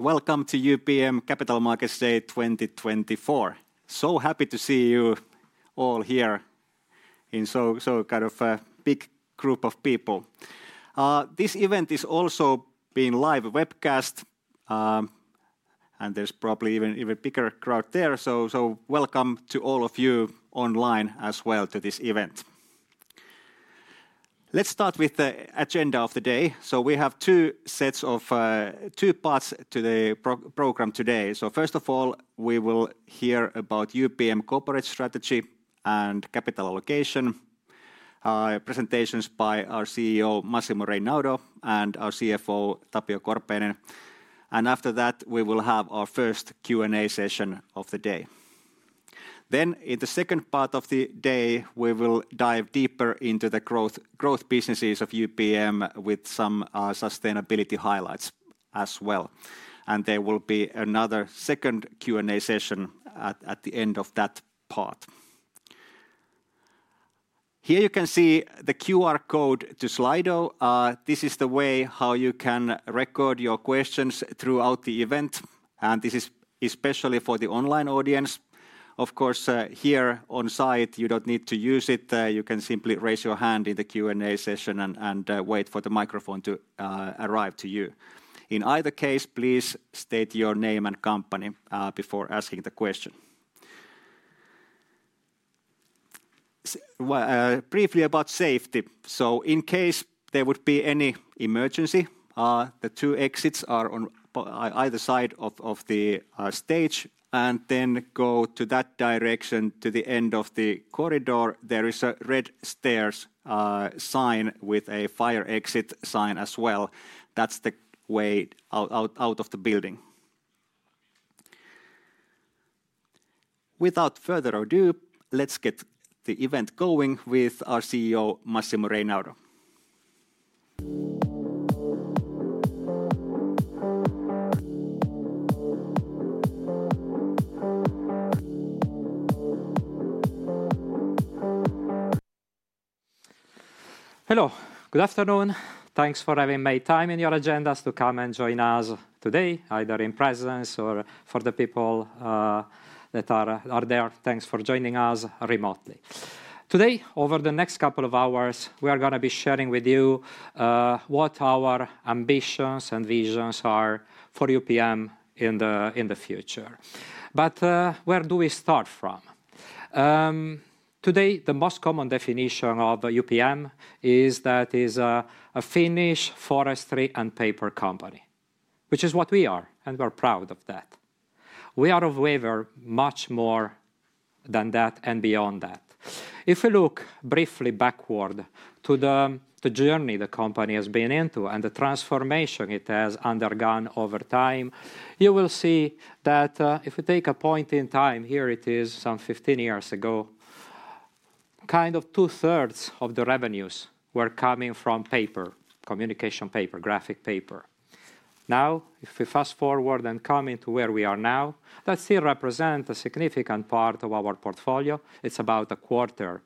Welcome to UPM Capital Markets Day 2024. So happy to see you all here in such a big group of people. This event is also being live webcast, and there's probably even bigger crowd there. So welcome to all of you online as well to this event. Let's start with the agenda of the day. So we have two sets of two parts to the program today. So first of all, we will hear about UPM corporate strategy and capital allocation. Presentations by our CEO, Massimo Reynaudo, and our CFO, Tapio Korpeinen. And after that, we will have our first Q&A session of the day. Then in the second part of the day, we will dive deeper into the growth businesses of UPM, with some sustainability highlights as well, and there will be another second Q&A session at the end of that part. Here you can see the QR code to Slido. This is the way how you can record your questions throughout the event, and this is especially for the online audience. Of course, here on site, you don't need to use it. You can simply raise your hand in the Q&A session and wait for the microphone to arrive to you. In either case, please state your name and company before asking the question. Well, briefly about safety. So in case there would be any emergency, the two exits are on both sides of the stage, and then go to that direction to the end of the corridor. There is a red stairs sign with a fire exit sign as well. That's the way out of the building. Without further ado, let's get the event going with our CEO, Massimo Reynaudo. Hello, good afternoon. Thanks for having made time in your agendas to come and join us today, either in presence or for the people that are there, thanks for joining us remotely. Today, over the next couple of hours, we are gonna be sharing with you what our ambitions and visions are for UPM in the future, but where do we start from? Today, the most common definition of UPM is that is a Finnish forestry and paper company, which is what we are, and we're proud of that. We are, however, much more than that and beyond that. If you look briefly backward to the journey the company has been into and the transformation it has undergone over time, you will see that if you take a point in time, here it is, some 15 years ago, kind of 2/3 of the revenues were coming from paper, communication paper, graphic paper. Now, if we fast-forward and come into where we are now, that still represent a significant part of our portfolio. It's about a quarter.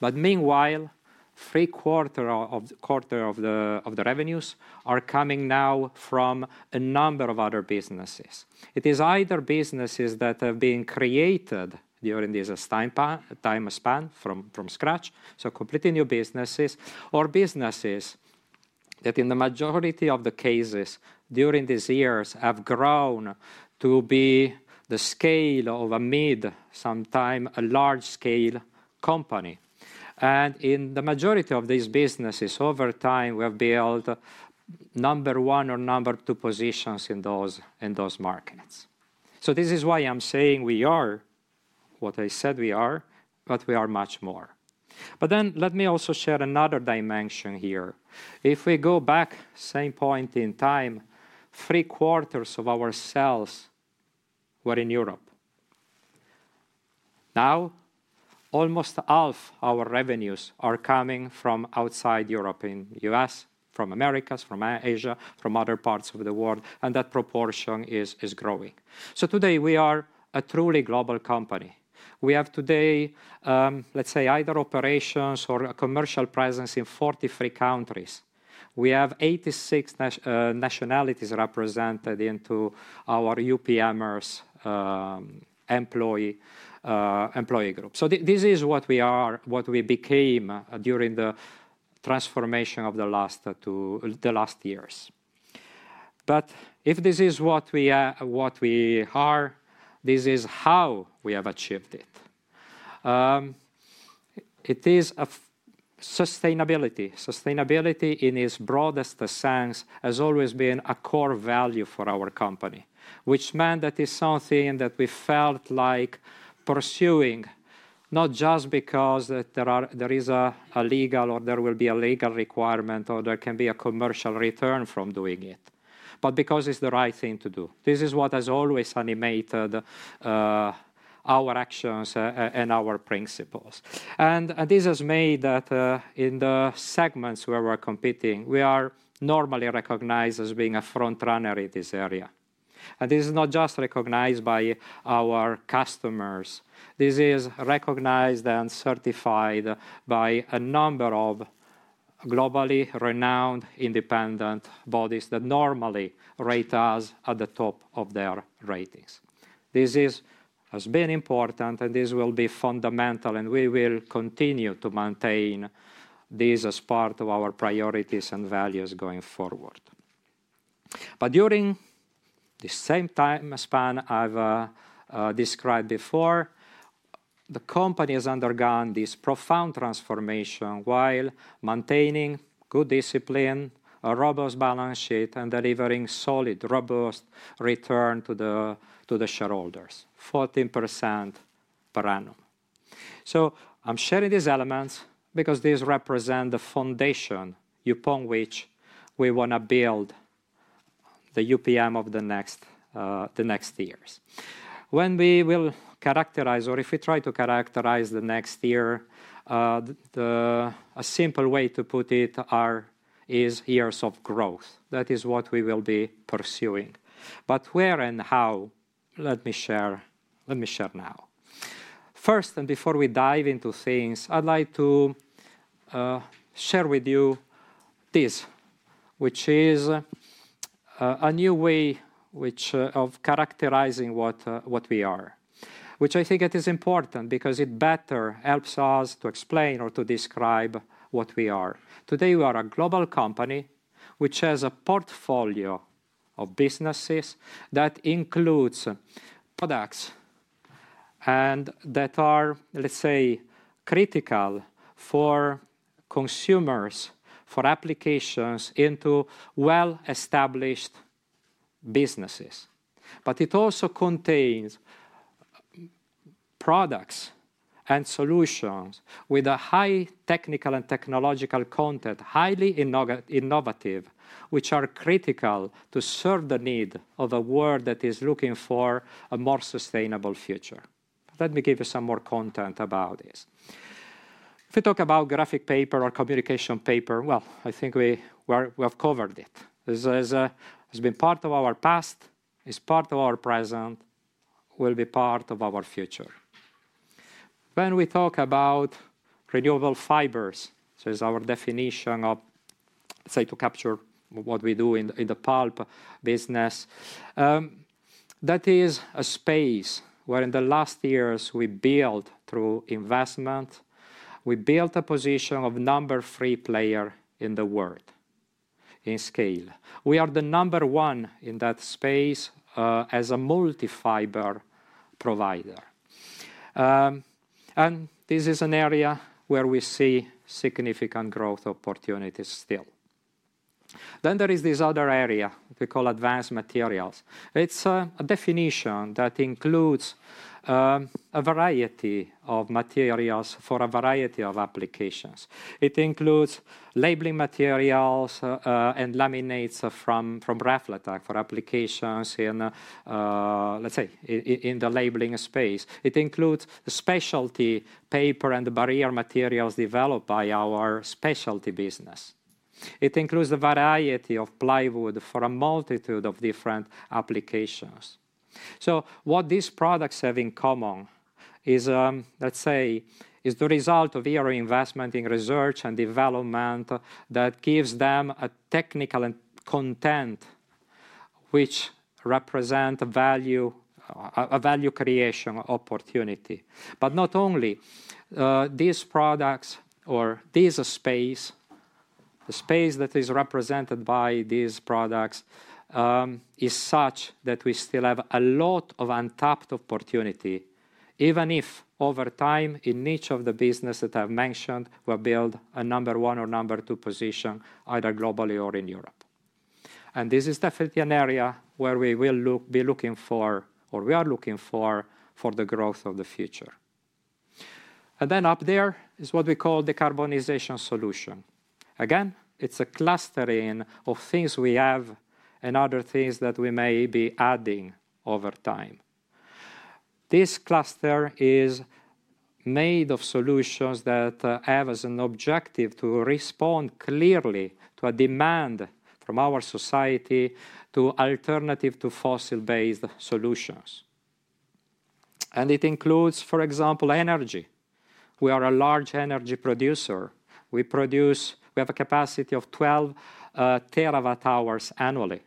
But meanwhile, 3/4 of the revenues are coming now from a number of other businesses. It is either businesses that have been created during this time span from scratch, so completely new businesses, or businesses that, in the majority of the cases, during these years have grown to be the scale of a mid-sized, sometimes a large-scale company. In the majority of these businesses, over time, we have built number one or number two positions in those markets. So this is why I'm saying we are what I said we are, but we are much more. But then let me also share another dimension here. If we go back, same point in time, three-quarters of our sales were in Europe. Now, almost half our revenues are coming from outside Europe, in U.S., from Americas, from Asia, from other parts of the world, and that proportion is growing. So today, we are a truly global company. We have today, let's say, either operations or a commercial presence in forty-three countries. We have eighty to six nationalities represented into our UPMers employee group. So this is what we are, what we became during the transformation of the last two, the last years. But if this is what we are, this is how we have achieved it. It is a sustainability. Sustainability, in its broadest sense, has always been a core value for our company, which meant that it's something that we felt like pursuing, not just because there is a legal or there will be a legal requirement, or there can be a commercial return from doing it, but because it's the right thing to do. This is what has always animated our actions and our principles. And this has made that in the segments where we're competing, we are normally recognized as being a front runner in this area. And this is not just recognized by our customers. This is recognized and certified by a number of globally renowned independent bodies that normally rate us at the top of their ratings. This is, has been important, and this will be fundamental, and we will continue to maintain this as part of our priorities and values going forward. But during the same time span I've described before, the company has undergone this profound transformation while maintaining good discipline, a robust balance sheet, and delivering solid, robust return to the, to the shareholders, 14% per annum. So I'm sharing these elements because these represent the foundation upon which we wanna build the UPM of the next, the next years. When we will characterize, or if we try to characterize the next year, a simple way to put it are, is years of growth. That is what we will be pursuing. But where and how? Let me share. Let me share now. First, and before we dive into things, I'd like to share with you this, which is a new way of characterizing what we are. Which I think it is important because it better helps us to explain or to describe what we are. Today, we are a global company which has a portfolio of businesses that includes products and that are, let's say, critical for consumers, for applications into well-established businesses. But it also contains products and solutions with a high technical and technological content, highly innovative, which are critical to serve the need of a world that is looking for a more sustainable future. Let me give you some more content about this. If we talk about graphic paper or communication paper, well, I think we have covered it. This is has been part of our past, it's part of our present, will be part of our future. When we talk about renewable fibers, so it's our definition of, say, to capture what we do in the pulp business. That is a space where in the last years we built through investment, we built a position of number three player in the world in scale. We are the number one in that space as a multi-fiber provider. And this is an area where we see significant growth opportunities still. Then there is this other area we call advanced materials. It's a definition that includes a variety of materials for a variety of applications. It includes labeling materials and laminates from Raflatac for applications in, let's say, in the labeling space. It includes the specialty paper and the barrier materials developed by our specialty business. It includes a variety of plywood for a multitude of different applications, so what these products have in common is, let's say, the result of our investment in research and development that gives them a technical and content which represent a value creation opportunity, but not only these products or this space, the space that is represented by these products, is such that we still have a lot of untapped opportunity, even if over time, in each of the business that I've mentioned, we build a number one or number two position, either globally or in Europe, and this is definitely an area where we will be looking for, or we are looking for, the growth of the future. And then up there is what we call the decarbonization solution. Again, it's a clustering of things we have and other things that we may be adding over time. This cluster is made of solutions that have as an objective to respond clearly to a demand from our society for alternatives to fossil-based solutions. And it includes, for example, energy. We are a large energy producer. We have a capacity of 12 TWh annually.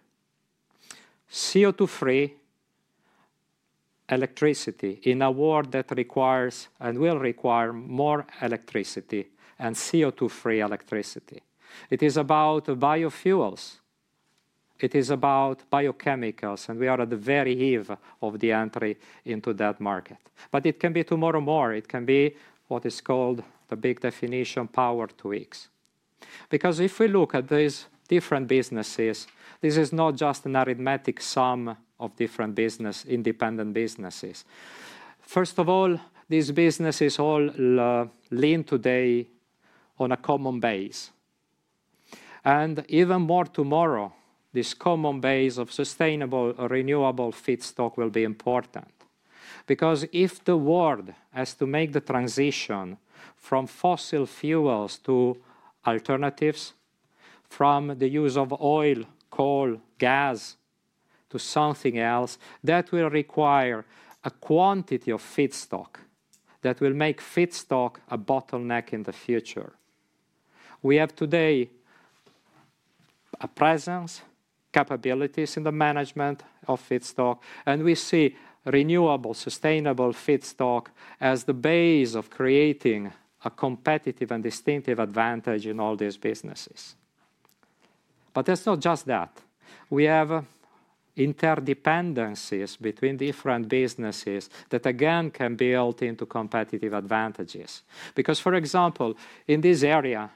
CO2-free electricity in a world that requires and will require more electricity and CO2-free electricity. It is about biofuels. It is about biochemicals, and we are at the very eve of the entry into that market. But it can be tomorrow more. It can be what is called the big definition Power-to-X. Because if we look at these different businesses, this is not just an arithmetic sum of different business, independent businesses. First of all, these businesses all lean today on a common base, and even more tomorrow, this common base of sustainable or renewable feedstock will be important. Because if the world has to make the transition from fossil fuels to alternatives from the use of oil, coal, gas, to something else, that will require a quantity of feedstock that will make feedstock a bottleneck in the future. We have today a presence, capabilities in the management of feedstock, and we see renewable, sustainable feedstock as the base of creating a competitive and distinctive advantage in all these businesses. But it's not just that. We have interdependencies between different businesses that again, can be built into competitive advantages. Because, for example, in this area,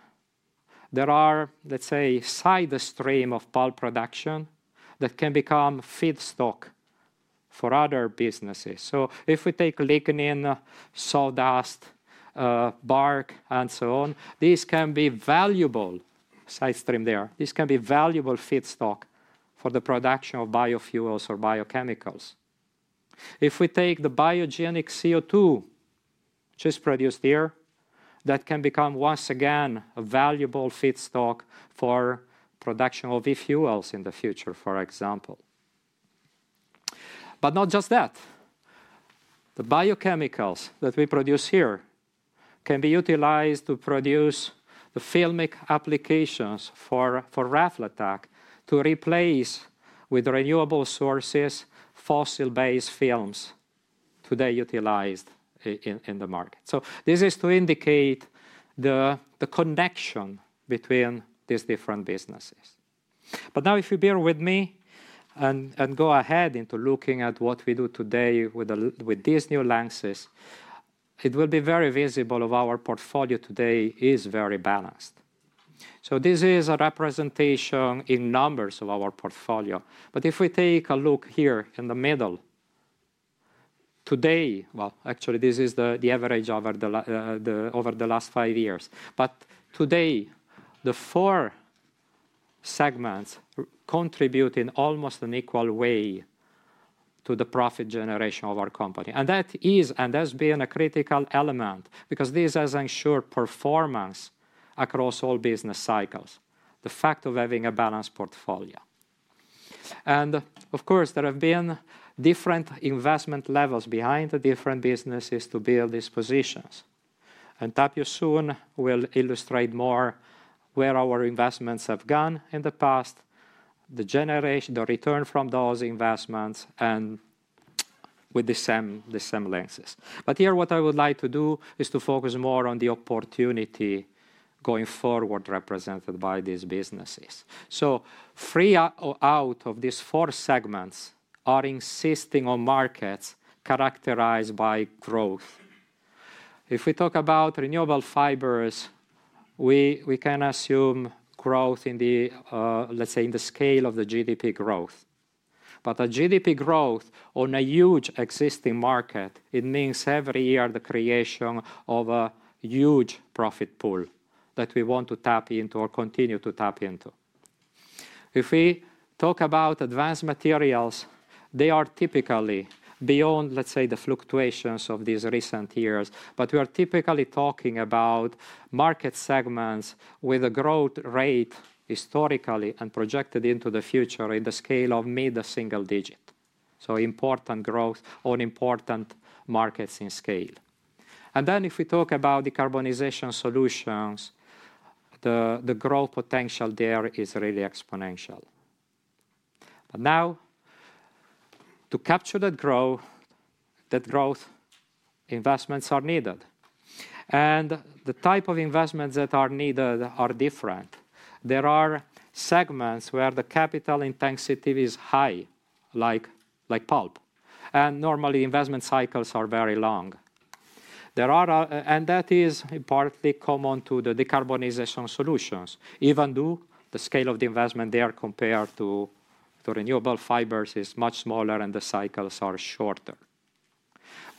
there are, let's say, side stream of pulp production that can become feedstock for other businesses. So if we take lignin, sawdust, bark, and so on, these can be valuable side stream there. These can be valuable feedstock for the production of biofuels or biochemicals. If we take the biogenic CO2, which is produced here, that can become, once again, a valuable feedstock for production of e-fuels in the future, for example. But not just that. The biochemicals that we produce here can be utilized to produce the filmic applications for Raflatac to replace with renewable sources, fossil-based films today utilized in the market. So this is to indicate the connection between these different businesses. But now, if you bear with me and go ahead into looking at what we do today with these new lenses, it will be very visible of our portfolio today is very balanced. So this is a representation in numbers of our portfolio. But if we take a look here in the middle, today. Well, actually, this is the average over the last five years. But today, the four segments contribute in almost an equal way to the profit generation of our company. And that is, that's been a critical element because this has ensured performance across all business cycles, the fact of having a balanced portfolio. And of course, there have been different investment levels behind the different businesses to build these positions. And Tapio soon will illustrate more where our investments have gone in the past, the generation, the return from those investments, and with the same, the same lenses. But here, what I would like to do is to focus more on the opportunity going forward, represented by these businesses. So three out of these four segments are existing in markets characterized by growth. If we talk about renewable fibers, we can assume growth in the, let's say, in the scale of the GDP growth. But a GDP growth on a huge existing market, it means every year, the creation of a huge profit pool that we want to tap into or continue to tap into. If we talk about advanced materials, they are typically beyond, let's say, the fluctuations of these recent years. But we are typically talking about market segments with a growth rate, historically and projected into the future, in the scale of mid-single digit. So important growth on important markets in scale. And then, if we talk about decarbonization solutions, the growth potential there is really exponential. But now, to capture that growth, investments are needed, and the type of investments that are needed are different. There are segments where the capital intensity is high, like pulp, and normally, investment cycles are very long. And that is partly common to the decarbonization solutions, even though the scale of the investment there compared to renewable fibers is much smaller and the cycles are shorter.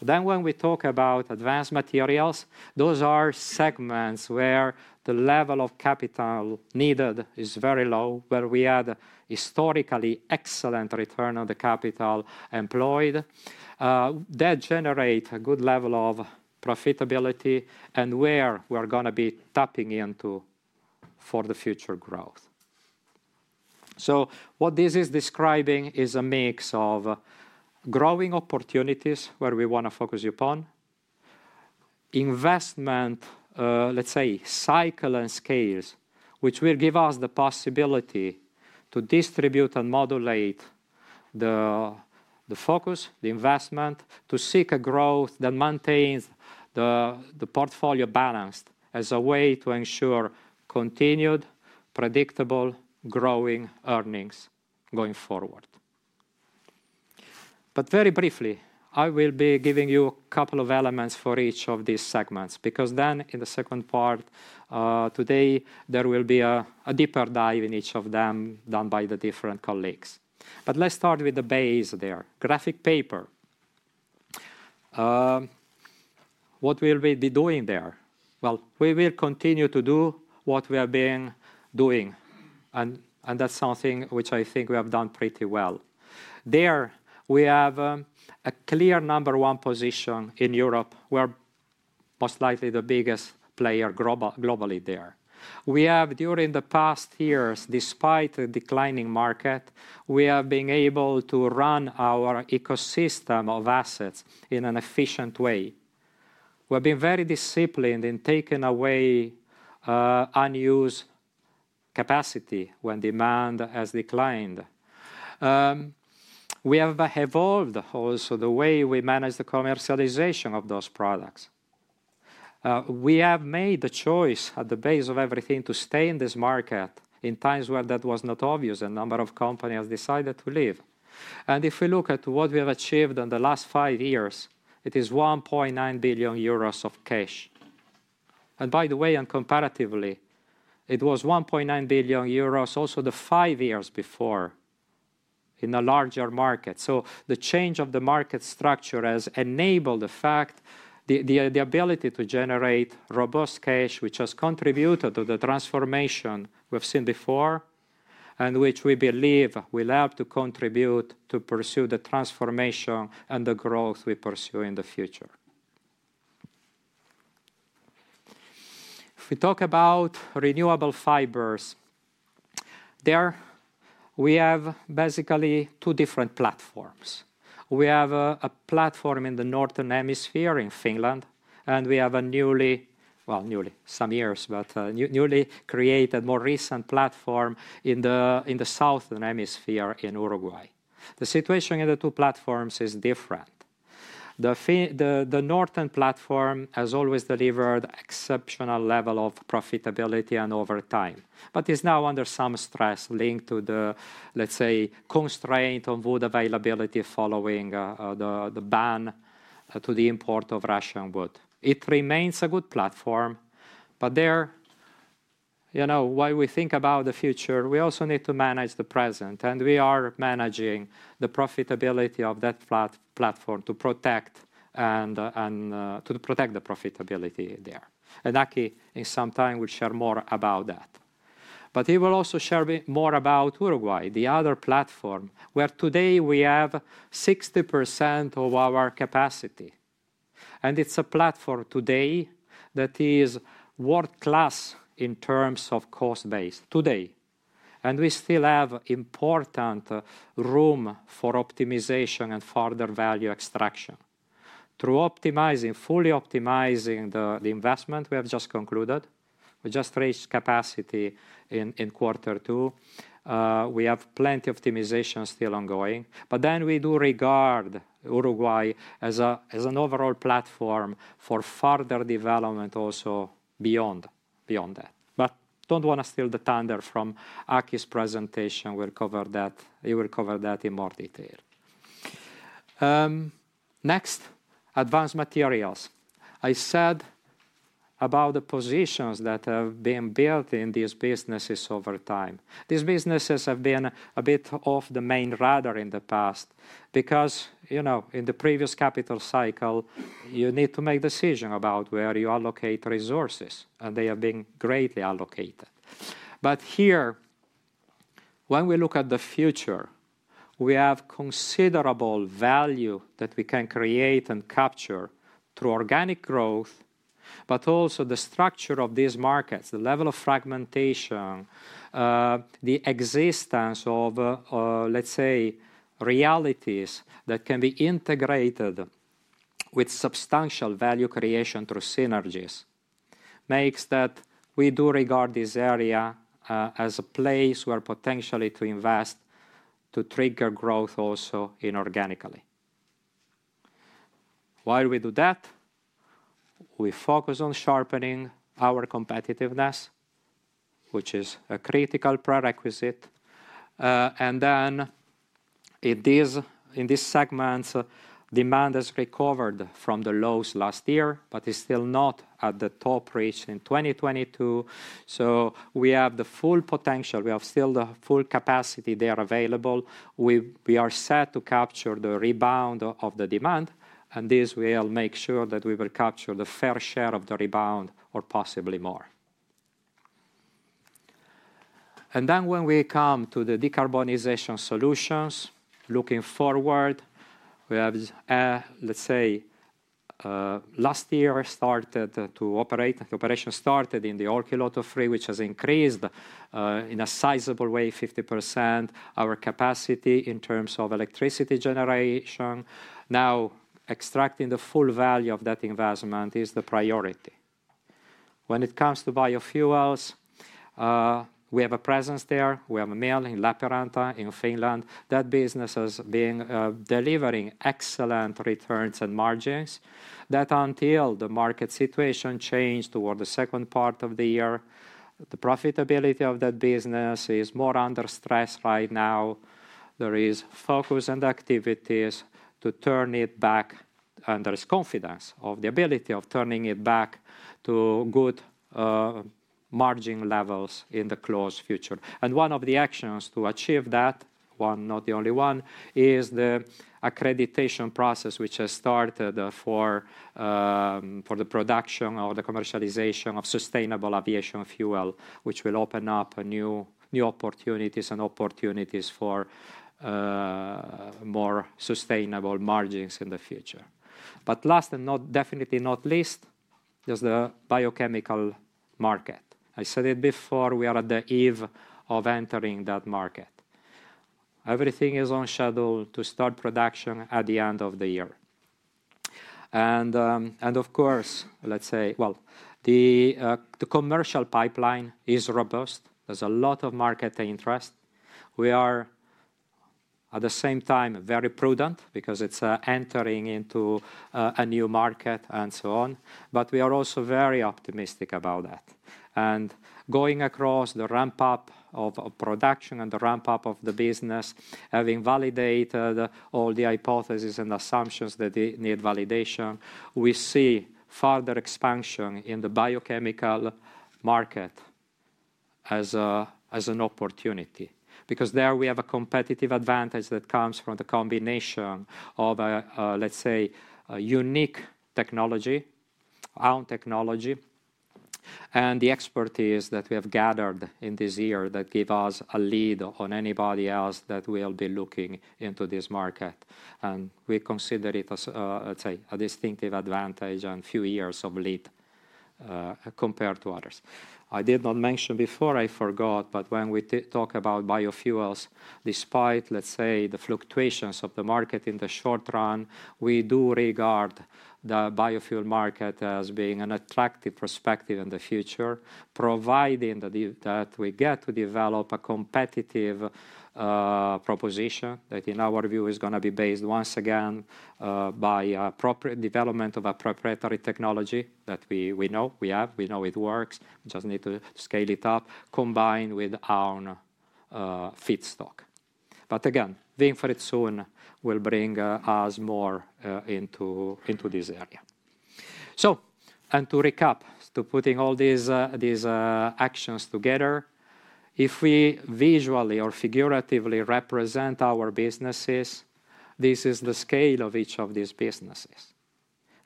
Then, when we talk about advanced materials, those are segments where the level of capital needed is very low, where we had historically excellent Return on Capital Employed, that generate a good level of profitability and where we're gonna be tapping into for the future growth. So what this is describing is a mix of growing opportunities, where we want to focus upon, investment, let's say, cycle and scales, which will give us the possibility to distribute and modulate the focus, the investment, to seek a growth that maintains the portfolio balanced, as a way to ensure continued, predictable, growing earnings going forward. But very briefly, I will be giving you a couple of elements for each of these segments, because then in the second part today, there will be a deeper dive in each of them, done by the different colleagues. But let's start with the base there, graphic paper. What will we be doing there? Well, we will continue to do what we have been doing, and that's something which I think we have done pretty well. There, we have a clear number one position in Europe, where most likely the biggest player globally there. We have, during the past years, despite a declining market, we have been able to run our ecosystem of assets in an efficient way. We've been very disciplined in taking away unused capacity when demand has declined. We have evolved also the way we manage the commercialization of those products. We have made the choice at the base of everything to stay in this market in times where that was not obvious. A number of companies have decided to leave. If we look at what we have achieved in the last five years, it is 1.9 billion euros of cash. By the way, and comparatively, it was 1.9 billion euros also the five years before in a larger market. The change of the market structure has enabled the fact, the ability to generate robust cash, which has contributed to the transformation we've seen before, and which we believe will help to contribute to pursue the transformation and the growth we pursue in the future. If we talk about renewable fibers, there we have basically two different platforms. We have a platform in the Northern Hemisphere in Finland, and we have a newly, well, some years, but a newly created, more recent platform in the Southern Hemisphere in Uruguay. The situation in the two platforms is different. The northern platform has always delivered exceptional level of profitability and over time, but is now under some stress linked to the, let's say, constraint on wood availability following the ban to the import of Russian wood. It remains a good platform, but there, you know, while we think about the future, we also need to manage the present, and we are managing the profitability of that platform to protect and to protect the profitability there. And Aki, in some time, will share more about that. But he will also share a bit more about Uruguay, the other platform, where today we have 60% of our capacity. And it's a platform today that is world-class in terms of cost base today, and we still have important room for optimization and further value extraction. Through optimizing, fully optimizing the investment we have just concluded, we just raised capacity in quarter two. We have plenty optimization still ongoing, but then we do regard Uruguay as an overall platform for further development also beyond that, but don't wanna steal the thunder from Aki's presentation. We'll cover that. He will cover that in more detail. Next, advanced materials. I said about the positions that have been built in these businesses over time. These businesses have been a bit off the main radar in the past because, you know, in the previous capital cycle, you need to make decision about where you allocate resources, and they have been greatly allocated. But here, when we look at the future, we have considerable value that we can create and capture through organic growth, but also the structure of these markets, the level of fragmentation, the existence of, let's say, realities that can be integrated with substantial value creation through synergies, makes that we do regard this area, as a place where potentially to invest to trigger growth also inorganically. While we do that, we focus on sharpening our competitiveness, which is a critical prerequisite, and then in these segments, demand has recovered from the lows last year, but is still not at the top reached in 2022. So we have the full potential. We have still the full capacity there available. We are set to capture the rebound of the demand, and this will make sure that we will capture the fair share of the rebound or possibly more. Then when we come to the decarbonization solutions, looking forward, we have, let's say, last year operation started in the Olkiluoto 3, which has increased in a sizable way, 50%, our capacity in terms of electricity generation. Now, extracting the full value of that investment is the priority. When it comes to biofuels, we have a presence there. We have a mill in Lappeenranta, in Finland. That business has been delivering excellent returns and margins until the market situation changed toward the second part of the year. The profitability of that business is more under stress right now. There is focus and activities to turn it back, and there is confidence of the ability of turning it back to good margin levels in the close future. And one of the actions to achieve that, one, not the only one, is the accreditation process, which has started for the production or the commercialization of sustainable aviation fuel, which will open up a new opportunities for more sustainable margins in the future. But last, and not definitely not least. There's the biochemical market. I said it before, we are at the eve of entering that market. Everything is on schedule to start production at the end of the year. And of course, let's say, well, the commercial pipeline is robust. There's a lot of market interest. We are, at the same time, very prudent because it's entering into a new market, and so on, but we are also very optimistic about that. Going across the ramp-up of production and the ramp-up of the business, having validated all the hypotheses and assumptions that they need validation, we see further expansion in the biochemical market as an opportunity. Because there we have a competitive advantage that comes from the combination of, let's say, a unique technology, our own technology, and the expertise that we have gathered in this year that give us a lead on anybody else that will be looking into this market, and we consider it as, let's say, a distinctive advantage and few years of lead compared to others. I did not mention before. I forgot, but when we talk about biofuels, despite, let's say, the fluctuations of the market in the short run, we do regard the biofuel market as being an attractive perspective in the future, providing that we get to develop a competitive proposition that, in our view, is gonna be based, once again, by appropriate development of a proprietary technology that we know we have, we know it works. We just need to scale it up, combined with our own feedstock. But again, the infrastructure soon will bring us more into this area. And to recap, putting all these actions together, if we visually or figuratively represent our businesses, this is the scale of each of these businesses.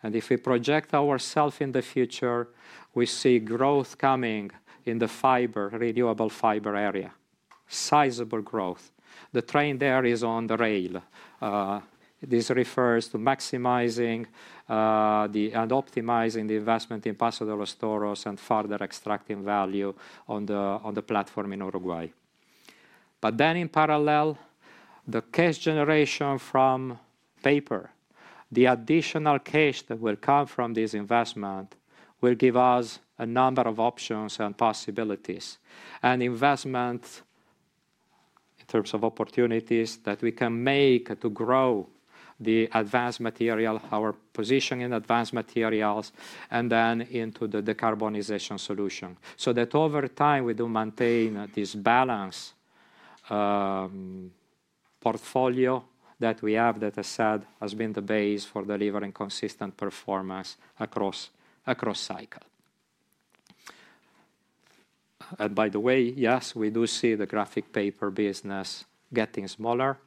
If we project ourselves in the future, we see growth coming in the fiber, renewable fiber area. Sizable growth. The train there is on the rail. This refers to maximizing and optimizing the investment in Paso de los Toros and further extracting value on the platform in Uruguay. Then in parallel, the cash generation from paper, the additional cash that will come from this investment, will give us a number of options and possibilities, and investment in terms of opportunities that we can make to grow the advanced material, our position in advanced materials, and then into the decarbonization solution. That over time we do maintain this balanced portfolio that we have, that I said, has been the base for delivering consistent performance across cycle. By the way, yes, we do see the graphic paper business getting smaller,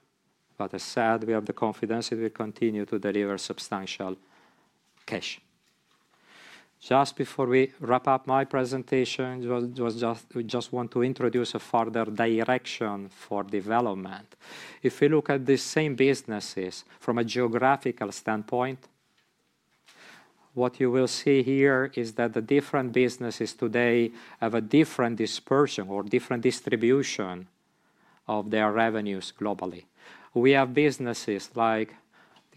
but as said, we have the confidence it will continue to deliver substantial cash. Just before we wrap up my presentation, we just want to introduce a further direction for development. If you look at the same businesses from a geographical standpoint, what you will see here is that the different businesses today have a different dispersion or different distribution of their revenues globally. We have businesses like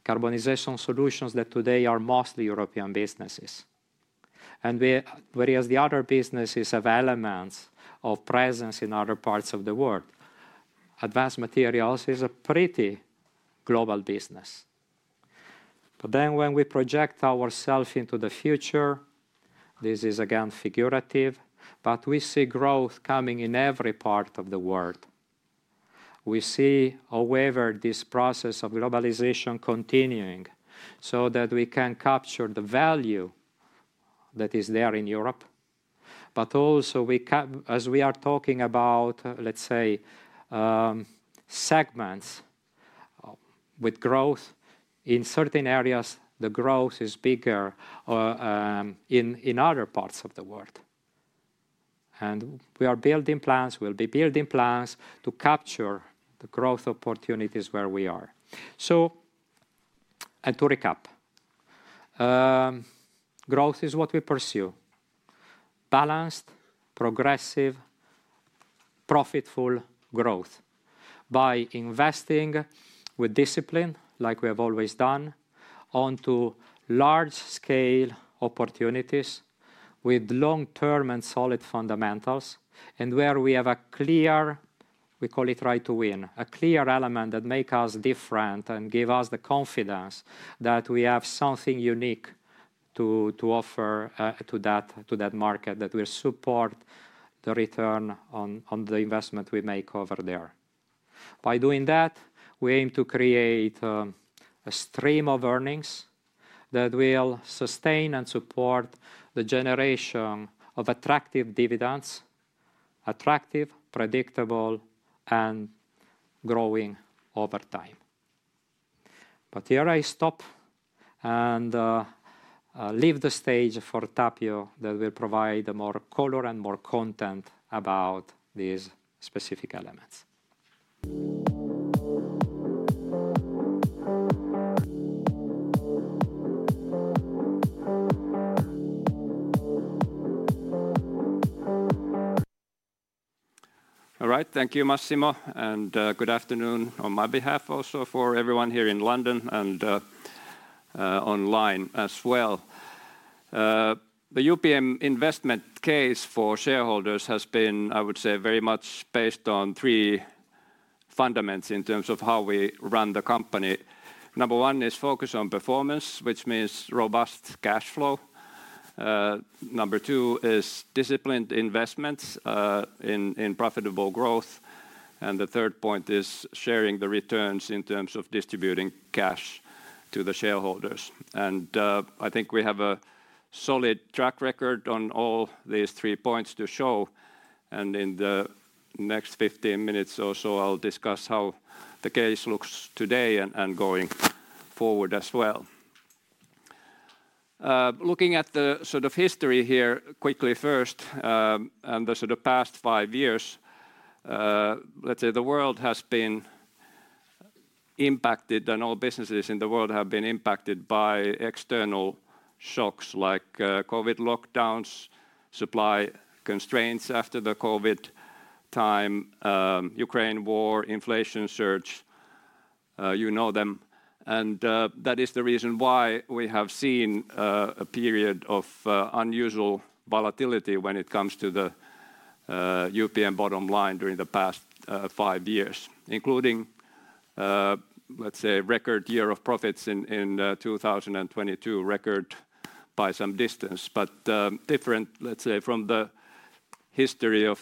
Communication Papers that today are mostly European businesses, whereas the other businesses have elements of presence in other parts of the world. Advanced Materials is a pretty global business. But then when we project ourselves into the future, this is again figurative, but we see growth coming in every part of the world. We see, however, this process of globalization continuing, so that we can capture the value that is there in Europe, but also as we are talking about, let's say, segments with growth, in certain areas, the growth is bigger in other parts of the world. We are building plants, we'll be building plants to capture the growth opportunities where we are. To recap, growth is what we pursue. Balanced, progressive, profitable growth by investing with discipline, like we have always done, onto large-scale opportunities with long-term and solid fundamentals, and where we have a clear, we call it Right to Win, a clear element that make us different and give us the confidence that we have something unique to offer to that market, that will support the return on the investment we make over there. By doing that, we aim to create a stream of earnings that will sustain and support the generation of attractive dividends, attractive, predictable, and growing over time. But here I stop and leave the stage for Tapio, that will provide more color and more content about these specific elements. All right, thank you, Massimo, and good afternoon on my behalf also for everyone here in London and online as well. The UPM investment case for shareholders has been, I would say, very much based on three fundamentals in terms of how we run the company. Number one is focus on performance, which means robust cash flow. Number two is disciplined investments in profitable growth. The third point is sharing the returns in terms of distributing cash to the shareholders. I think we have a solid track record on all these three points to show, and in the next fifteen minutes or so, I'll discuss how the case looks today and going forward as well. Looking at the sort of history here quickly first, and the sort of past five years, let's say the world has been impacted, and all businesses in the world have been impacted by external shocks like, COVID lockdowns, supply constraints after the COVID time, Ukraine war, inflation surge, you know them, and, that is the reason why we have seen, a period of, unusual volatility when it comes to the, UPM bottom line during the past, five years, including, let's say, a record year of profits in, in, 2022. Record by some distance, but, different, let's say, from the history of,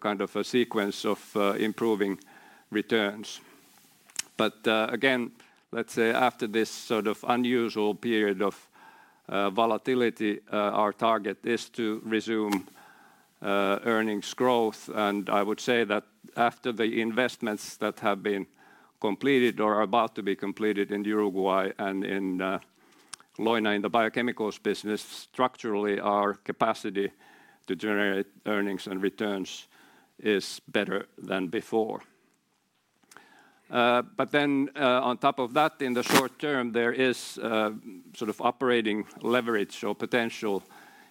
kind of a sequence of, improving returns. But, again, let's say, after this sort of unusual period of volatility, our target is to resume earnings growth. And I would say that after the investments that have been completed or are about to be completed in Uruguay and in Leuna, in the biochemicals business, structurally, our capacity to generate earnings and returns is better than before. But then, on top of that, in the short term, there is sort of operating leverage or potential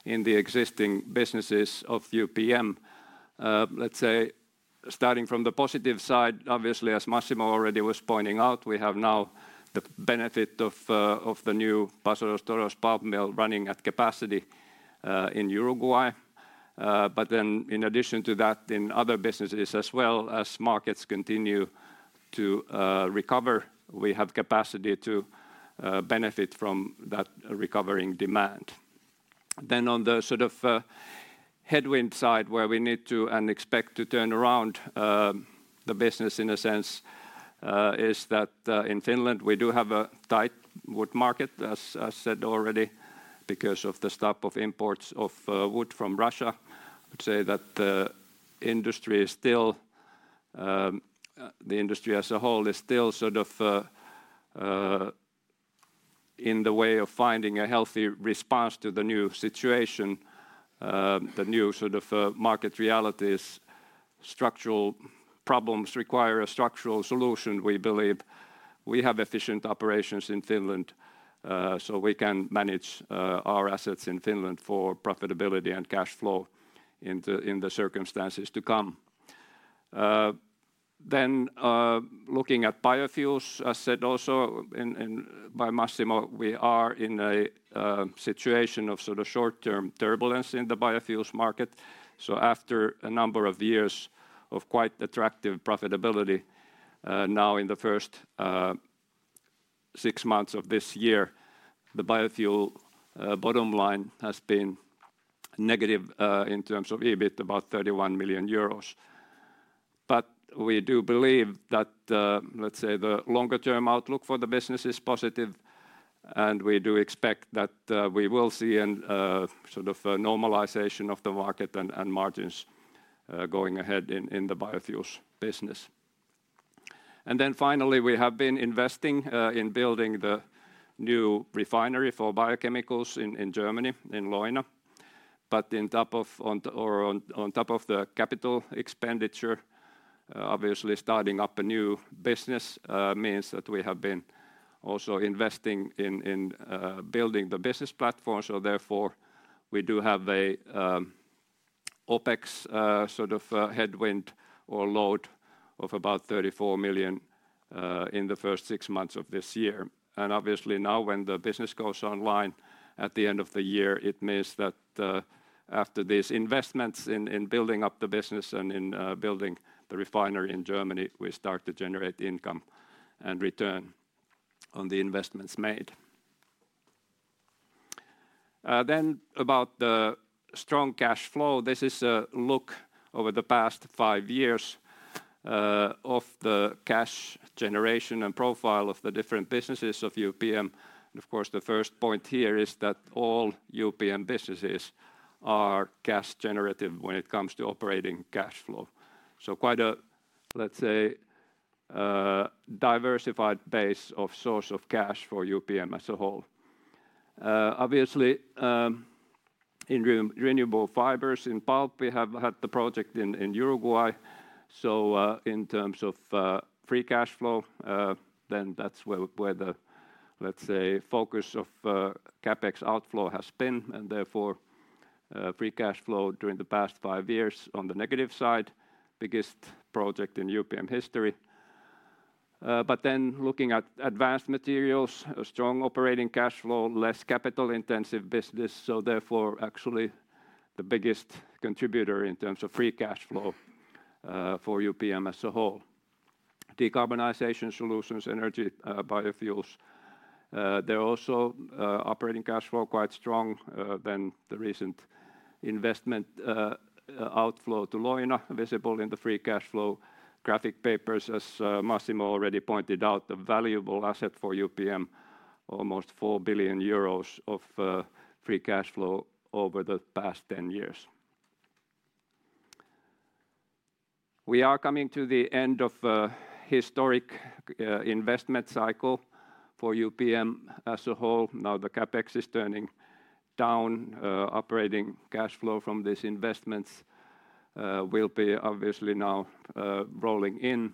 in the existing businesses of UPM. Let's say, starting from the positive side, obviously, as Massimo already was pointing out, we have now the benefit of the new Paso de los Toros pulp mill running at capacity in Uruguay. But then in addition to that, in other businesses as well as markets continue to recover, we have capacity to benefit from that recovering demand. Then on the sort of headwind side, where we need to and expect to turn around the business, in a sense, is that in Finland, we do have a tight wood market, as said already, because of the stop of imports of wood from Russia. I'd say that the industry is still. The industry as a whole is still sort of in the way of finding a healthy response to the new situation, the new sort of market realities. Structural problems require a structural solution, we believe. We have efficient operations in Finland, so we can manage our assets in Finland for profitability and cash flow in the circumstances to come. Then, looking at biofuels, as said also by Massimo, we are in a situation of sort of short-term turbulence in the biofuels market. So after a number of years of quite attractive profitability, now, in the first six months of this year, the biofuel bottom line has been negative in terms of EBIT, about 31 million euros. But we do believe that, let's say, the longer-term outlook for the business is positive, and we do expect that we will see a sort of a normalization of the market and margins going ahead in the biofuels business. Then finally, we have been investing in building the new refinery for biochemicals in Germany, in Leuna. But on top of or on top of the capital expenditure, obviously, starting up a new business means that we have been also investing in building the business platform. So therefore, we do have a OpEx sort of headwind or load of about 34 million in the first six months of this year. And obviously, now, when the business goes online at the end of the year, it means that after these investments in building up the business and in building the refinery in Germany, we start to generate income and return on the investments made. About the strong cash flow, this is a look over the past five years of the cash generation and profile of the different businesses of UPM. Of course, the first point here is that all UPM businesses are cash generative when it comes to operating cash flow. Quite a, let's say, diversified base of source of cash for UPM as a whole. Obviously, in renewable fibers, in pulp, we have had the project in Uruguay. In terms of free cash flow, then that's where the focus of CapEx outflow has been, and therefore, free cash flow during the past five years on the negative side, biggest project in UPM history. But then looking at advanced materials, a strong operating cash flow, less capital intensive business, so therefore, actually the biggest contributor in terms of free cash flow for UPM as a whole. Decarbonization solutions, energy, biofuels, they're also operating cash flow quite strong than the recent investment outflow to Leuna visible in the free cash flow. Graphic papers, as Massimo already pointed out, a valuable asset for UPM, almost 4 billion euros of free cash flow over the past 10 years. We are coming to the end of a historic investment cycle for UPM as a whole. Now, the CapEx is turning down. Operating cash flow from these investments will be obviously now rolling in.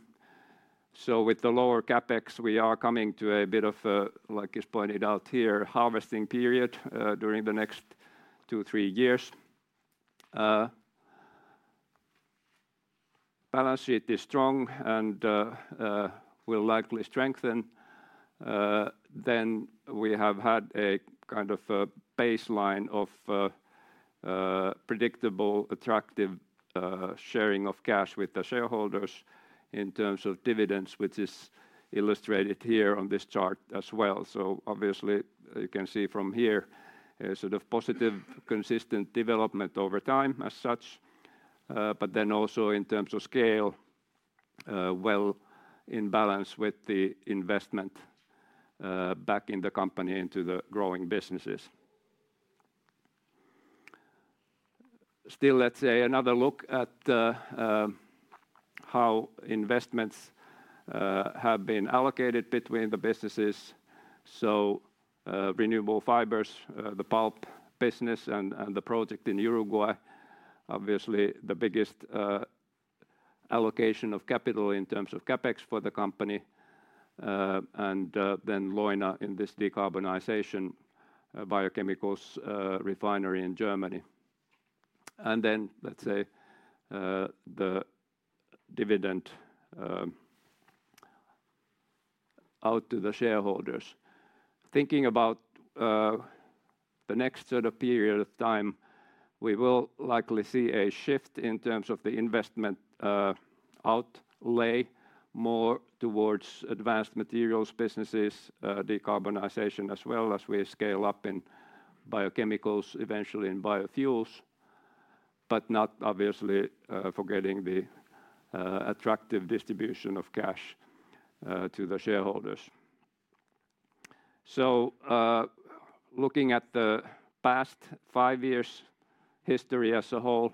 So with the lower CapEx, we are coming to a bit of a, like is pointed out here, harvesting period during the next two, three years. Balance sheet is strong and will likely strengthen. Then we have had a kind of a baseline of predictable, attractive sharing of cash with the shareholders in terms of dividends, which is illustrated here on this chart as well. So obviously, you can see from here, a sort of positive, consistent development over time as such, but then also in terms of scale, well in balance with the investment back in the company into the growing businesses. Still, let's say another look at how investments have been allocated between the businesses. Renewable fibers, the pulp business and the project in Uruguay, obviously the biggest allocation of capital in terms of CapEx for the company, and then Leuna in this decarbonization, biochemicals refinery in Germany. Then, let's say, the dividend out to the shareholders. Thinking about the next sort of period of time, we will likely see a shift in terms of the investment outlay more towards advanced materials businesses, decarbonization, as well as we scale up in biochemicals, eventually in biofuels, but not obviously forgetting the attractive distribution of cash to the shareholders. Looking at the past five years' history as a whole,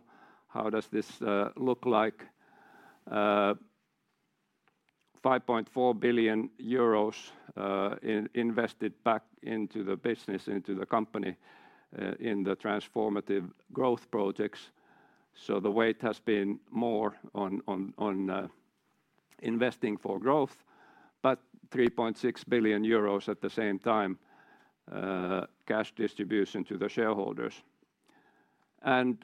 how does this look like? 5.4 billion euros invested back into the business, into the company, in the transformative growth projects. So the weight has been more on investing for growth, but 3.6 billion euros at the same time, cash distribution to the shareholders. And,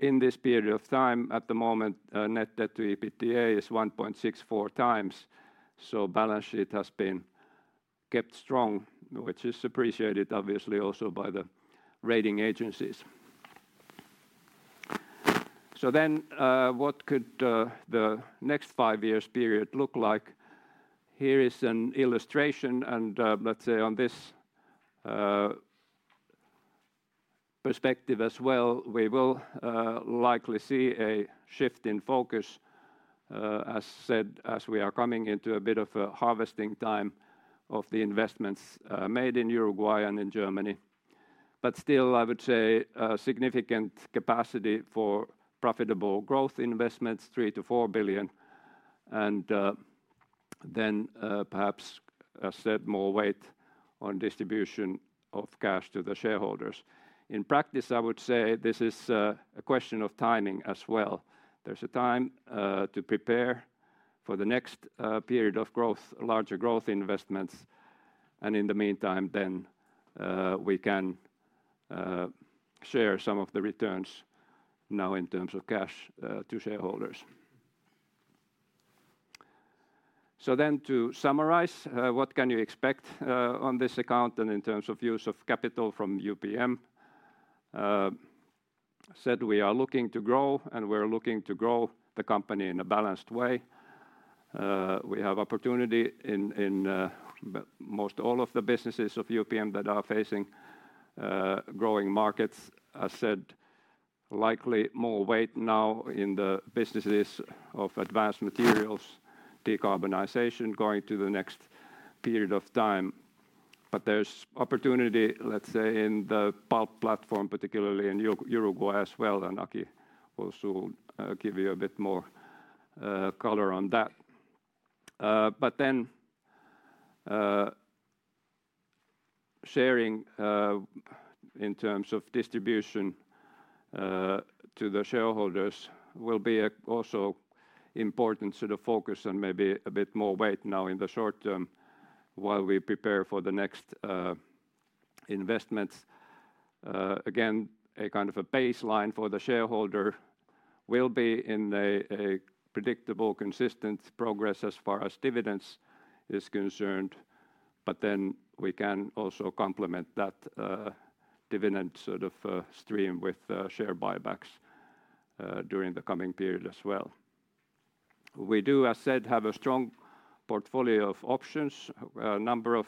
in this period of time, at the moment, net debt to EBITDA is 1.64x, so balance sheet has been kept strong, which is appreciated obviously also by the rating agencies. So then, what could the next five years period look like? Here is an illustration, and, let's say on this perspective as well, we will likely see a shift in focus, as said, as we are coming into a bit of a harvesting time of the investments, made in Uruguay and in Germany. But still, I would say a significant capacity for profitable growth investments, 3 billion- 4 billion, and then perhaps, as said, more weight on distribution of cash to the shareholders. In practice, I would say this is a question of timing as well. There is a time to prepare for the next period of growth, larger growth investments, and in the meantime, then we can share some of the returns now in terms of cash to shareholders. So then to summarize, what can you expect on this account and in terms of use of capital from UPM? Said we are looking to grow, and we are looking to grow the company in a balanced way. We have opportunity in most all of the businesses of UPM that are facing growing markets. As said, likely more weight now in the businesses of advanced materials, decarbonization going to the next period of time. But there's opportunity, let's say, in the pulp platform, particularly in Uruguay as well, and Aki will soon give you a bit more color on that. But then, sharing in terms of distribution to the shareholders will be also important to the focus and maybe a bit more weight now in the short term, while we prepare for the next investments. Again, a kind of a baseline for the shareholder will be in a predictable, consistent progress as far as dividends is concerned, but then we can also complement that dividend sort of stream with share buybacks during the coming period as well. We do, as said, have a strong portfolio of options, a number of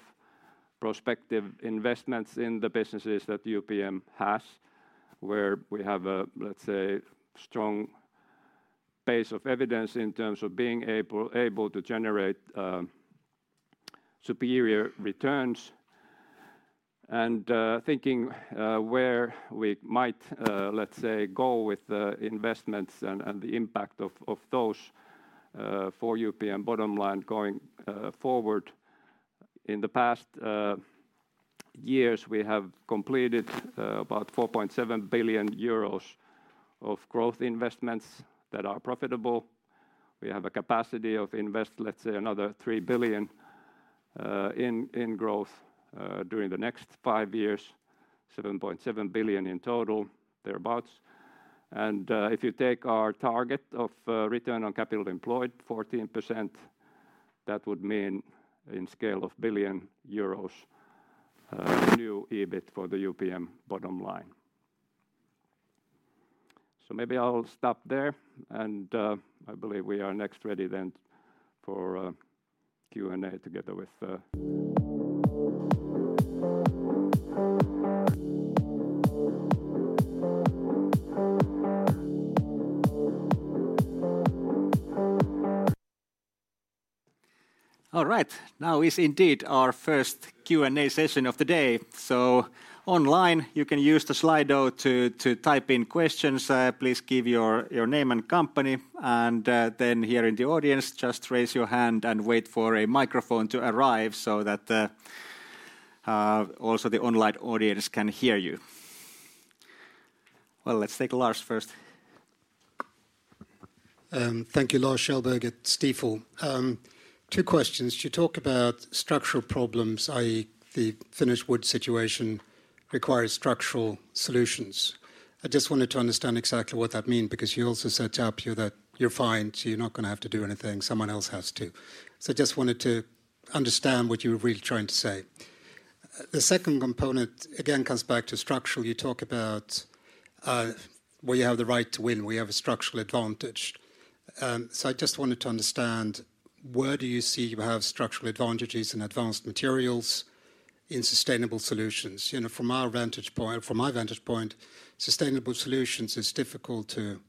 prospective investments in the businesses that UPM has, where we have a, let's say, strong base of evidence in terms of being able to generate superior returns. Thinking where we might, let's say, go with the investments and the impact of those for UPM bottom line going forward. In the past years, we have completed about 4.7 billion euros of growth investments that are profitable. We have a capacity to invest, let's say, another 3 billion in growth during the next five years, 7.7 billion in total, thereabouts. If you take our target of return on capital employed, 14%, that would mean in scale of billion euros new EBIT for the UPM bottom line. Maybe I'll stop there, and I believe we are next ready then for Q&A together with... All right. Now is indeed our first Q&A session of the day. Online, you can use the Slido to type in questions. Please give your name and company, and then here in the audience, just raise your hand and wait for a microphone to arrive so that also the online audience can hear you. Let's take Lars first. Thank you. Lars Kjellberg at Stifel. Two questions. You talk about structural problems, i.e., the Finnish wood situation requires structural solutions. I just wanted to understand exactly what that means, because you also set up here that you're fine, so you're not going to have to do anything, someone else has to. So I just wanted to understand what you were really trying to say. The second component, again, comes back to structural. You talk about where you have the right to win, where you have a structural advantage. So I just wanted to understand, where do you see you have structural advantages in advanced materials, in sustainable solutions? You know, from our vantage point, from my vantage point, sustainable solutions is difficult to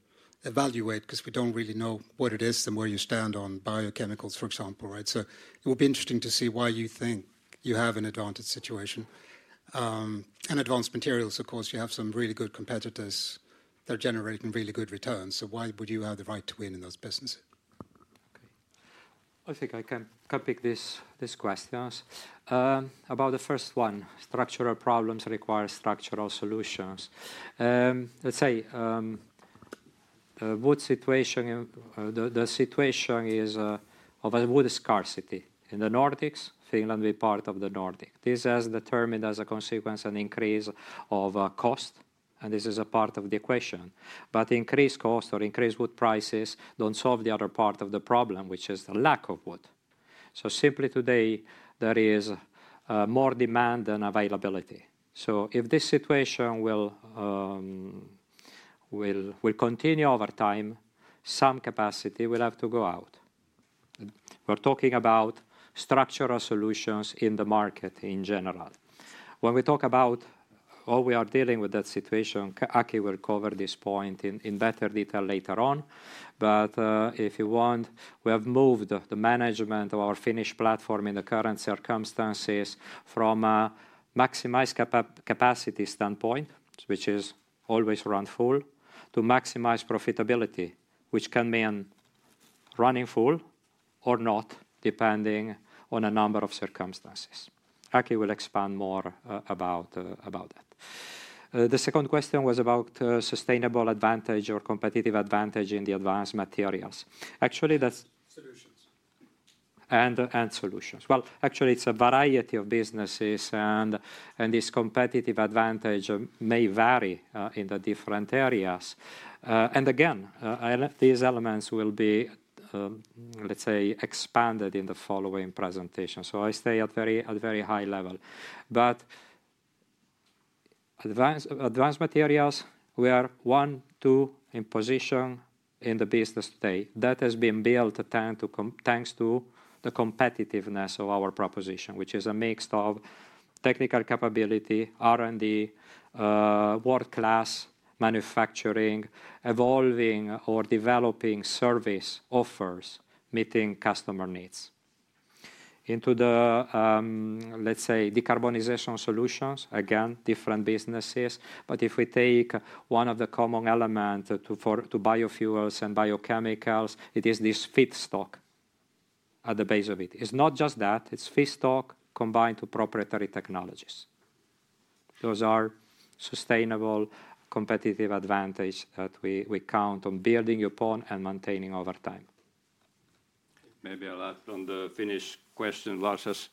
evaluate because we don't really know what it is and where you stand on biochemicals, for example, right? So it will be interesting to see why you think you have an advantage situation. And advanced materials, of course, you have some really good competitors that are generating really good returns, so why would you have the right to win in those businesses? Okay. I think I can copy this, these questions. About the first one, structural problems require structural solutions. Let's say, wood situation, the situation is of a wood scarcity in the Nordics, Finland be part of the Nordics. This has determined as a consequence, an increase of cost, and this is a part of the equation. But increased cost or increased wood prices don't solve the other part of the problem, which is the lack of wood. So simply today, there is more demand than availability. So if this situation will continue over time, some capacity will have to go out. We're talking about structural solutions in the market in general. When we talk about how we are dealing with that situation, Aki will cover this point in better detail later on. But if you want, we have moved the management of our Finnish platform in the current circumstances from a maximized capacity standpoint, which is always run full, to maximize profitability, which can mean running full or not, depending on a number of circumstances. Aki will expand more about that. The second question was about sustainable advantage or competitive advantage in the advanced materials. Actually, that's solutions. And solutions. Well, actually, it's a variety of businesses, and this competitive advantage may vary in the different areas. And again, these elements will be, let's say, expanded in the following presentation. So I stay at a very high level. But advanced materials, we are one, two in position in the business today. That has been built thanks to the competitiveness of our proposition, which is a mix of technical capability, R&D, world-class manufacturing, evolving or developing service offers, meeting customer needs into the, let's say, decarbonization solutions, again, different businesses. But if we take one of the common element for biofuels and biochemicals, it is this feedstock at the base of it. It's not just that, it's feedstock combined to proprietary technologies. Those are sustainable competitive advantage that we count on building upon and maintaining over time. Maybe I'll add on the Finnish question. Lars has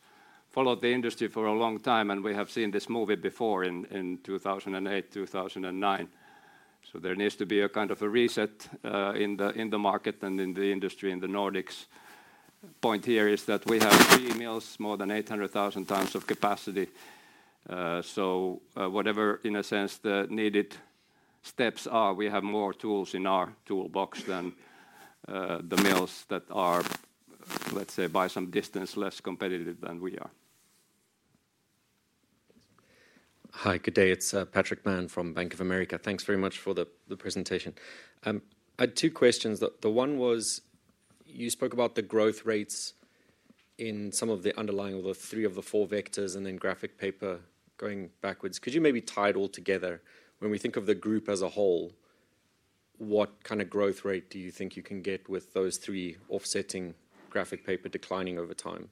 followed the industry for a long time, and we have seen this movie before in 2008, 2009. There needs to be a kind of a reset in the market and in the industry in the Nordics. Point here is that we have three mills, more than 800,000 tons of capacity. So, whatever, in a sense, the needed steps are, we have more tools in our toolbox than the mills that are, let's say, by some distance, less competitive than we are. Hi, good day. It's Patrick Mann from Bank of America. Thanks very much for the presentation. I had two questions. The one was, you spoke about the growth rates in some of the underlying of the three of the four vectors, and then graphic paper going backwards. Could you maybe tie it all together? When we think of the group as a whole, what kind of growth rate do you think you can get with those three offsetting graphic paper declining over time,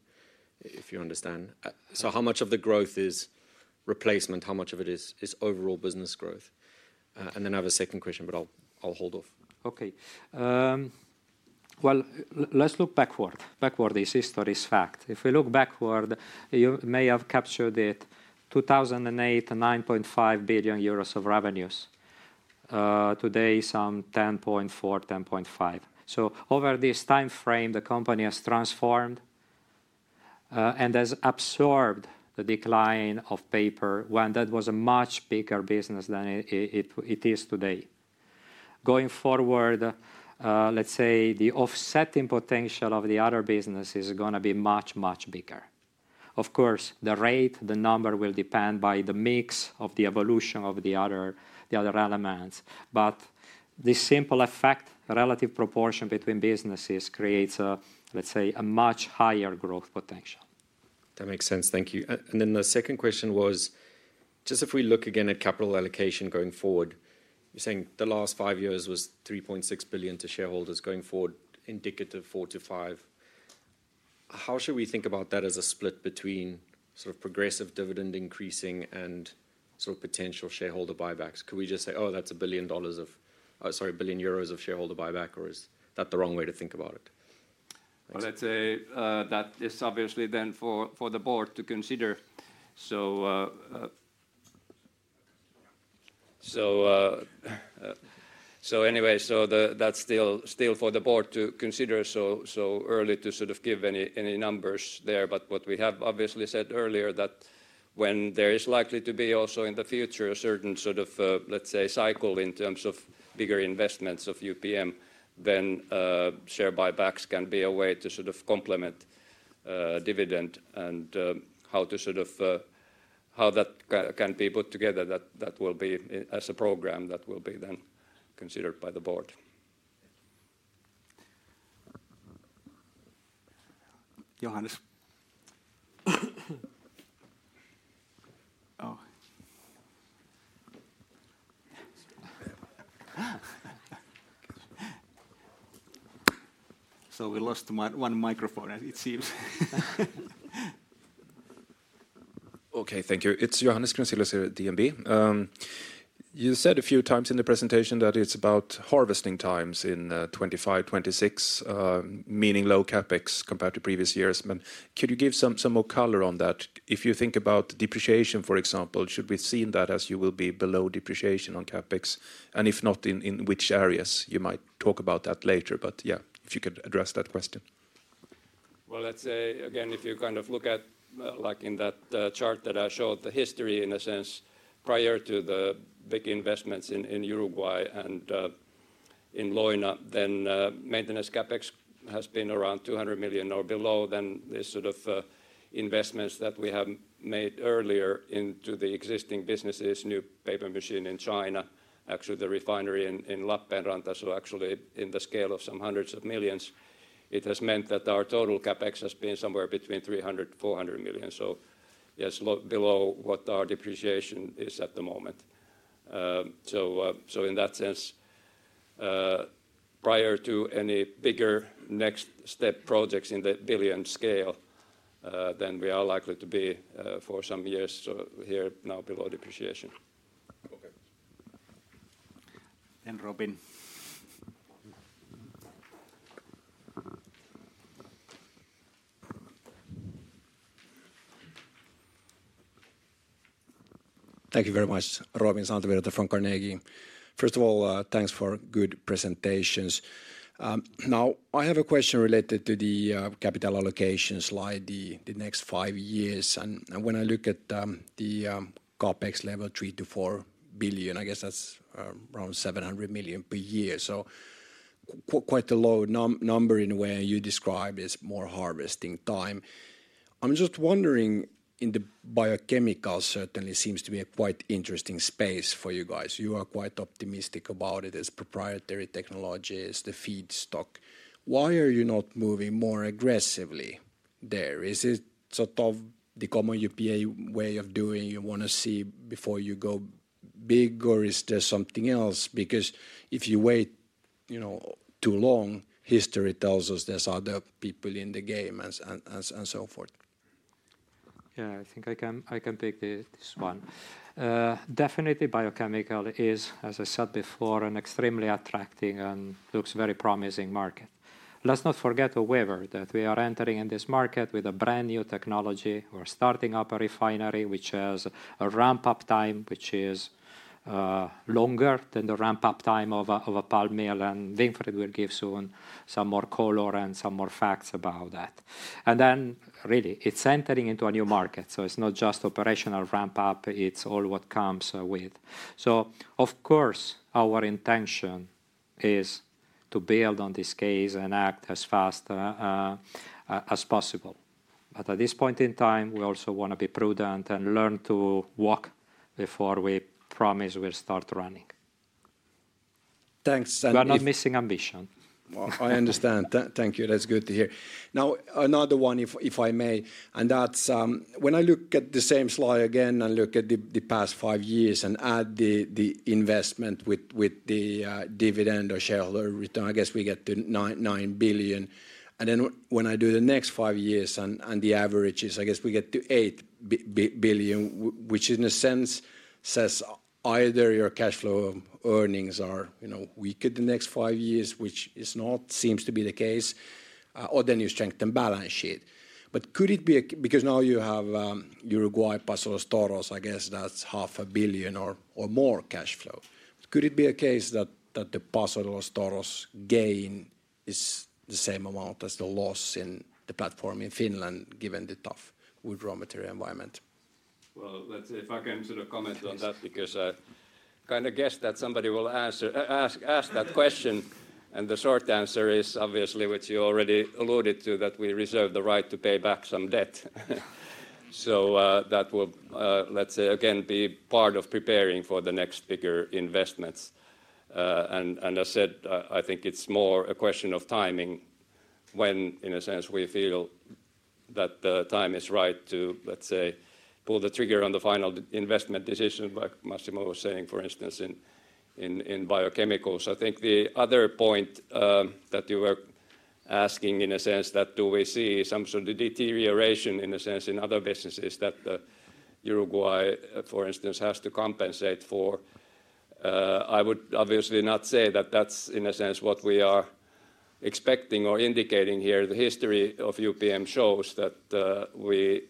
if you understand? So how much of the growth is replacement, how much of it is overall business growth? And then I have a second question, but I'll hold off. Okay. Let's look backward. Backward is history's fact. If we look backward, you may have captured it, 2008, 9.5 billion euros of revenues. Today, some 10.4 billion, 10.5 billion. So over this timeframe, the company has transformed, and has absorbed the decline of paper when that was a much bigger business than it is today. Going forward, let's say the offsetting potential of the other business is going to be much, much bigger. Of course, the rate, the number will depend by the mix of the evolution of the other elements, but the simple effect, relative proportion between businesses creates a, let's say, a much higher growth potential. That makes sense. Thank you. And then the second question was, just if we look again at capital allocation going forward, you're saying the last five years was three point six billion to shareholders, going forward, indicative four to five. How should we think about that as a split between sort of progressive dividend increasing and sort of potential shareholder buybacks? Could we just say, "Oh, that's a billion dollars of, sorry, a billion euros of shareholder buyback," or is that the wrong way to think about it? Let's say that is obviously then for the board to consider. So, anyway, that's still for the board to consider, so early to sort of give any numbers there. But what we have obviously said earlier that when there is likely to be also in the future a certain sort of, let's say, cycle in terms of bigger investments of UPM, then share buybacks can be a way to sort of complement dividend and how to sort of how that can be put together, that will be as a program that will be then considered by the board. Johannes. Oh. So we lost one microphone, as it seems. Okay, thank you. It's Johannes Grunselius here at DNB. You said a few times in the presentation that it's about hard times in 2025, 2026, meaning low CapEx compared to previous years, but could you give some more color on that? If you think about depreciation, for example, should we seen that as you will be below depreciation on CapEx? And if not, in which areas? You might talk about that later, but, yeah, if you could address that question. Let's say again, if you kind of look at, like in that chart that I showed, the history, in a sense, prior to the big investments in Uruguay and in Leuna, then maintenance CapEx has been around 200 million or below. Then the sort of investments that we have made earlier into the existing businesses, new paper machine in China, actually the refinery in Lappeenranta, so actually in the scale of some hundreds of millions, it has meant that our total CapEx has been somewhere between 300 million- 400 million. So yes, below what our depreciation is at the moment. So in that sense, prior to any bigger next step projects in the billion scale, then we are likely to be, for some years, here now below depreciation. Okay. Then Robin. Thank you very much. Robin Santavirta from Carnegie. First of all, thanks for good presentations. Now, I have a question related to the capital allocation slide, the next five years, and when I look at the CapEx level, 3 billion- 4 billion, I guess that's around 700 million per year. So quite a low number in a way you describe as more harvesting time. I'm just wondering, in the biochemicals, it certainly seems to be a quite interesting space for you guys. You are quite optimistic about it, as proprietary technology is the feedstock. Why are you not moving more aggressively there? Is it sort of the common UPM way of doing you want to see before you go big, or is there something else? Because if you wait, you know, too long, history tells us there's other people in the game and so forth. Yeah, I think I can take this one. Definitely biochemical is, as I said before, an extremely attractive and looks very promising market. Let's not forget, however, that we are entering in this market with a brand-new technology. We're starting up a refinery, which has a ramp-up time, which is longer than the ramp-up time of a pulp mill, and Winfried will give soon some more color and some more facts about that. And then really, it's entering into a new market, so it's not just operational ramp-up, it's all what comes with. So of course, our intention is to build on this case and act as fast as possible. But at this point in time, we also want to be prudent and learn to walk before we promise we'll start running. Thanks, and if- We are not missing ambition. I understand. Thank you. That's good to hear. Now, another one, if I may, and that's when I look at the same slide again, I look at the past five years and add the investment with the dividend or shareholder return, I guess we get to 9 billion. And then when I do the next five years and the average is, I guess we get to 8 billion, which in a sense says either your cash flow earnings are, you know, weak at the next five years, which is not seems to be the case, or then you strengthen balance sheet. But could it be because now you have Uruguay Paso de los Toros, I guess that's 500 million or more cash flow. Could it be a case that the Paso de los Toros gain is the same amount as the loss in the platform in Finland, given the tough wood raw material environment? Let's see if I can sort of comment on that because I kinda guessed that somebody will answer, ask that question. The short answer is obviously, which you already alluded to, that we reserve the right to pay back some debt. That will, let's say, again, be part of preparing for the next bigger investments. I said, I think it's more a question of timing, when, in a sense, we feel that the time is right to, let's say, pull the trigger on the final investment decision, like Massimo was saying, for instance, in biochemicals. I think the other point that you were asking in a sense, that do we see some sort of deterioration in a sense in other businesses that Uruguay, for instance, has to compensate for? I would obviously not say that that's, in a sense, what we are expecting or indicating here. The history of UPM shows that we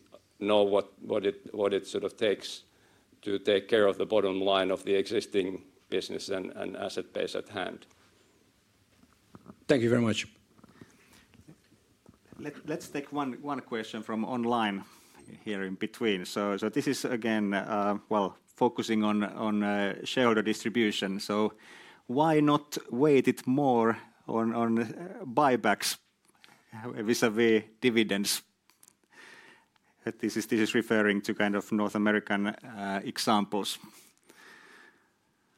know what it sort of takes to take care of the bottom line of the existing business and asset base at hand. Thank you very much. Let's take one question from online here in between. So this is again focusing on shareholder distribution. So why not weight it more on buybacks vis-à-vis dividends? This is referring to kind of North American examples.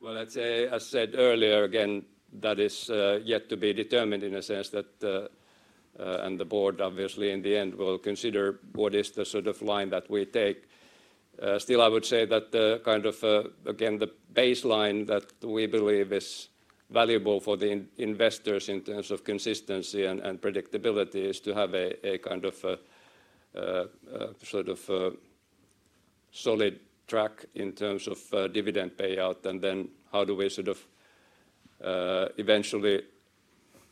Well, let's say, as I said earlier, again, that is, yet to be determined in a sense that, and the board obviously, in the end, will consider what is the sort of line that we take. Still, I would say that, kind of, again, the baseline that we believe is valuable for the investors in terms of consistency and predictability is to have a kind of sort of solid track in terms of dividend payout, and then how do we sort of eventually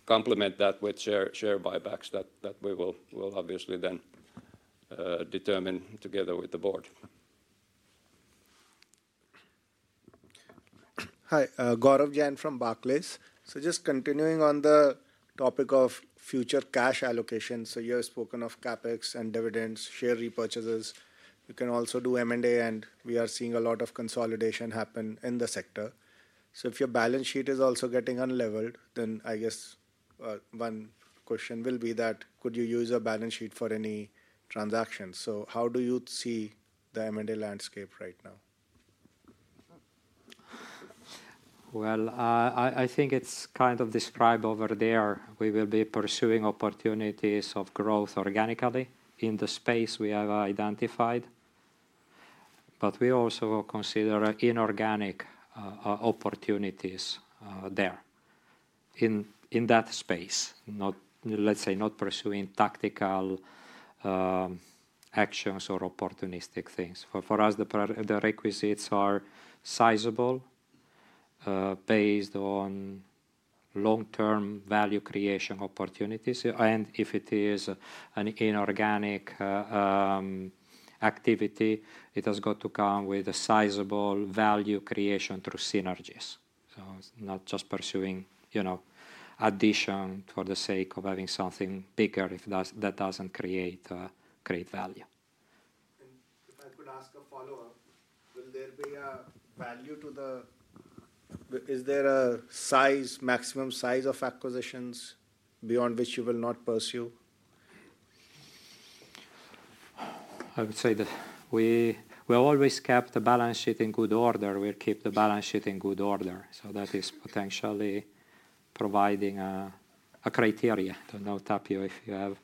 complement that with share buybacks that we will obviously then determine together with the board. Hi, Gaurav Jain from Barclays. So just continuing on the topic of future cash allocation, so you have spoken of CapEx and dividends, share repurchases. You can also do M&A, and we are seeing a lot of consolidation happen in the sector. So if your balance sheet is also getting unlevered, then I guess, one question will be that, could you use a balance sheet for any transactions? So how do you see the M&A landscape right now? I think it's kind of described over there. We will be pursuing opportunities of growth organically in the space we have identified, but we also consider inorganic opportunities there in that space. Not, let's say, not pursuing tactical actions or opportunistic things. For us, the requisites are sizable based on long-term value creation opportunities, and if it is an inorganic activity, it has got to come with a sizable value creation through synergies. It's not just pursuing, you know, addition for the sake of having something bigger if that's, that doesn't create great value. And if I could ask a follow-up, will there be a value to the...? Is there a size, maximum size of acquisitions beyond which you will not pursue? I would say that we always kept the balance sheet in good order. We'll keep the balance sheet in good order, so that is potentially providing a criteria. I don't know, Tapio, if you have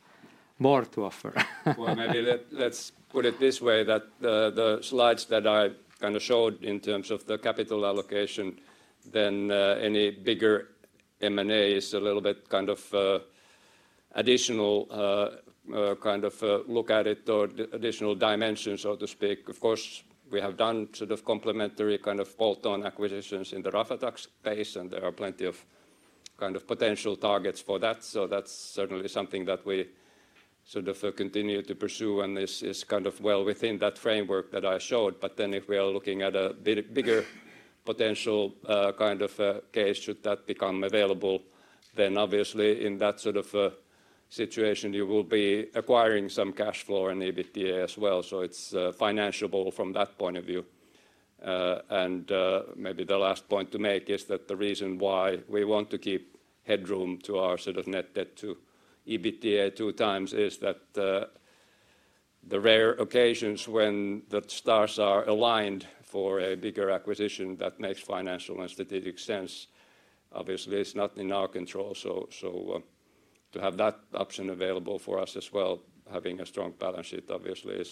more to offer. Maybe let's put it this way, that the slides that I kind of showed in terms of the capital allocation, then any bigger M&A is a little bit kind of additional dimension, so to speak. Of course, we have done sort of complementary kind of bolt-on acquisitions in the Raflatac space, and there are plenty of kind of potential targets for that. So that's certainly something that we sort of continue to pursue, and is kind of well within that framework that I showed. But then if we are looking at a bit bigger potential kind of case, should that become available, then obviously in that sort of situation, you will be acquiring some cash flow and EBITDA as well. So it's financiable from that point of view. And maybe the last point to make is that the reason why we want to keep headroom to our sort of net debt to EBITDA 2x is that the rare occasions when the stars are aligned for a bigger acquisition that makes financial and strategic sense, obviously it's not in our control. So to have that option available for us as well, having a strong balance sheet obviously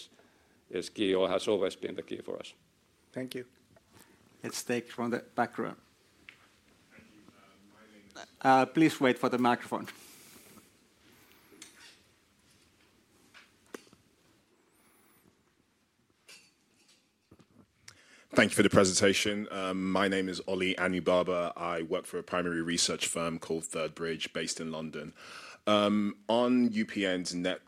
is key, or has always been the key for us. Thank you. Let's take from the back row. Thank you. My name is- Please wait for the microphone. Thank you for the presentation. My name is Olly Anibaba. I work for a primary research firm called Third Bridge, based in London. On UPM's net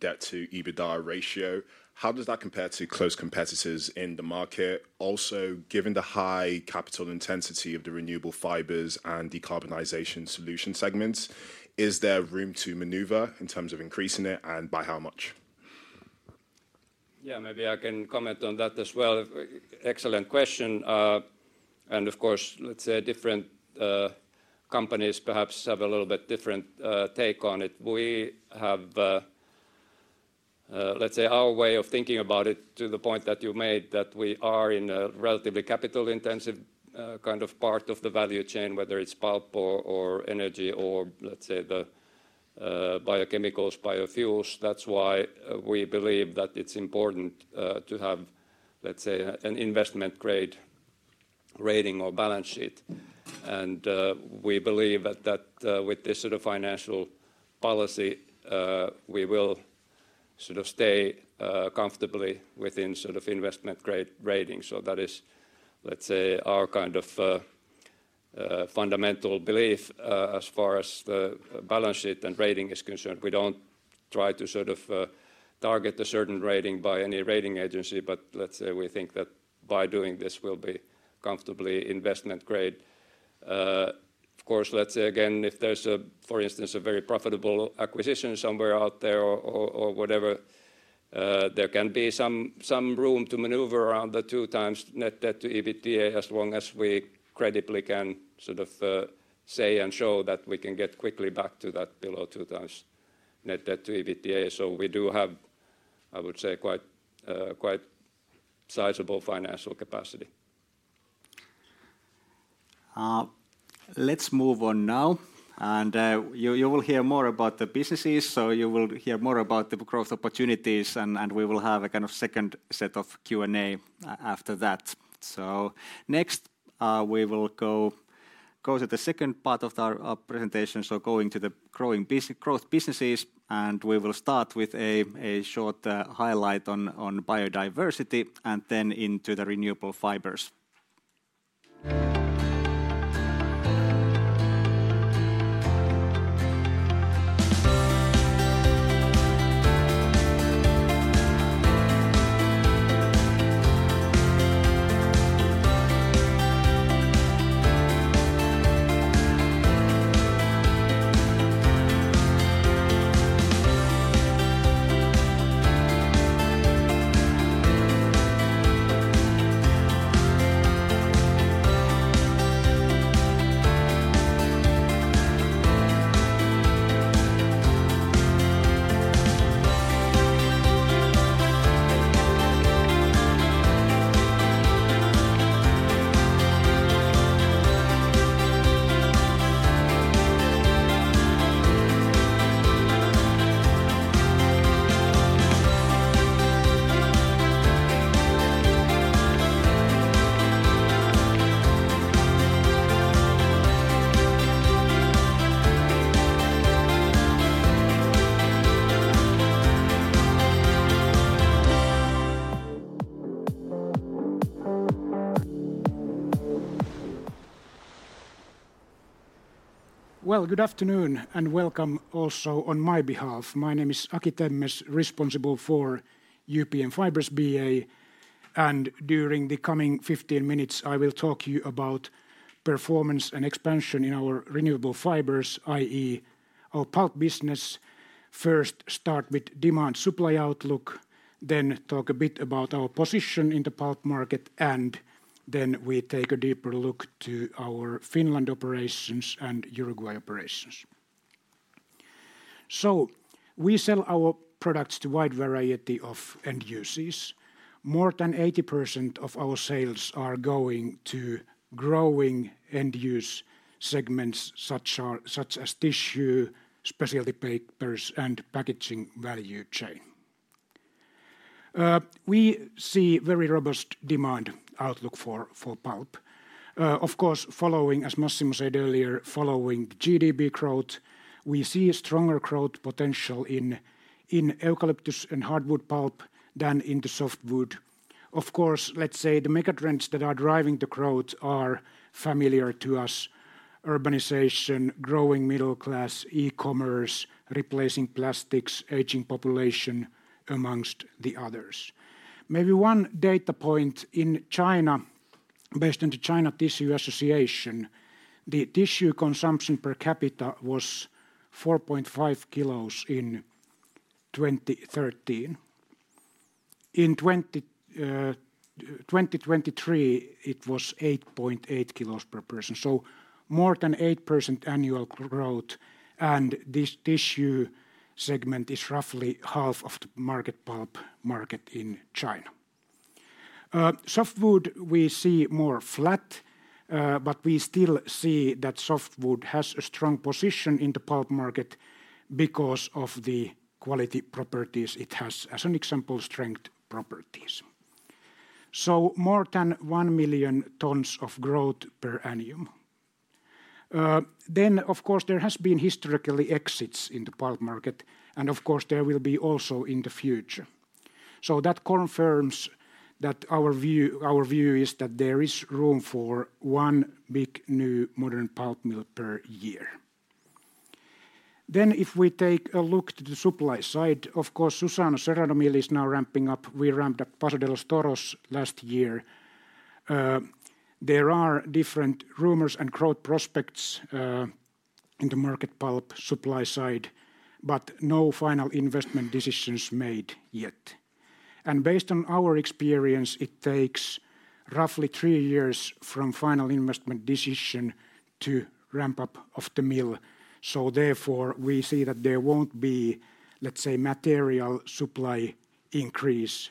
debt to EBITDA ratio, how does that compare to close competitors in the market? Also, given the high capital intensity of the renewable fibers and decarbonization solution segments, is there room to maneuver in terms of increasing it, and by how much? Yeah, maybe I can comment on that as well. Excellent question, and of course, let's say different companies perhaps have a little bit different take on it. We have, let's say, our way of thinking about it to the point that you made, that we are in a relatively capital-intensive kind of part of the value chain, whether it's pulp or energy or, let's say, the biochemicals, biofuels. That's why we believe that it's important to have, let's say, an investment-grade rating or balance sheet, and we believe that with this sort of financial policy, we will sort of stay comfortably within sort of investment-grade rating, so that is, let's say, our kind of fundamental belief. As far as the balance sheet and rating is concerned, we don't try to sort of target a certain rating by any rating agency, but let's say we think that by doing this, we'll be comfortably investment-grade. Of course, let's say again, if there's, for instance, a very profitable acquisition somewhere out there or whatever, there can be some room to maneuver around the 2x net debt to EBITDA, as long as we credibly can sort of say and show that we can get quickly back to that below 2x net debt to EBITDA. So we do have, I would say, quite quite sizable financial capacity. Let's move on now, and you will hear more about the businesses, so you will hear more about the growth opportunities, and we will have a kind of second set of Q&A after that. So next, we will go to the second part of our presentation, so going to the growth businesses, and we will start with a short highlight on biodiversity and then into the renewable fibers. Good afternoon, and welcome also on my behalf. My name is Aki Temmes, responsible for UPM Fibers BA, and during the coming 15 minutes, I will talk to you about performance and expansion in our renewable fibers, i.e., our pulp business. First, start with demand-supply outlook, then talk a bit about our position in the pulp market, and then we take a deeper look to our Finland operations and Uruguay operations. We sell our products to wide variety of end users. More than 80% of our sales are going to growing end use segments, such as tissue, specialty papers, and packaging value chain. We see very robust demand outlook for pulp. Of course, following, as Massimo said earlier, following GDP growth, we see a stronger growth potential in eucalyptus and hardwood pulp than in the softwood. Of course, let's say the mega trends that are driving the growth are familiar to us: urbanization, growing middle class, e-commerce, replacing plastics, aging population, among the others. Maybe one data point in China, based on the China Tissue Association, the tissue consumption per capita was 4.5 kilos in 2013. In 2023, it was 8.8 kilos per person, so more than 8% annual growth, and this tissue segment is roughly half of the market pulp market in China. Softwood, we see more flat, but we still see that softwood has a strong position in the pulp market because of the quality properties it has, as an example, strength properties. So more than 1 million tons of growth per annum. Then, of course, there has been historically exits in the pulp market, and of course, there will be also in the future. So that confirms that our view is that there is room for one big, new, modern pulp mill per year. Then, if we take a look to the supply side, of course, Suzano Cerrado Mill is now ramping up. We ramped up Paso de los Toros last year. There are different rumors and growth prospects in the market pulp supply side, but no final investment decisions made yet. And based on our experience, it takes roughly three years from final investment decision to ramp up of the mill, so therefore, we see that there won't be, let's say, material supply increase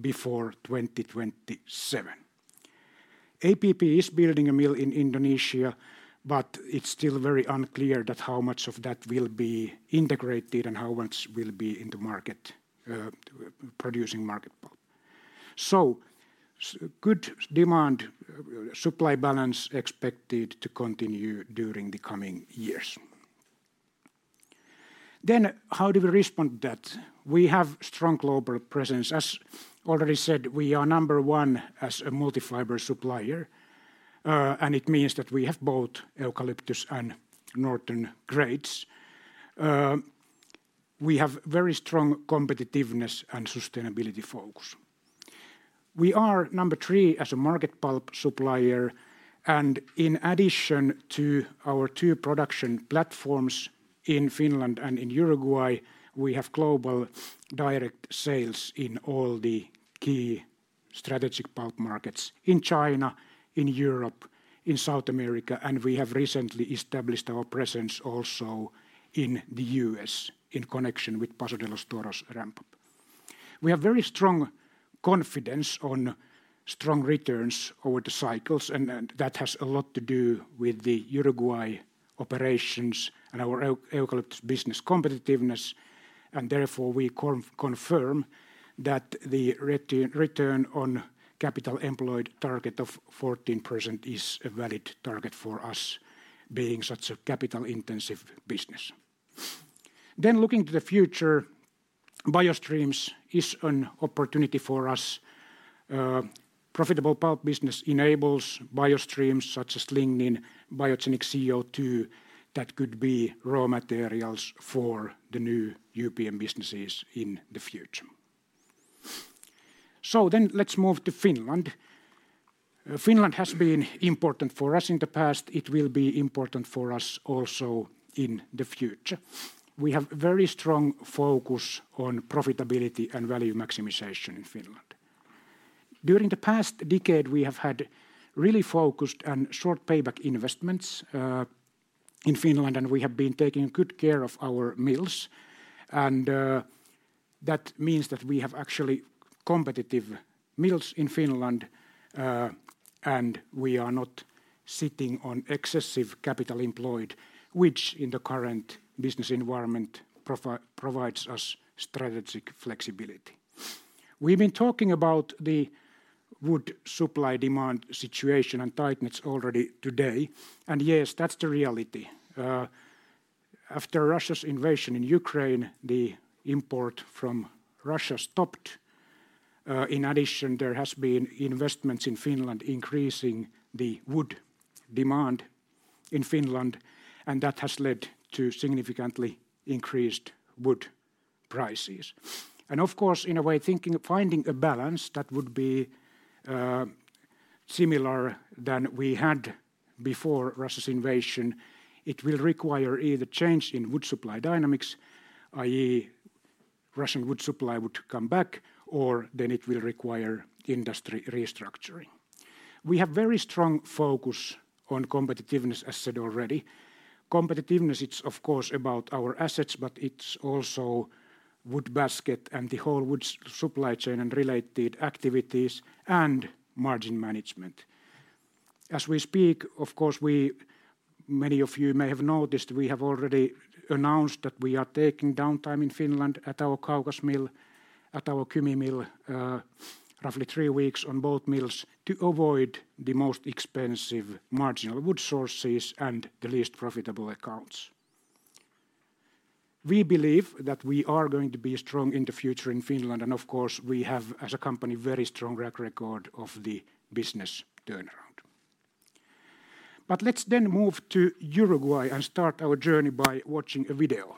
before 2027. APP is building a mill in Indonesia, but it's still very unclear that how much of that will be integrated and how much will be in the market, producing market pulp. So good demand, supply balance expected to continue during the coming years. Then, how do we respond to that? We have strong global presence. As already said, we are number one as a multi-fiber supplier, and it means that we have both eucalyptus and northern grades. We have very strong competitiveness and sustainability focus. We are number three as a market pulp supplier, and in addition to our two production platforms in Finland and in Uruguay, we have global direct sales in all the key strategic pulp markets, in China, in Europe, in South America, and we have recently established our presence also in the U.S., in connection with Paso de los Toros ramp-up. We have very strong confidence on strong returns over the cycles, and that has a lot to do with the Uruguay operations and our eucalyptus business competitiveness, and therefore, we confirm that the return on capital employed target of 14% is a valid target for us, being such a capital-intensive business, then looking to the future, biostreams is an opportunity for us. Profitable pulp business enables biostreams, such as lignin, biogenic CO2, that could be raw materials for the new UPM businesses in the future, so then let's move to Finland. Finland has been important for us in the past. It will be important for us also in the future. We have very strong focus on profitability and value maximization in Finland. During the past decade, we have had really focused and short payback investments in Finland, and we have been taking good care of our mills, and that means that we have actually competitive mills in Finland, and we are not sitting on excessive capital employed, which, in the current business environment, provides us strategic flexibility. We've been talking about the wood supply-demand situation and tightness already today, and yes, that's the reality. After Russia's invasion in Ukraine, the import from Russia stopped. In addition, there has been investments in Finland increasing the wood demand in Finland, and that has led to significantly increased wood prices, and of course, in a way, thinking of finding a balance that would be similar than we had before Russia's invasion, it will require either change in wood supply dynamics, i.e., Russian wood supply would come back, or then it will require industry restructuring. We have very strong focus on competitiveness, as said already. Competitiveness, it's of course, about our assets, but it's also wood basket and the whole wood supply chain and related activities, and margin management. As we speak, of course, many of you may have noticed, we have already announced that we are taking downtime in Finland at our Kaukas mill, at our Kymi mill, roughly three weeks on both mills, to avoid the most expensive marginal wood sources and the least profitable accounts. We believe that we are going to be strong in the future in Finland, and of course, we have, as a company, very strong track record of the business turnaround, but let's then move to Uruguay and start our journey by watching a video.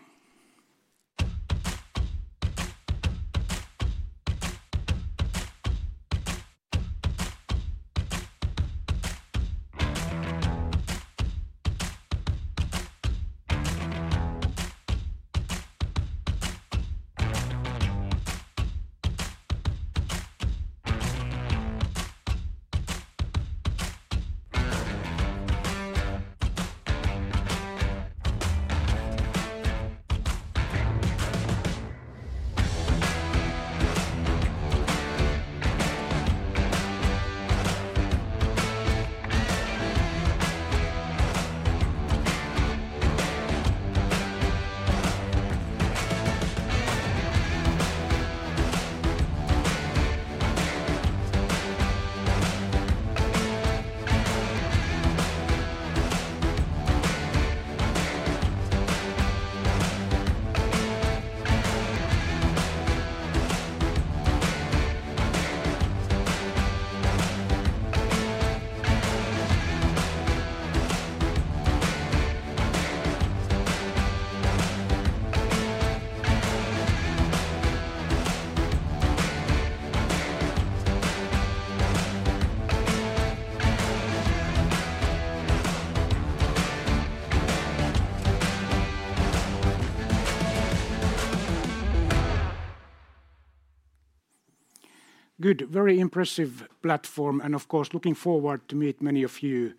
Good, very impressive platform, and of course, looking forward to meet many of you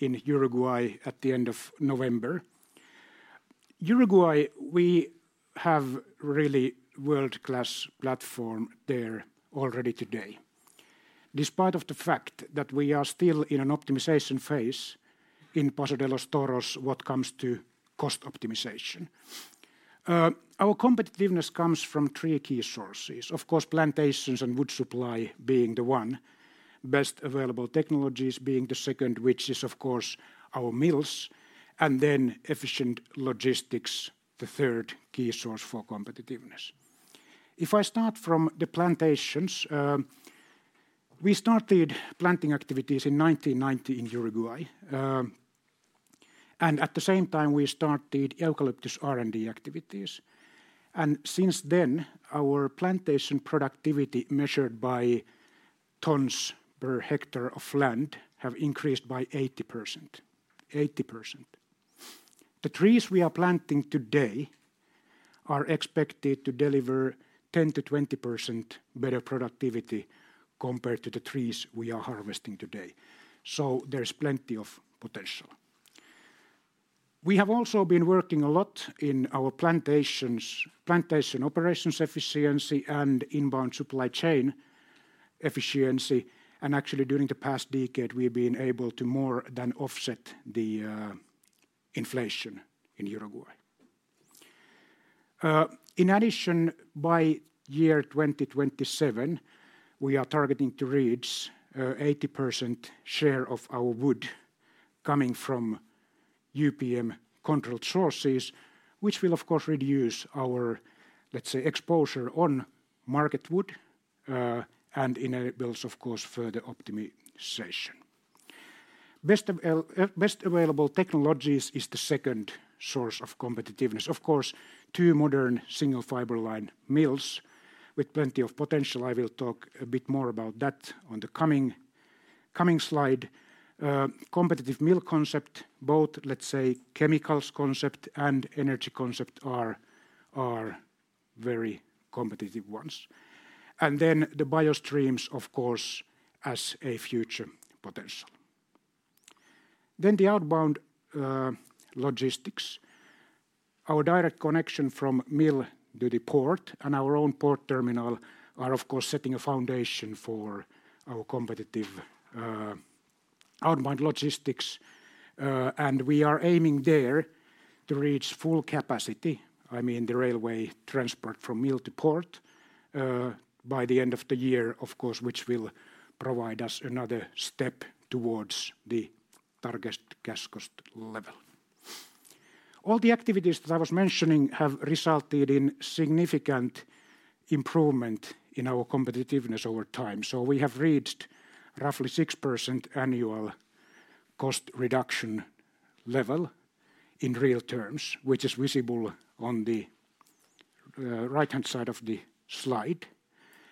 in Uruguay at the end of November. Uruguay, we have really world-class platform there already today. Despite of the fact that we are still in an optimization phase in Paso de los Toros, what comes to cost optimization. Our competitiveness comes from three key sources: of course, plantations and wood supply being the one, best available technologies being the second, which is, of course, our mills, and then efficient logistics, the third key source for competitiveness. If I start from the plantations, we started planting activities in 1990 in Uruguay, and at the same time, we started eucalyptus R&D activities. And since then, our plantation productivity, measured by tons per hectare of land, have increased by 80%. The trees we are planting today are expected to deliver 10%-20% better productivity compared to the trees we are harvesting today, so there is plenty of potential. We have also been working a lot in our plantations, plantation operations efficiency and inbound supply chain efficiency, and actually, during the past decade, we've been able to more than offset the inflation in Uruguay. In addition, by 2027, we are targeting to reach 80% share of our wood coming from UPM-controlled sources, which will, of course, reduce our, let's say, exposure on market wood and enables, of course, further optimization. Best available technologies is the second source of competitiveness. Of course, two modern single-fiber line mills with plenty of potential. I will talk a bit more about that on the coming slide. Competitive mill concept, both, let's say, chemicals concept and energy concept are very competitive ones. Then the biostreams, of course, as a future potential. Then the outbound logistics. Our direct connection from mill to the port and our own port terminal are, of course, setting a foundation for our competitive outbound logistics, and we are aiming there to reach full capacity, I mean the railway transport from mill to port by the end of the year, of course, which will provide us another step towards the target cash cost level. All the activities that I was mentioning have resulted in significant improvement in our competitiveness over time. So we have reached roughly 6% annual cost reduction level in real terms, which is visible on the right-hand side of the slide.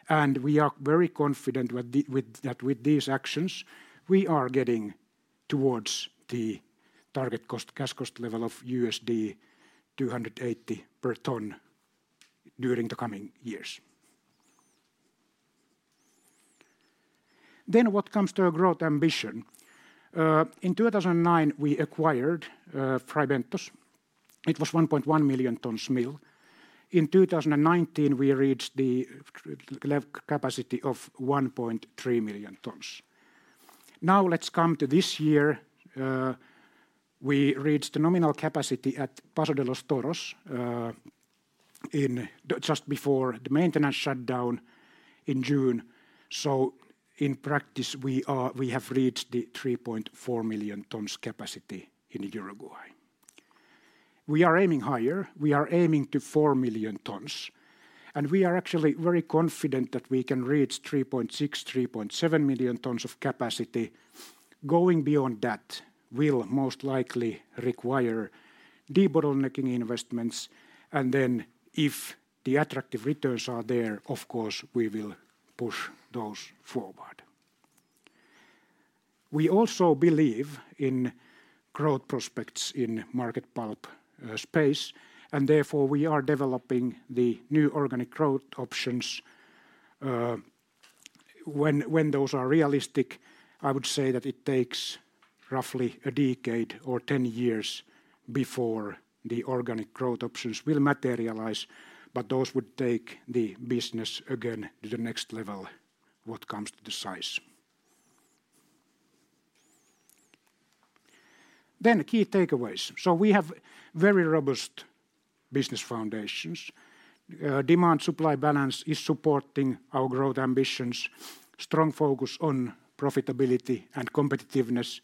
We are very confident with these actions, we are getting towards the target cash cost level of $280 per ton during the coming years. Then what comes to our growth ambition? In 2009, we acquired Fray Bentos. It was 1.1 million tons mill. In 2019, we reached the capacity of 1.3 million tons. Now let's come to this year. We reached the nominal capacity at Paso de los Toros just before the maintenance shutdown in June. So in practice, we have reached the 3.4 million tons capacity in Uruguay. We are aiming higher. We are aiming to four million tons, and we are actually very confident that we can reach 3.6 million, 3.7 million tons of capacity. Going beyond that will most likely require debottlenecking investments, and then if the attractive returns are there, of course, we will push those forward. We also believe in growth prospects in market pulp space, and therefore, we are developing the new organic growth options. When those are realistic, I would say that it takes roughly a decade or ten years before the organic growth options will materialize, but those would take the business again to the next level, what comes to the size. Key takeaways. We have very robust business foundations. Demand-supply balance is supporting our growth ambitions, strong focus on profitability and competitiveness.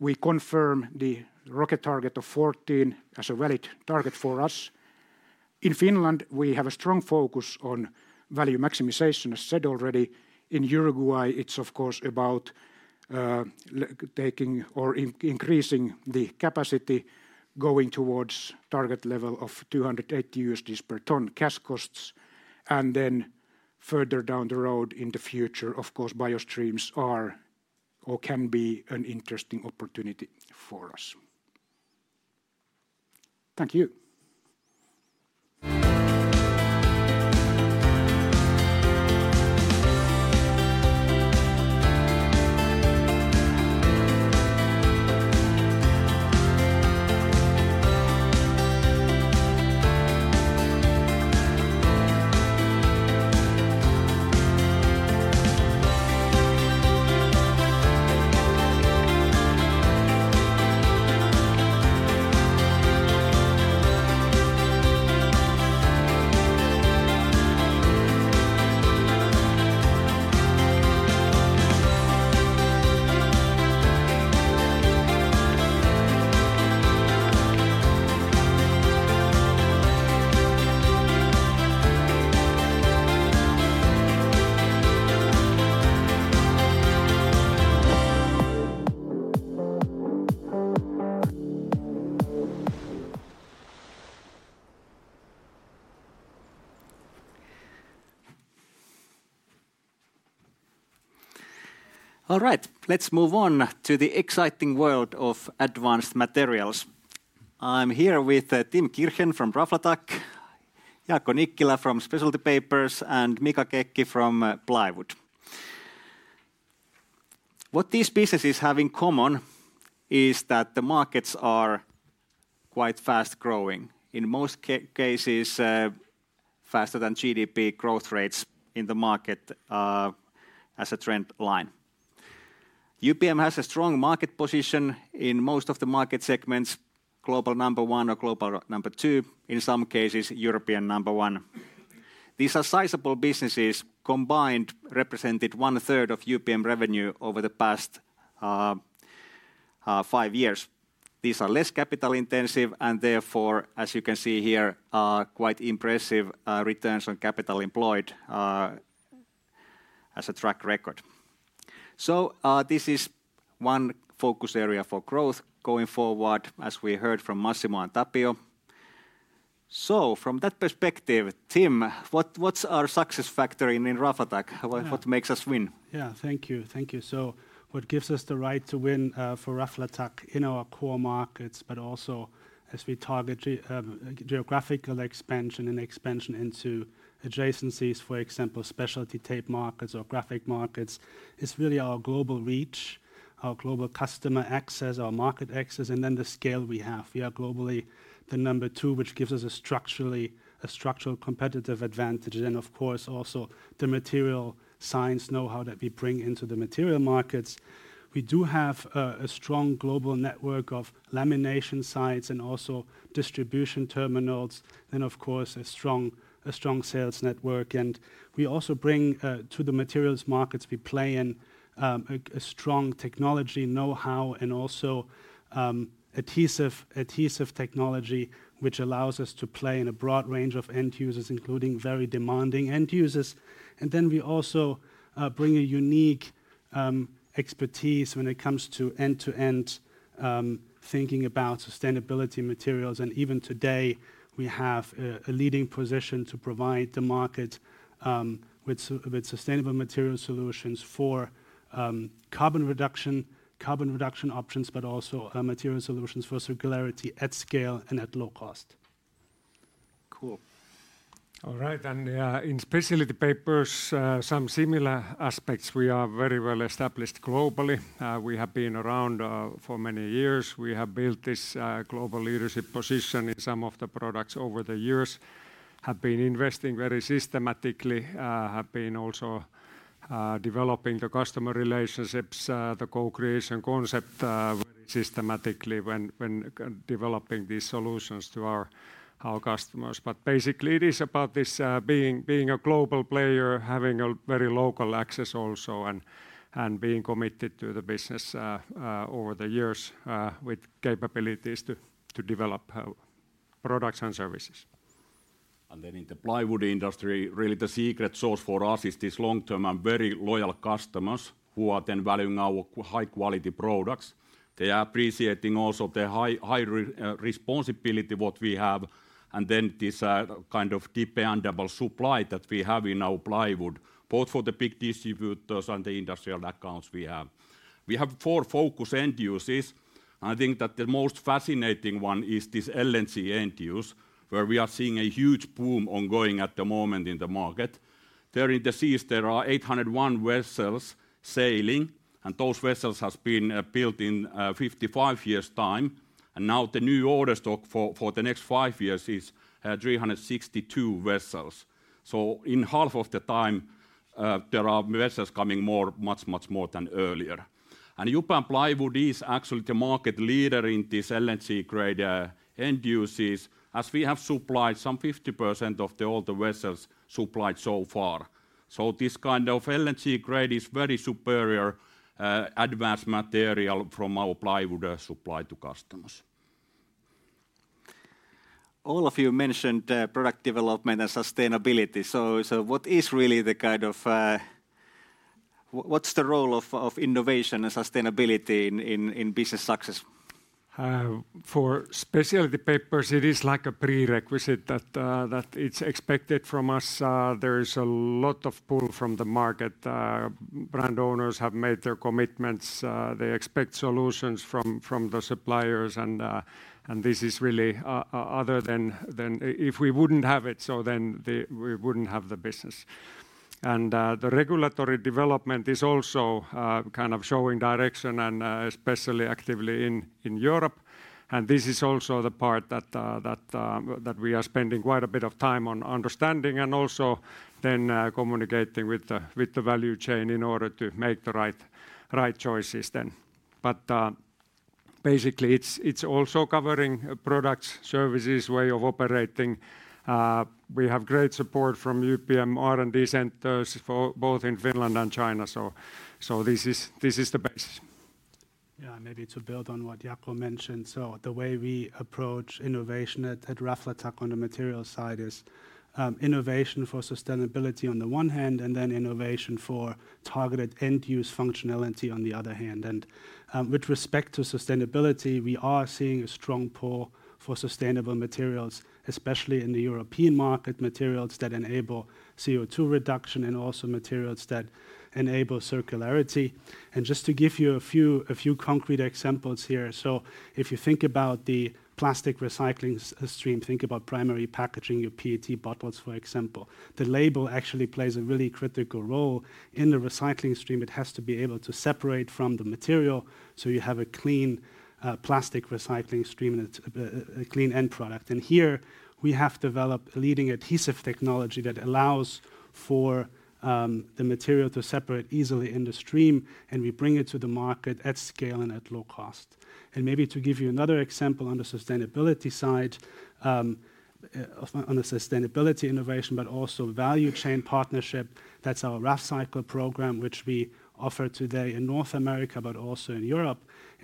We confirm the ROCE target of 14% as a valid target for us. In Finland, we have a strong focus on value maximization, as said already. In Uruguay, it's of course about taking or increasing the capacity, going towards target level of $280 per ton cash costs, and then further down the road in the future, of course, by-streams are or can be an interesting opportunity for us. Thank you. All right, let's move on to the exciting world of advanced materials. I'm here with Tim Kirchen from Raflatac, Jaakko Nikkilä from Specialty Papers, and Mika Kekki from Plywood. What these businesses have in common is that the markets are quite fast-growing. In most cases, faster than GDP growth rates in the market, as a trend line. UPM has a strong market position in most of the market segments, global number one or global number two, in some cases, European number one. These are sizable businesses, combined represented 1/3 of UPM revenue over the past five years. These are less capital intensive, and therefore, as you can see here, quite impressive returns on capital employed, as a track record, so this is one focus area for growth going forward, as we heard from Massimo and Tapio. So from that perspective, Tim, what's our success factor in Raflatac? What makes us win? Yeah. Thank you, thank you. What gives us the right to win for Raflatac in our core markets, but also as we target geographical expansion and expansion into adjacencies, for example, specialty tape markets or graphic markets, is really our global reach, our global customer access, our market access, and then the scale we have. We are globally the number two, which gives us a structural competitive advantage, and of course, also the materials science know-how that we bring into the materials markets. We do have a strong global network of lamination sites and also distribution terminals, and of course, a strong sales network, and we also bring to the materials markets we play in, a strong technology know-how and also, adhesive technology, which allows us to play in a broad range of end users, including very demanding end users. And then we also bring a unique expertise when it comes to end-to-end thinking about sustainability materials. And even today, we have a leading position to provide the market with sustainable material solutions for carbon reduction options, but also material solutions for circularity at scale and at low cost. Cool. All right, and in specialty papers, some similar aspects, we are very well established globally. We have been around for many years. We have built this global leadership position in some of the products over the years, have been investing very systematically, have been also developing the customer relationships, the co-creation concept, systematically when developing these solutions to our customers. But basically, it is about this, being a global player, having a very local access also, and being committed to the business over the years, with capabilities to develop products and services. Then in the plywood industry, really, the secret sauce for us is this long-term and very loyal customers, who are then valuing our high-quality products. They are appreciating also the high responsibility what we have, and then this kind of dependable supply that we have in our plywood, both for the big distributors and the industrial accounts we have. We have four focus end uses, and I think that the most fascinating one is this LNG end use, where we are seeing a huge boom ongoing at the moment in the market. There in the seas, there are eight hundred and one vessels sailing, and those vessels has been built in fifty-five years' time. And now, the new order stock for the next five years is three hundred and sixty-two vessels. In half of the time, there are vessels coming much, much more than earlier. UPM Plywood is actually the market leader in this LNG grade end uses, as we have supplied some 50% of all the vessels supplied so far. This kind of LNG grade is very superior advanced material from our plywood supply to customers. All of you mentioned product development and sustainability. So what is really the kind of what's the role of innovation and sustainability in business success? For specialty papers, it is like a prerequisite that that it's expected from us. There is a lot of pull from the market. Brand owners have made their commitments, they expect solutions from the suppliers, and this is really other than if we wouldn't have it, so then we wouldn't have the business. And the regulatory development is also kind of showing direction, and especially actively in Europe. And this is also the part that that we are spending quite a bit of time on understanding, and also then communicating with the value chain in order to make the right choices then. But basically, it's also covering products, services, way of operating. We have great support from UPM R&D centers for both in Finland and China. So, this is the base. Yeah, maybe to build on what Jaakko mentioned. So the way we approach innovation at Raflatac on the material side is innovation for sustainability on the one hand, and then innovation for targeted end-use functionality on the other hand. And with respect to sustainability, we are seeing a strong pull for sustainable materials, especially in the European market, materials that enable CO2 reduction, and also materials that enable circularity. And just to give you a few concrete examples here: So if you think about the plastic recycling stream, think about primary packaging, your PET bottles, for example. The label actually plays a really critical role in the recycling stream. It has to be able to separate from the material, so you have a clean plastic recycling stream and a clean end product. Here, we have developed leading adhesive technology that allows for the material to separate easily in the stream, and we bring it to the market at scale and at low cost. Maybe to give you another example on the sustainability side, on the sustainability innovation, but also value chain partnership, that's our RafCycle program, which we offer today in North America, but also in Europe.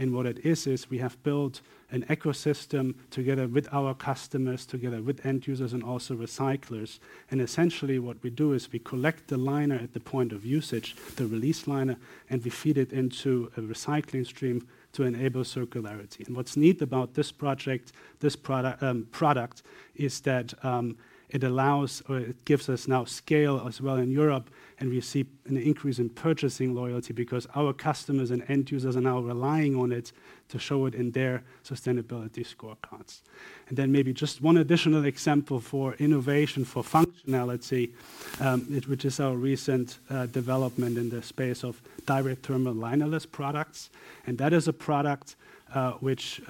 What it is, is we have built an ecosystem together with our customers, together with end users, and also recyclers. Essentially, what we do is we collect the liner at the point of usage, the release liner, and we feed it into a recycling stream to enable circularity. What's neat about this project, this product, is that it allows, or it gives us now scale as well in Europe, and we see an increase in purchasing loyalty because our customers and end users are now relying on it to show it in their sustainability scorecards. Then maybe just one additional example for innovation, for functionality, which is our recent development in the space of direct thermal linerless products. That is a product which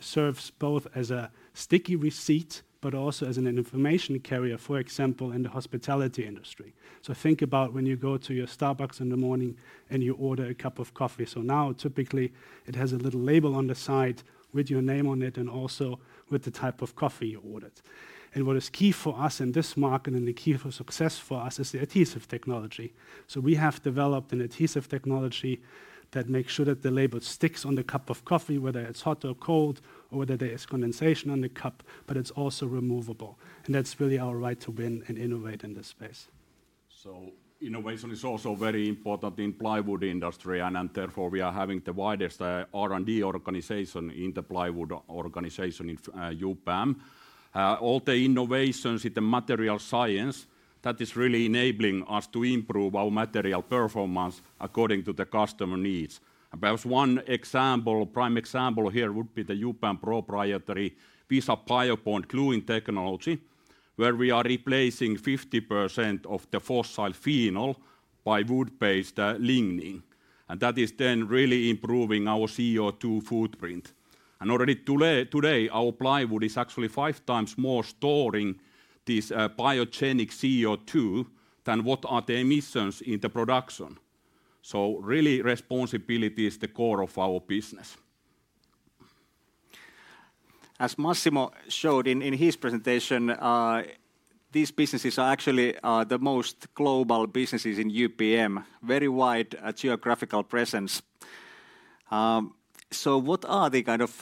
serves both as a sticky receipt, but also as an information carrier, for example, in the hospitality industry. Think about when you go to your Starbucks in the morning, and you order a cup of coffee. Now, typically, it has a little label on the side with your name on it and also with the type of coffee you ordered. What is key for us in this market, and the key for success for us, is the adhesive technology. We have developed an adhesive technology that makes sure that the label sticks on the cup of coffee, whether it's hot or cold, or whether there is condensation on the cup, but it's also removable. That's really our right to win and innovate in this space. So innovation is also very important in plywood industry, and therefore, we are having the widest R&D organization in the plywood organization in UPM. All the innovations in the material science that is really enabling us to improve our material performance according to the customer needs. Perhaps one example, prime example here would be the UPM proprietary WISA-BioBond gluing technology, where we are replacing 50% of the fossil phenol by wood-based lignin, and that is then really improving our CO2 footprint. And already today, our plywood is actually 5x more storing this biogenic CO2 than what are the emissions in the production. So really, responsibility is the core of our business. As Massimo showed in his presentation, these businesses are actually the most global businesses in UPM, very wide geographical presence. So what are the kind of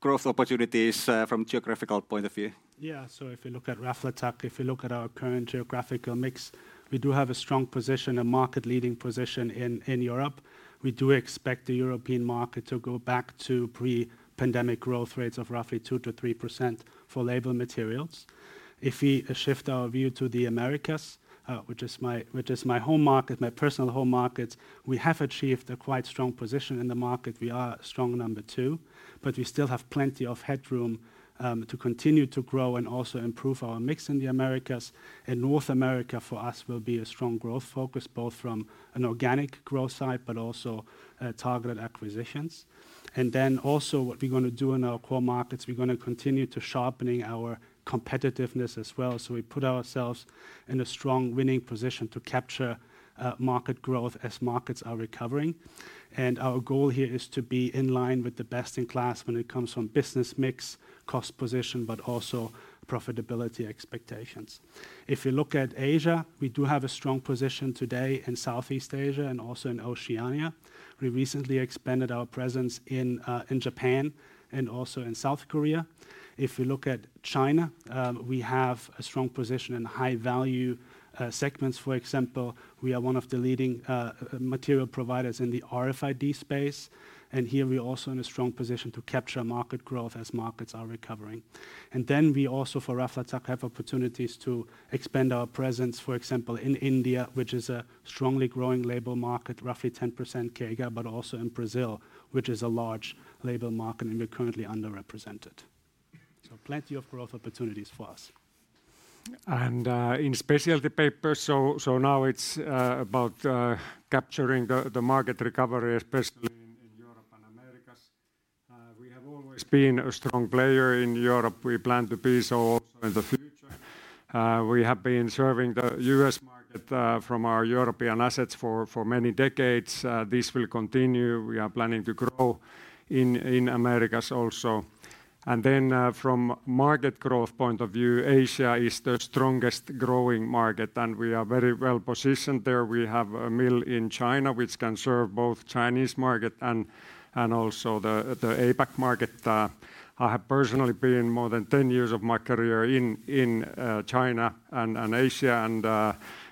growth opportunities from geographical point of view? Yeah, so if you look at Raflatac, if you look at our current geographical mix, we do have a strong position, a market-leading position in Europe. We do expect the European market to go back to pre-pandemic growth rates of roughly 2%-3% for label materials. If we shift our view to the Americas, which is my home market, my personal home market, we have achieved a quite strong position in the market. We are a strong number two, but we still have plenty of headroom to continue to grow and also improve our mix in the Americas. And North America, for us, will be a strong growth focus, both from an organic growth side, but also targeted acquisitions. And then also, what we're gonna do in our core markets, we're gonna continue to sharpening our competitiveness as well, so we put ourselves in a strong winning position to capture market growth as markets are recovering. Our goal here is to be in line with the best-in-class when it comes from business mix, cost position, but also profitability expectations. If you look at Asia, we do have a strong position today in Southeast Asia and also in Oceania. We recently expanded our presence in Japan and also in South Korea. If you look at China, we have a strong position in high-value segments. For example, we are one of the leading material providers in the RFID space, and here we're also in a strong position to capture market growth as markets are recovering. And then we also, for Raflatac, have opportunities to expand our presence, for example, in India, which is a strongly growing label market, roughly 10% CAGR, but also in Brazil, which is a large label market, and we're currently underrepresented. So plenty of growth opportunities for us. In Specialty Papers, now it's about capturing the market recovery, especially in Europe and Americas. We have always been a strong player in Europe. We plan to be so also in the future. We have been serving the U.S. market from our European assets for many decades. This will continue. We are planning to grow in Americas also. From market growth point of view, Asia is the strongest growing market, and we are very well-positioned there. We have a mill in China, which can serve both Chinese market and also the APAC market. I have personally been more than 10 years of my career in China and Asia,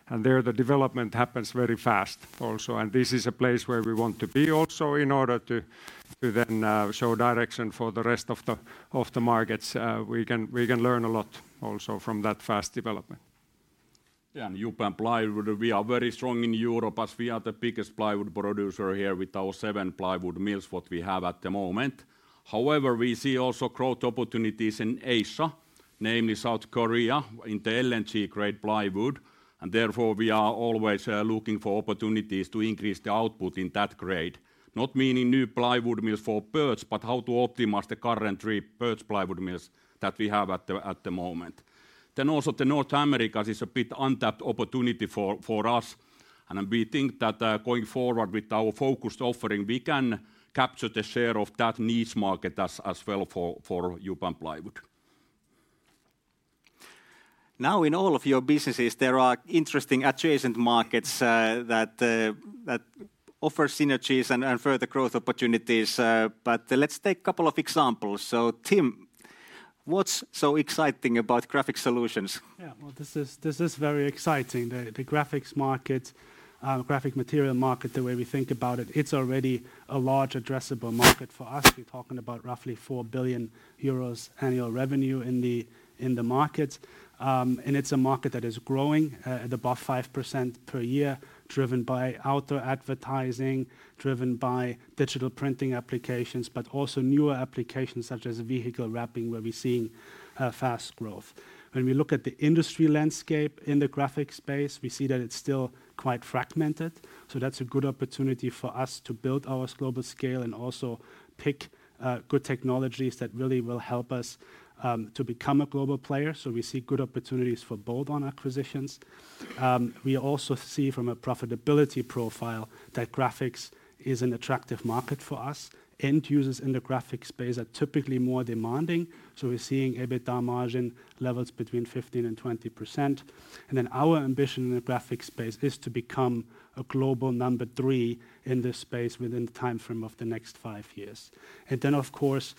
and there, the development happens very fast also, and this is a place where we want to be also in order to then show direction for the rest of the markets. We can learn a lot also from that fast development. Yeah, in UPM Plywood, we are very strong in Europe, as we are the biggest plywood producer here with our seven plywood mills, what we have at the moment. However, we see also growth opportunities in Asia, namely South Korea, in the LNG-grade plywood, and therefore, we are always looking for opportunities to increase the output in that grade. Not meaning new plywood mills for birch, but how to optimize the current three birch plywood mills that we have at the moment. Then also, North America is a bit untapped opportunity for us, and we think that, going forward with our focused offering, we can capture the share of that niche market as well for UPM Plywood. Now, in all of your businesses, there are interesting adjacent markets that offer synergies and further growth opportunities, but let's take a couple of examples. So, Tim, what's so exciting about Graphics Solutions? Yeah. Well, this is very exciting. The graphics market, graphic material market, the way we think about it, it's already a large addressable market for us. We're talking about roughly 4 billion euros annual revenue in the market. And it's a market that is growing at about 5% per year, driven by outdoor advertising, driven by digital printing applications, but also newer applications such as vehicle wrapping, where we're seeing fast growth. When we look at the industry landscape in the graphic space, we see that it's still quite fragmented, so that's a good opportunity for us to build our global scale and also pick good technologies that really will help us to become a global player. So we see good opportunities for bolt-on acquisitions. We also see from a profitability profile that graphics is an attractive market for us. End users in the graphic space are typically more demanding, so we're seeing EBITDA margin levels between 15% and 20%. Our ambition in the graphic space is to become a global number three in this space within the timeframe of the next five years. Of course,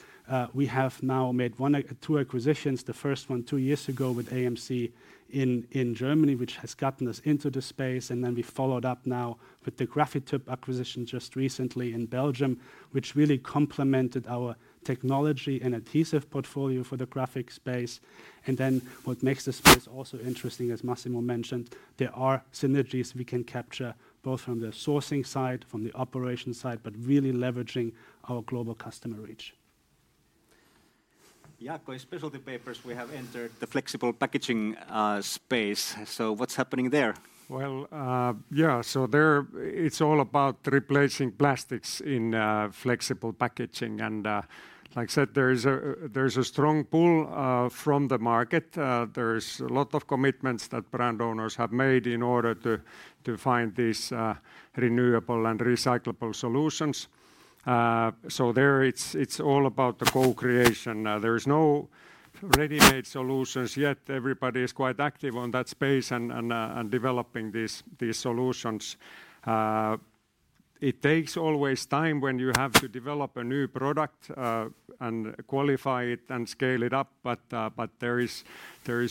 we have now made two acquisitions, the first one two years ago with AMC in Germany, which has gotten us into this space, and then we followed up now with the Grafityp acquisition just recently in Belgium, which really complemented our technology and adhesive portfolio for the graphic space. And then what makes the space also interesting, as Massimo mentioned, there are synergies we can capture, both from the sourcing side, from the operations side, but really leveraging our global customer reach. Jaakko, in Specialty Papers, we have entered the flexible packaging space. So what's happening there? It's all about replacing plastics in flexible packaging. Like I said, there is a strong pull from the market. There's a lot of commitments that brand owners have made in order to find these renewable and recyclable solutions. It's all about the co-creation. There is no ready-made solutions yet. Everybody is quite active on that space and developing these solutions. It takes always time when you have to develop a new product and qualify it, and scale it up, but there is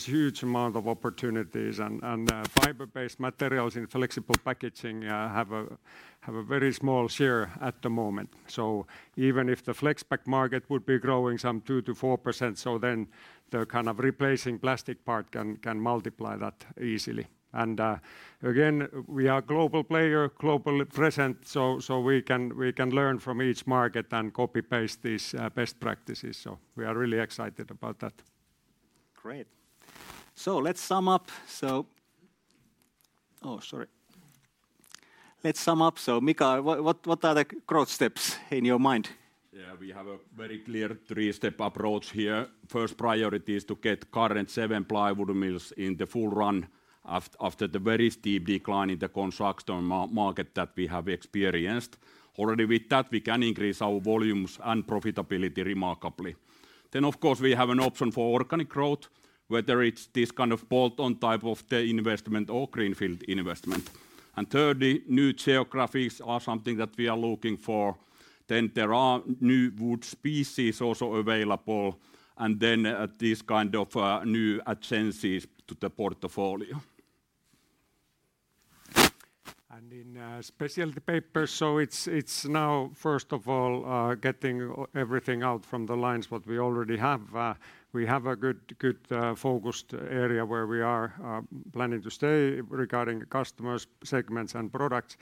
huge amount of opportunities. Fiber-based materials in flexible packaging have a very small share at the moment. So even if the flex pack market would be growing some 2%-4%, so then the kind of replacing plastic part can multiply that easily. And, again, we are global player, globally present, so we can learn from each market and copy-paste these best practices, so we are really excited about that. Great! Let's sum up. So, Mika, what are the growth steps in your mind? Yeah, we have a very clear three-step approach here. First priority is to get current seven plywood mills in the full run after the very steep decline in the construction market that we have experienced. Already with that, we can increase our volumes and profitability remarkably. Then, of course, we have an option for organic growth, whether it's this kind of bolt-on type of the investment or greenfield investment. And thirdly, new geographies are something that we are looking for. Then there are new wood species also available, and then, these kind of, new adjacencies to the portfolio. In Specialty Papers, it's now, first of all, getting everything out from the lines what we already have. We have a good focused area where we are planning to stay regarding customers, segments, and products.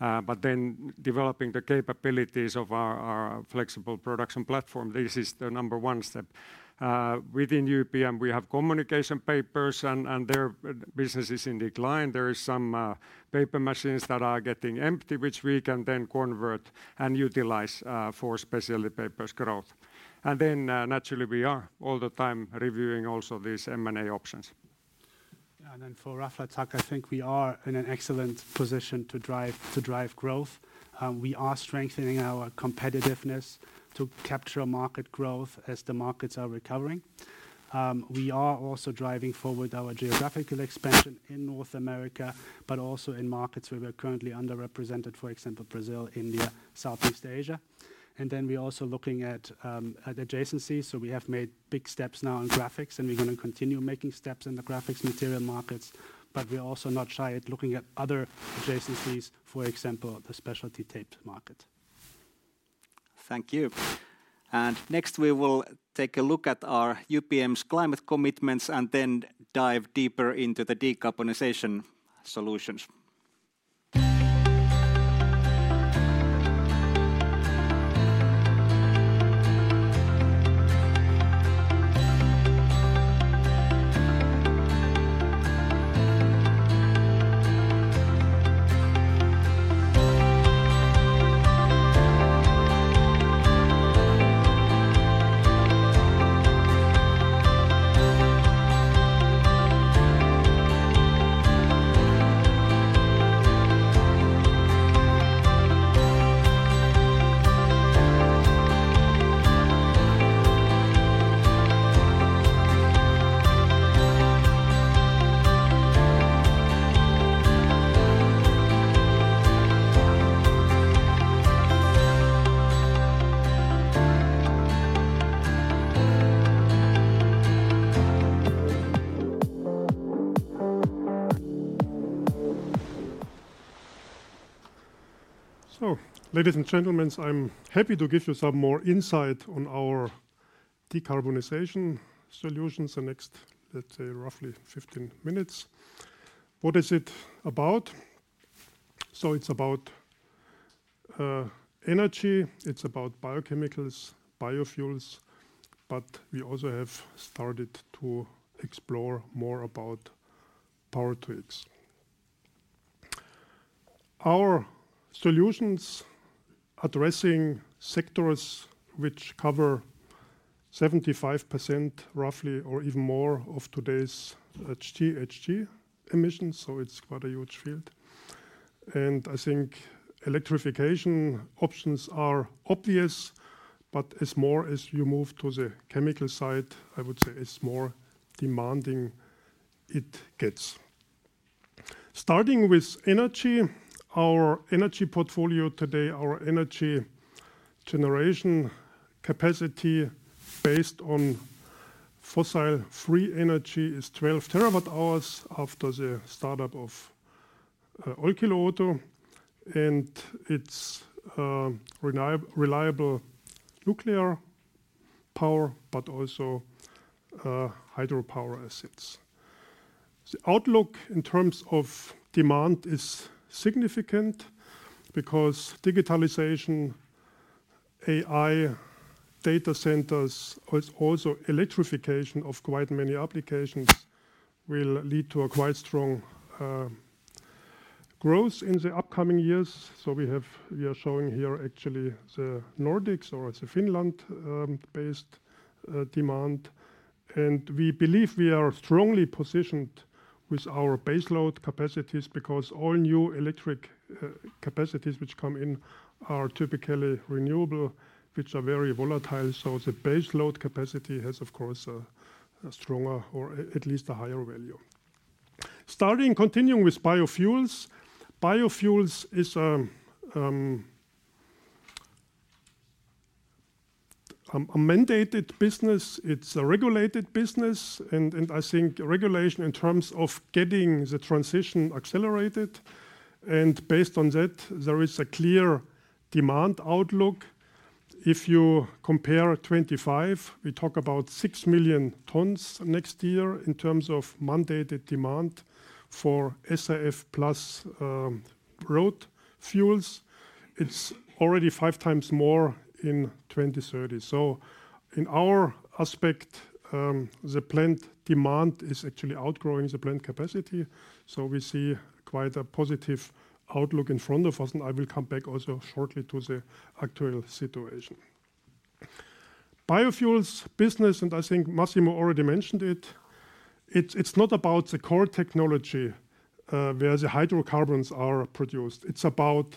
But then developing the capabilities of our flexible production platform, this is the number one step. Within UPM, we have communication papers, and their business is in decline. There is some paper machines that are getting empty, which we can then convert and utilize for Specialty Papers growth. Then naturally, we are all the time reviewing also these M&A options. And then for Raflatac, I think we are in an excellent position to drive growth. We are strengthening our competitiveness to capture market growth as the markets are recovering. We are also driving forward our geographical expansion in North America, but also in markets where we're currently underrepresented, for example, Brazil, India, Southeast Asia. And then we're also looking at adjacencies. So we have made big steps now in graphics, and we're going to continue making steps in the graphics material markets, but we're also not shy at looking at other adjacencies, for example, the specialty tape market. Thank you, and next, we will take a look at our UPM's climate commitments, and then dive deeper into the decarbonization solutions. So, ladies and gentlemen, I'm happy to give you some more insight on our decarbonization solutions the next, let's say, roughly 15 minutes. What is it about? So it's about energy, it's about biochemicals, biofuels, but we also have started to explore more about Power-to-X. Our solutions addressing sectors which cover 75%, roughly or even more, of today's GHG emissions, so it's quite a huge field. And I think electrification options are obvious, but as more as you move to the chemical side, I would saWhy it's more demanding it gets. Starting with energy, our energy portfolio today, our energy generation capacity based on fossil-free energy, is 12 TWh after the startup of Olkiluoto, and it's reliable nuclear power, but also hydropower assets. The outlook in terms of demand is significant because digitalization, AI, data centers, as also electrification of quite many applications, will lead to a quite strong growth in the upcoming years. So we are showing here actually the Nordics or the Finland-based demand. And we believe we are strongly positioned with our base load capacities, because all new electric capacities which come in are typically renewable, which are very volatile. So the base load capacity has, of course, a stronger or at least a higher value. Continuing with biofuels. Biofuels is a mandated business. It's a regulated business. And I think regulation in terms of getting the transition accelerated, and based on that, there is a clear demand outlook. If you compare 2025, we talk about six million tons next year in terms of mandated demand for SAF plus road fuels. It's already 5x more in 2030. So in our aspect, the plant demand is actually outgrowing the plant capacity, so we see quite a positive outlook in front of us, and I will come back also shortly to the actual situation. Biofuels business, and I think Massimo already mentioned it, it's not about the core technology where the hydrocarbons are produced. It's about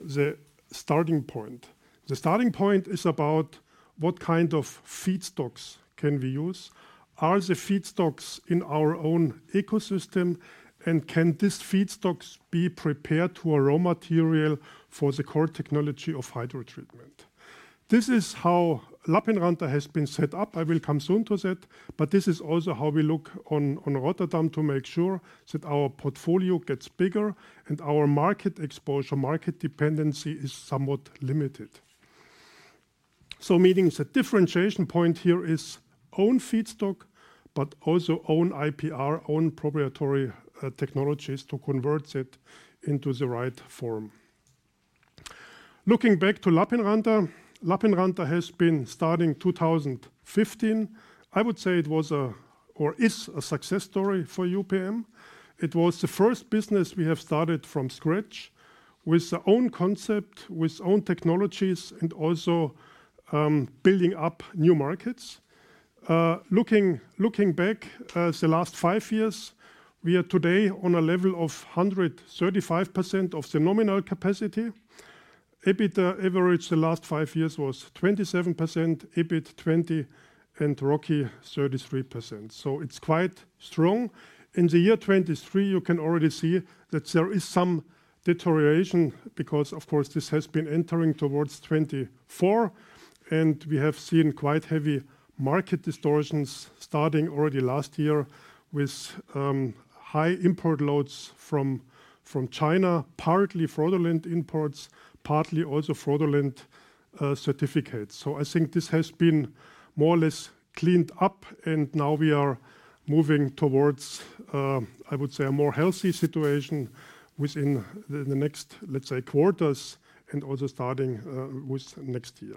the starting point. The starting point is about what kind of feedstocks can we use? Are the feedstocks in our own ecosystem, and can these feedstocks be prepared to a raw material for the core technology of hydrotreatment? This is how Lappeenranta has been set up. I will come soon to that, but this is also how we look on Rotterdam to make sure that our portfolio gets bigger and our market exposure, market dependency is somewhat limited. So meaning the differentiation point here is own feedstock, but also own IPR, own proprietary technologies to convert it into the right form. Looking back to Lappeenranta, Lappeenranta has been starting 2015. I would say it was a, or is a success story for UPM. It was the first business we have started from scratch, with our own concept, with own technologies, and also building up new markets. Looking back, the last five years, we are today on a level of 135% of the nominal capacity. EBITDA average, the last five years was 27%, EBIT 20%, and ROCE 33%, so it's quite strong. In the year 2023, you can already see that there is some deterioration, because of course, this has been entering towards 2024, and we have seen quite heavy market distortions starting already last year with high import loads from China, partly fraudulent imports, partly also fraudulent certificates. So I think this has been more or less cleaned up, and now we are moving towards, I would say, a more healthy situation within the next, let's say, quarters and also starting with next year.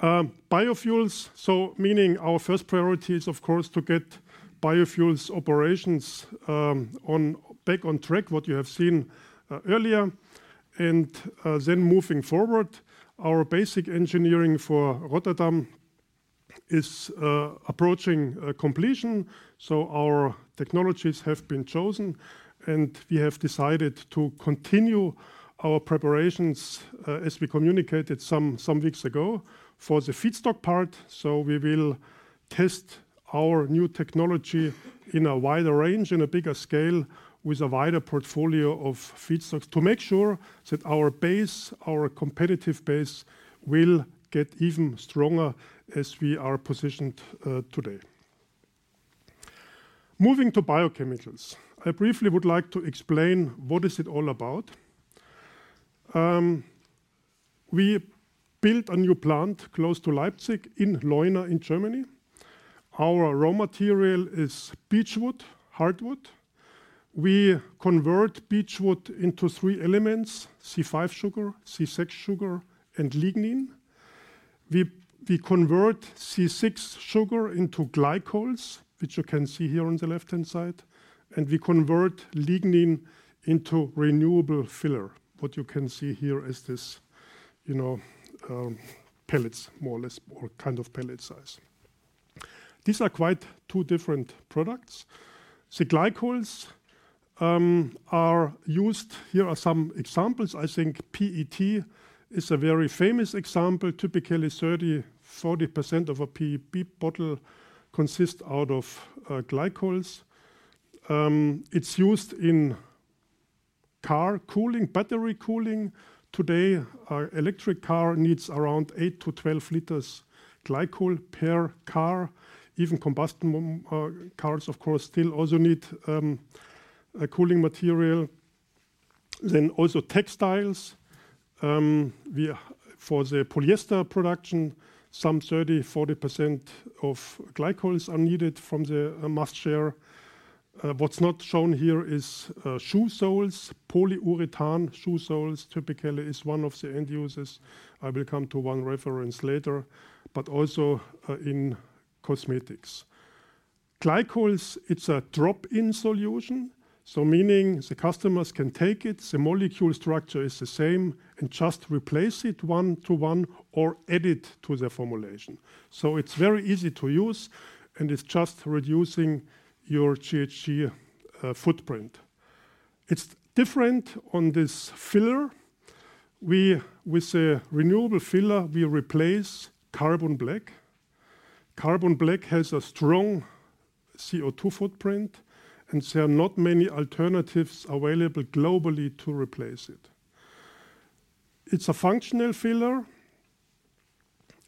Biofuels, so meaning our first priority is, of course, to get biofuels operations back on track, what you have seen earlier. Then moving forward, our basic engineering for Rotterdam is approaching completion, so our technologies have been chosen, and we have decided to continue our preparations, as we communicated some weeks ago, for the feedstock part. We will test our new technology in a wider range, in a bigger scale, with a wider portfolio of feedstocks, to make sure that our base, our competitive base, will get even stronger as we are positioned today. Moving to biochemicals. I briefly would like to explain what is it all about. We built a new plant close to Leipzig, in Leuna, in Germany. Our raw material is beechwood, hardwood. We convert beechwood into three elements: C5 sugar, C6 sugar, and lignin. We convert C6 sugar into glycols, which you can see here on the left-hand side, and we convert lignin into renewable filler. What you can see here is this, you know, pellets, more or less, or kind of pellet size. These are quite two different products. The glycols are used. Here are some examples. I think PET is a very famous example. Typically, 30%-40% of a PP bottle consist out of glycols. It's used in car cooling, battery cooling. Today, our electric car needs around eight to 12 L glycol per car. Even combustion cars, of course, still also need a cooling material. Then also textiles, we are for the polyester production, 30%-40% of glycols are needed from the mass share. What's not shown here is shoe soles. Polyurethane shoe soles typically is one of the end users. I will come to one reference later, but also in cosmetics. Glycols, it's a drop-in solution, so meaning the customers can take it, the molecule structure is the same, and just replace it one to one or add it to the formulation. So it's very easy to use, and it's just reducing your GHG footprint. It's different on this filler. With a renewable filler, we replace carbon black. Carbon black has a strong CO2 footprint, and there are not many alternatives available globally to replace it. It's a functional filler.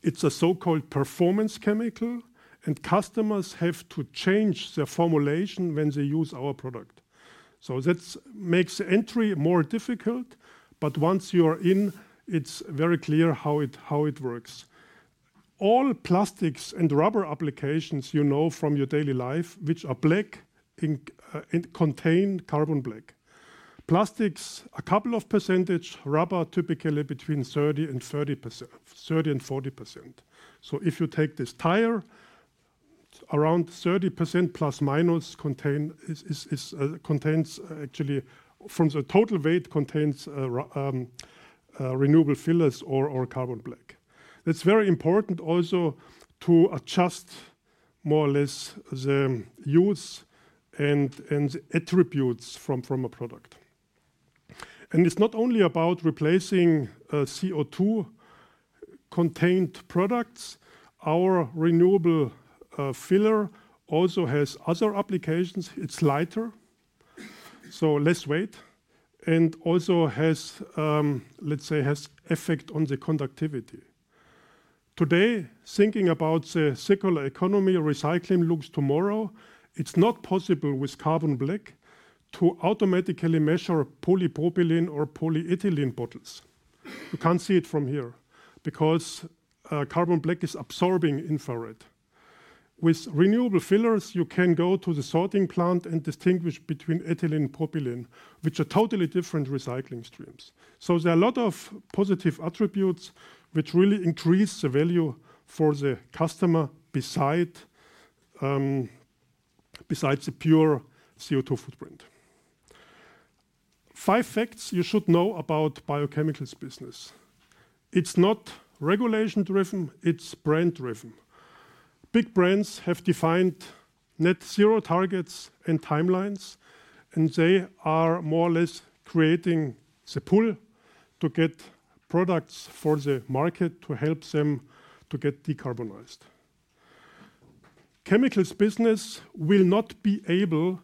It's a so-called performance chemical, and customers have to change their formulation when they use our product. So that makes entry more difficult, but once you're in, it's very clear how it works. All plastics and rubber applications you know from your daily life, which are black, in contain carbon black. Plastics, a couple of percent, rubber, typically between 30% and 40%. So if you take this tire, around 30%± contains actually. From the total weight, contains renewable fillers or carbon black. It's very important also to adjust more or less the use and attributes from a product. And it's not only about replacing CO2-contained products. Our renewable filler also has other applications. It's lighter, so less weight, and also has, let's say, effect on the conductivity. Today, thinking about the circular economy, recycling looks tomorrow, it's not possible with carbon black to automatically sort polypropylene or polyethylene bottles. You can't see it from here because carbon black is absorbing infrared. With renewable fillers, you can go to the sorting plant and distinguish between ethylene and propylene, which are totally different recycling streams. So there are a lot of positive attributes which really increase the value for the customer beside, besides the pure CO2 footprint. Five facts you should know about biochemicals business: It's not regulation-driven, it's brand-driven. Big brands have defined net zero targets and timelines, and they are more or less creating the pull to get products for the market to help them to get decarbonized. Chemicals business will not be able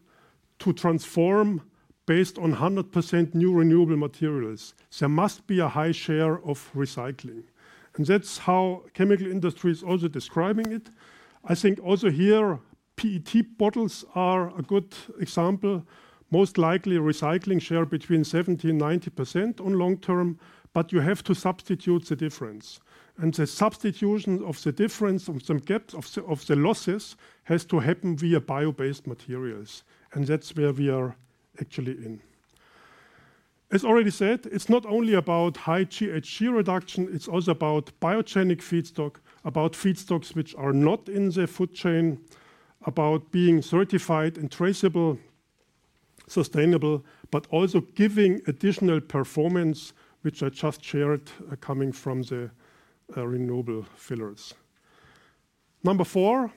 to transform based on 100% new renewable materials. There must be a high share of recycling, and that's how chemical industry is also describing it. I think also here, PET bottles are a good example. Most likely, recycling share between 70 and 90% on long term, but you have to substitute the difference. And the substitution of the difference, of some gaps, of the losses, has to happen via bio-based materials, and that's where we are actually in. As already said, it's not only about high GHG reduction, it's also about biogenic feedstock, about feedstocks which are not in the food chain, about being certified and traceable, sustainable, but also giving additional performance, which I just shared, coming from the renewable fillers. Number four,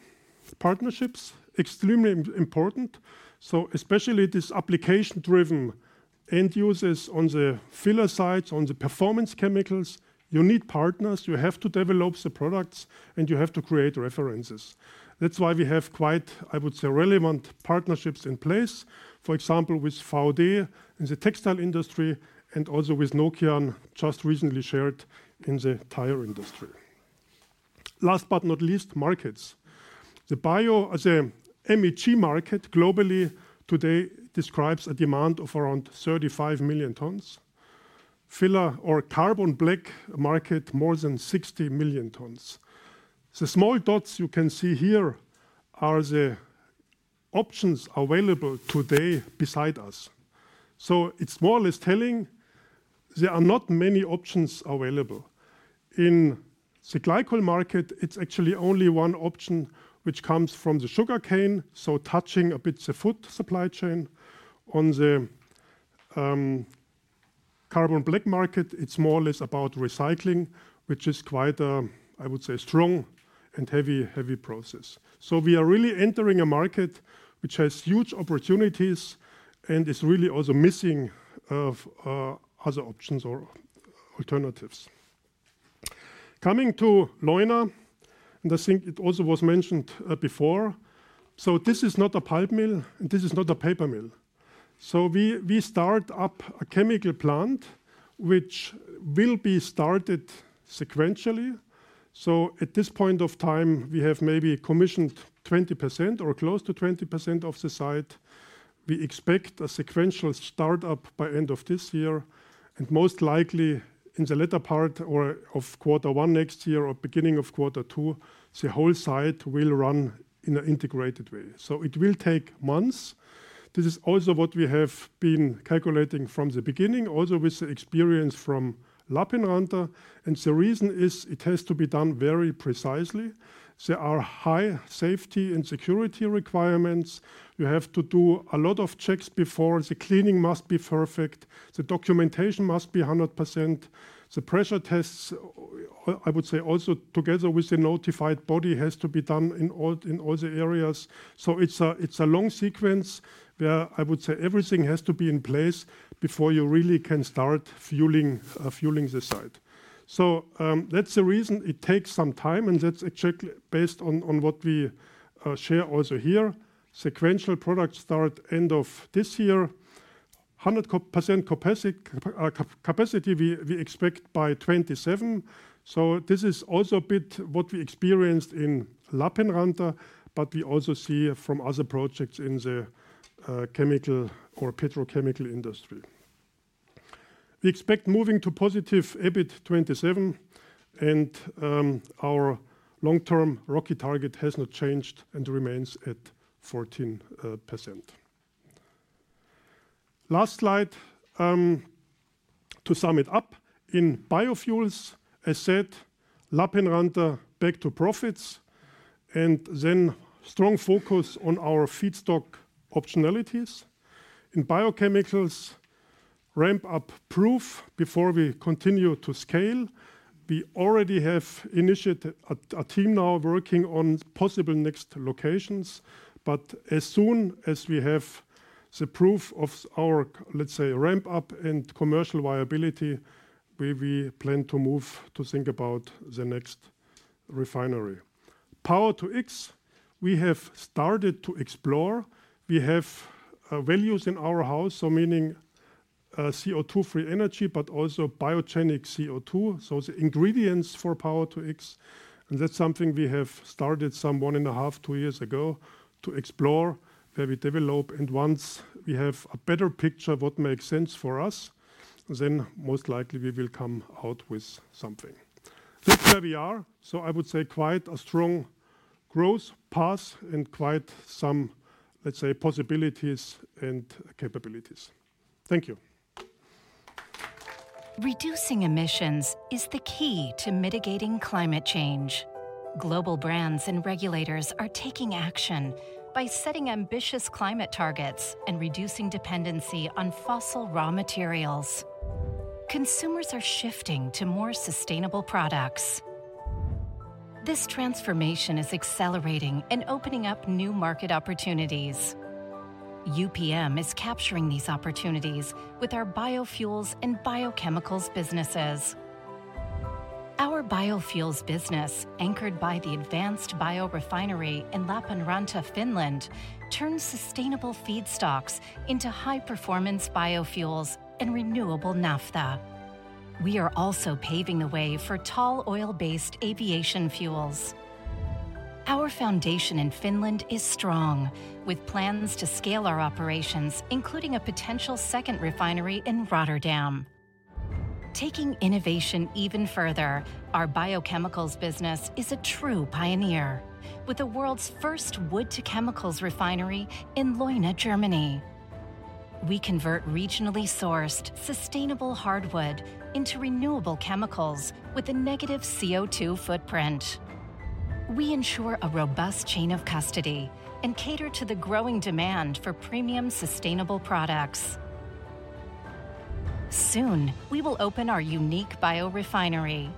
partnerships. Extremely important, so especially this application-driven end users on the filler sides, on the performance chemicals, you need partners, you have to develop the products, and you have to create references. That's why we have quite, I would say, relevant partnerships in place. For example, with VAUDE in the textile industry, and also with Nokian, just recently shared in the tire industry. Last but not least, markets. The Bio-MEG market globally today describes a demand of around 35 million tons. The filler or carbon black market, more than 60 million tons. The small dots you can see here are the options available today beside us. It's more or less telling there are not many options available. In the glycol market, it's actually only one option, which comes from the sugarcane, so touching a bit the food supply chain. On the carbon black market, it's more or less about recycling, which is quite, I would say, a strong and heavy, heavy process. We are really entering a market which has huge opportunities and is really also missing of other options or alternatives. Coming to Leuna, and I think it also was mentioned before, so this is not a pulp mill, and this is not a paper mill. We start up a chemical plant, which will be started sequentially. At this point of time, we have maybe commissioned 20% or close to 20% of the site. We expect a sequential start-up by end of this year, and most likely in the latter part of quarter one next year or beginning of quarter two, the whole site will run in an integrated way. It will take months. This is also what we have been calculating from the beginning, also with the experience from Lappeenranta. The reason is, it has to be done very precisely. There are high safety and security requirements. You have to do a lot of checks before. The cleaning must be perfect, the documentation must be 100%. The pressure tests, I would say also together with the notified body, has to be done in all the areas. So it's a long sequence, where I would say everything has to be in place before you really can start fueling the site. So, that's the reason it takes some time, and that's exactly based on what we share also here. Sequential product start end of this year. 100% capacity, we expect by 2027. So this is also a bit what we experienced in Lappeenranta, but we also see from other projects in the chemical or petrochemical industry. We expect moving to positive EBIT 2027, and, our long-term ROCE target has not changed and remains at 14%. Last slide. To sum it up, in biofuels, as said, Lappeenranta back to profits, and then strong focus on our feedstock optionalities. In biochemicals, ramp up proof before we continue to scale. We already have initiated a team now working on possible next locations. But as soon as we have the proof of our, let's say, ramp up and commercial viability, we plan to move to think about the next refinery. Power-to-X, we have started to explore. We have values in our house, so meaning CO2-free energy, but also biogenic CO2, so the ingredients for Power-to-X. That's something we have started some one and a half, two years ago, to explore, where we develop. Once we have a better picture of what makes sense for us, then most likely we will come out with something. That's where we are, so I would say quite a strong growth path and quite some, let's say, possibilities and capabilities. Thank you. Reducing emissions is the key to mitigating climate change. Global brands and regulators are taking action by setting ambitious climate targets and reducing dependency on fossil raw materials. Consumers are shifting to more sustainable products. This transformation is accelerating and opening up new market opportunities. UPM is capturing these opportunities with our biofuels and biochemicals businesses. Our biofuels business, anchored by the advanced biorefinery in Lappeenranta, Finland, turns sustainable feedstocks into high-performance biofuels and renewable naphtha. We are also paving the way for tall oil-based aviation fuels. Our foundation in Finland is strong, with plans to scale our operations, including a potential second refinery in Rotterdam. Taking innovation even further, our biochemicals business is a true pioneer, with the world's first wood to chemicals refinery in Leuna, Germany. We convert regionally sourced, sustainable hardwood into renewable chemicals with a negative CO2 footprint. We ensure a robust chain of custody and cater to the growing demand for premium, sustainable products. Soon, we will open our unique biorefinery.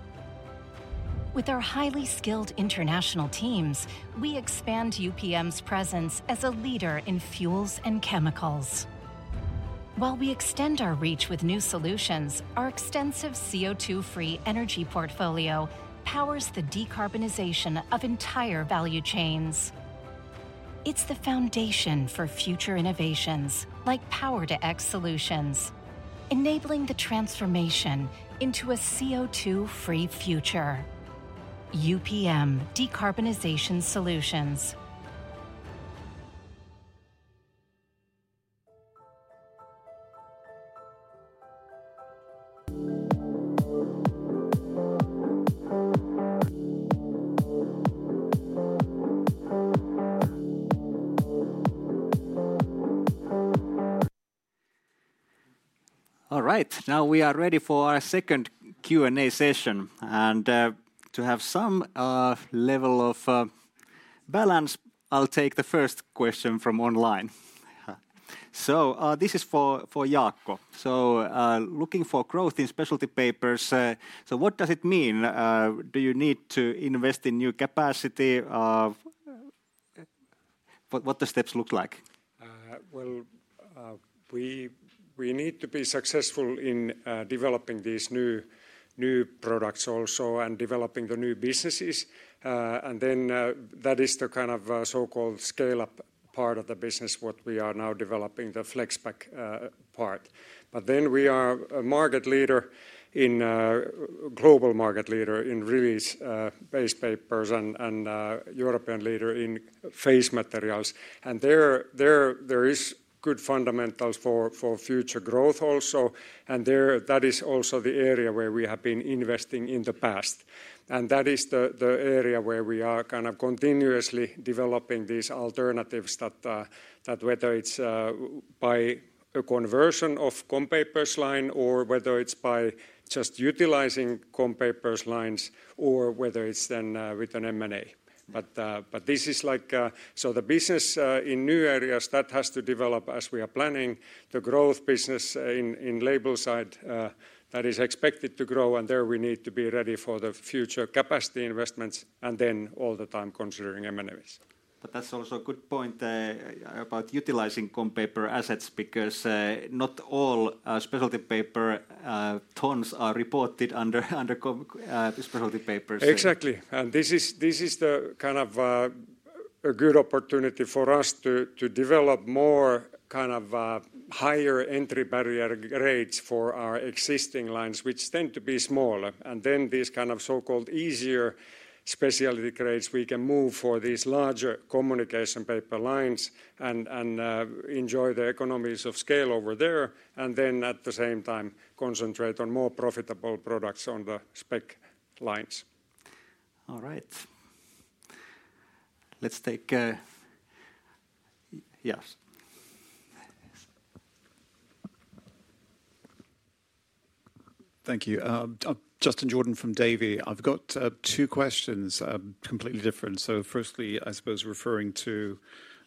With our highly skilled international teams, we expand UPM's presence as a leader in fuels and chemicals. While we extend our reach with new solutions, our extensive CO2-free energy portfolio powers the decarbonization of entire value chains. It's the foundation for future innovations, like Power-to-X solutions, enabling the transformation into a CO2-free future. UPM, Decarbonization Solutions. All right, now we are ready for our second Q&A session. And, to have some level of balance, I'll take the first question from online. So, this is for Jaakko. So, looking for growth in specialty papers, so what does it mean? Do you need to invest in new capacity, what the steps look like? Well, we need to be successful in developing these new products also, and developing the new businesses, and then that is the kind of so-called scale-up part of the business, what we are now developing, the flex pack part, but then we are a global market leader in release base papers and European leader in face materials. There is good fundamentals for future growth also, and that is also the area where we have been investing in the past, and that is the area where we are kind of continuously developing these alternatives that whether it's by a conversion of comm papers line, or whether it's by just utilizing comm papers lines, or whether it's then with an M&A. This is like the business in new areas that has to develop as we are planning the growth business in label side that is expected to grow, and there we need to be ready for the future capacity investments, and then all the time considering M&As. But that's also a good point about utilizing communication paper assets, because not all specialty paper tons are reported under communication specialty papers. Exactly. And this is the kind of a good opportunity for us to develop more kind of higher entry barrier grades for our existing lines, which tend to be smaller. And then these kind of so-called easier specialty grades we can move for these larger communication paper lines and enjoy the economies of scale over there, and then at the same time concentrate on more profitable products on the spec lines. All right. Let's take... Yes. Thank you. Justin Jordan from Davy. I've got two questions, completely different. So firstly, I suppose referring to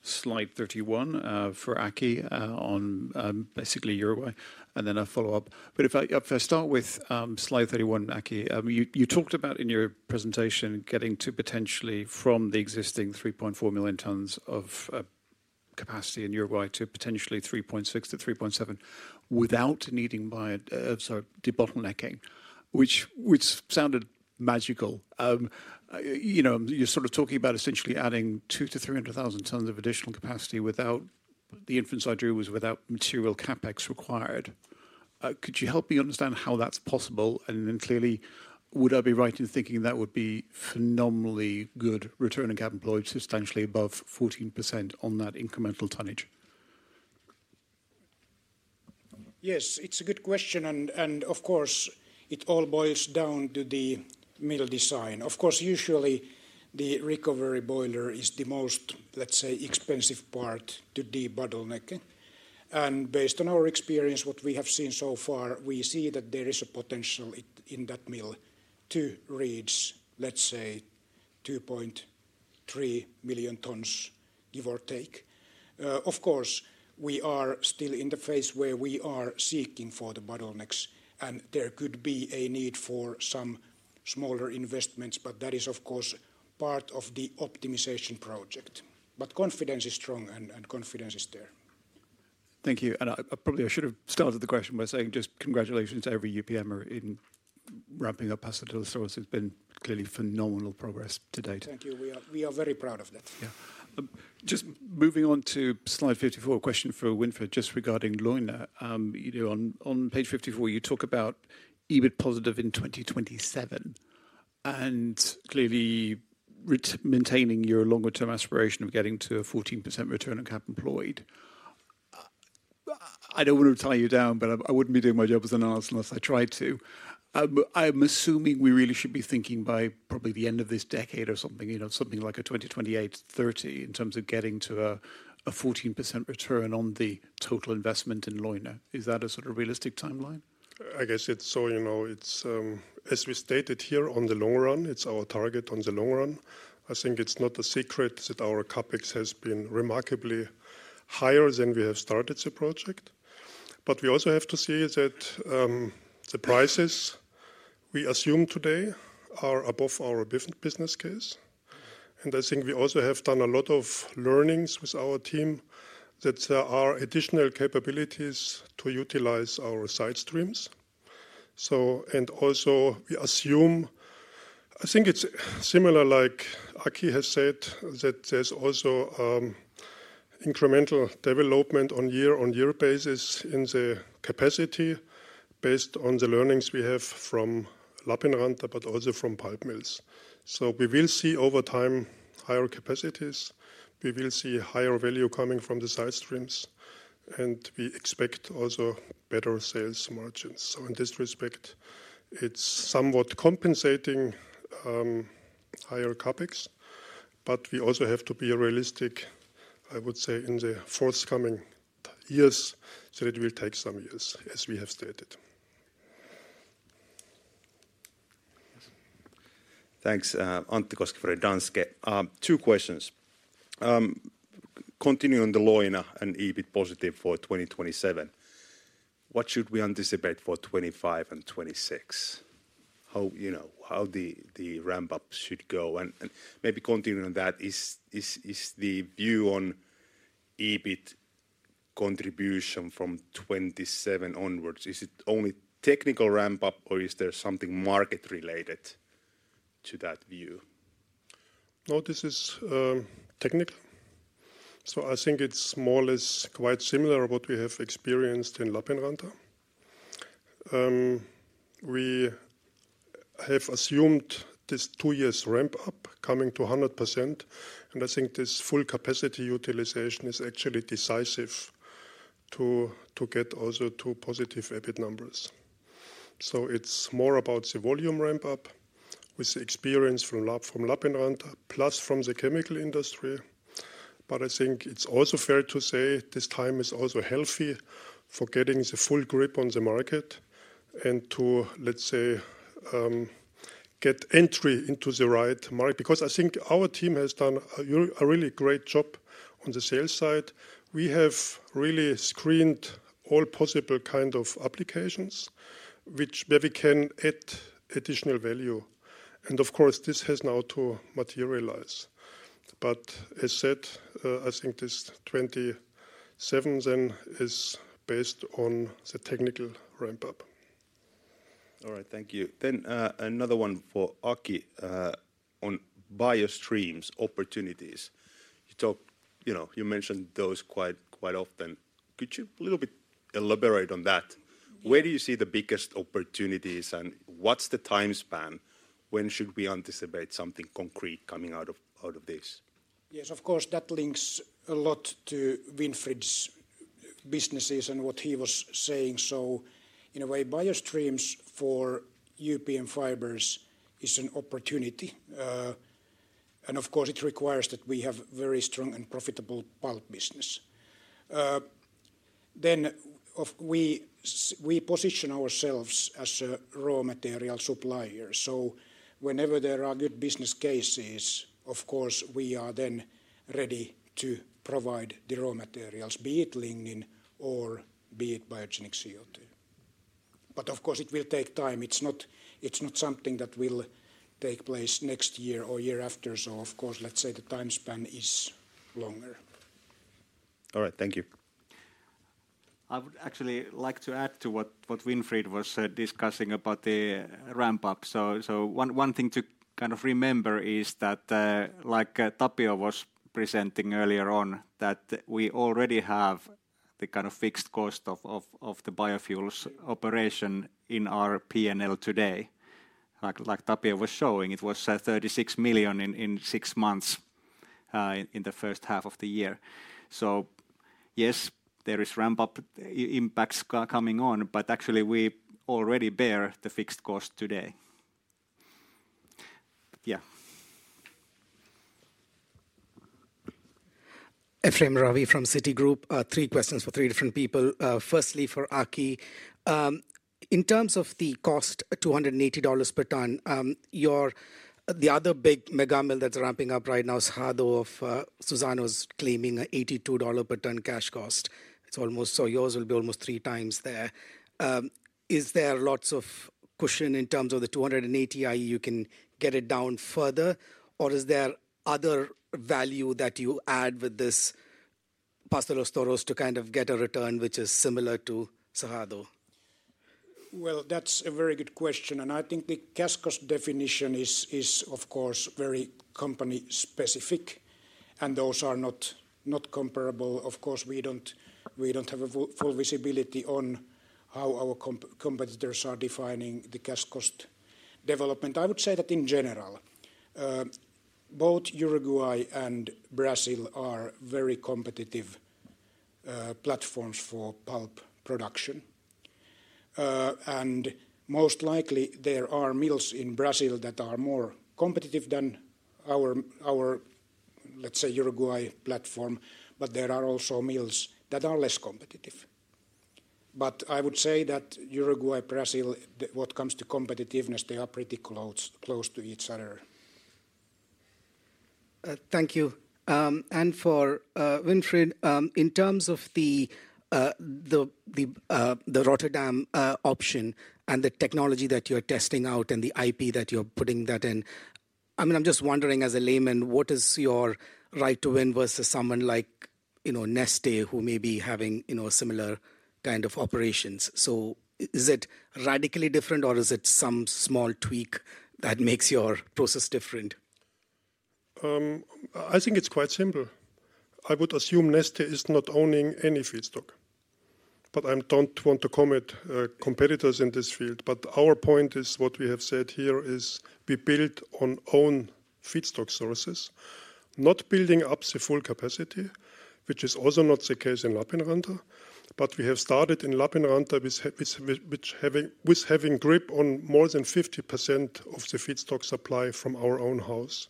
slide thirty-one, for Aki, on basically Uruguay, and then a follow-up. But if I start with Slide 31, Aki, you talked about in your presentation getting to potentially from the existing 3.4 million tons of capacity in Uruguay to potentially 3.6 million-3.7 million without needing by, sorry, debottlenecking, which sounded magical. You know, you're sort of talking about essentially adding 200,000-300,000 tons of additional capacity without. The inference I drew was without material CapEx required. Could you help me understand how that's possible? Clearly, would I be right in thinking that would be phenomenally good return on capital employed, substantially above 14% on that incremental tonnage? Yes, it's a good question, and of course, it all boils down to the mill design. Of course, usually, the recovery boiler is the most, let's say, expensive part to debottlenecking. And based on our experience, what we have seen so far, we see that there is a potential in that mill to reach, let's say, 2.3 million tons, give or take. Of course, we are still in the phase where we are seeking for the bottlenecks, and there could be a need for some smaller investments, but that is, of course, part of the optimization project. But confidence is strong, and confidence is there. Thank you. And I probably should have started the question by saying just congratulations to every UPMer in ramping up Paso de los Toros. It's been clearly phenomenal progress to date. Thank you. We are very proud of that. Yeah. Just moving on to Slide 54, a question for Winfried just regarding Leuna. You know, on page 54, you talk about EBIT positive in 2027, and clearly maintaining your longer-term aspiration of getting to a 14% return on capital employed. I don't want to tie you down, but I wouldn't be doing my job as an analyst unless I tried to. But I'm assuming we really should be thinking by probably the end of this decade or something, you know, something like a 2030, in terms of getting to a 14% return on the total investment in Leuna. Is that a sort of realistic timeline? I guess it's so, you know, it's. As we stated here on the long run, it's our target on the long run. I think it's not a secret that our CapEx has been remarkably higher than we have started the project. But we also have to see that, the prices we assume today are above our business case. And I think we also have done a lot of learnings with our team, that there are additional capabilities to utilize our side streams. So and also, we assume. I think it's similar, like Aki has said, that there's also, incremental development on year-on-year basis in the capacity based on the learnings we have from Lappeenranta but also from pulp mills. So we will see over time, higher capacities, we will see higher value coming from the side streams, and we expect also better sales margins. In this respect, it's somewhat compensating higher CapEx, but we also have to be realistic, I would say, in the forthcoming years. It will take some years, as we have stated. Yes. Thanks. Antti Koskinen for Danske. Two questions. Continuing the Leuna and EBIT positive for 2027. What should we anticipate for 2025 and 2026? How, you know, how the ramp up should go? And maybe continuing on that, is the view on EBIT contribution from 2027 onwards, is it only technical ramp up or is there something market related to that view? No, this is technical. So I think it's more or less quite similar what we have experienced in Lappeenranta. We have assumed this two years ramp up coming to 100%, and I think this full capacity utilization is actually decisive to get also to positive EBIT numbers. So it's more about the volume ramp up with experience from Lappeenranta plus from the chemical industry. But I think it's also fair to say this time is also healthy for getting the full grip on the market and to, let's say, get entry into the right market. Because I think our team has done a really great job on the sales side. We have really screened all possible kind of applications, which maybe can add additional value, and of course, this has now to materialize. But as said, I think this 27 then is based on the technical ramp up. All right, thank you. Then, another one for Aki on biostreams opportunities. You talk, you know, you mention those quite, quite often. Could you a little bit elaborate on that? Where do you see the biggest opportunities, and what's the time span? When should we anticipate something concrete coming out of this? Yes, of course, that links a lot to Winfried's businesses and what he was saying, so in a way, biostreams for UPM Fibres is an opportunity, and of course, it requires that we have very strong and profitable pulp business, then we position ourselves as a raw material supplier, so whenever there are good business cases, of course, we are then ready to provide the raw materials, be it lignin or be it biogenic CO2, but of course, it will take time. It's not, it's not something that will take place next year or year after, so of course, let's say the time span is longer. All right, thank you. I would actually like to add to what Winfried was saying, discussing about the ramp up. So one thing to kind of remember is that, like, Tapio was presenting earlier on, that we already have the kind of fixed cost of the biofuels operation in our PNL today. Like Tapio was showing, it was 36 million in six months in the first half of the year. So yes, there is ramp up impacts coming on, but actually we already bear the fixed cost today. Yeah. Ephrem Ravi from Citigroup. Three questions for three different people. Firstly, for Aki. In terms of the cost, $280 per ton, your. The other big mega mill that's ramping up right now, Cerrado of Suzano's, claiming $82 per ton cash cost. It's almost so yours will be almost 3x there. Is there lots of cushion in terms of the $280, or you can get it down further? Or is there other value that you add with this Paso de los Toros to kind of get a return which is similar to Cerrado? That's a very good question, and I think the cash cost definition is of course very company-specific, and those are not comparable. Of course, we don't have full visibility on how our competitors are defining the cash cost development. I would say that in general both Uruguay and Brazil are very competitive platforms for pulp production. And most likely there are mills in Brazil that are more competitive than our, let's say, Uruguay platform, but there are also mills that are less competitive. But I would say that Uruguay, Brazil, what comes to competitiveness, they are pretty close to each other. Thank you. And for Winfried, in terms of the Rotterdam option and the technology that you're testing out and the IP that you're putting that in, I mean, I'm just wondering, as a layman, what is your right to win versus someone like, you know, Neste, who may be having, you know, similar kind of operations? So is it radically different, or is it some small tweak that makes your process different? I think it's quite simple. I would assume Neste is not owning any feedstock, but I don't want to comment, competitors in this field. But our point is, what we have said here is we build on own feedstock sources, not building up the full capacity, which is also not the case in Lappeenranta. But we have started in Lappeenranta with having grip on more than 50% of the feedstock supply from our own house.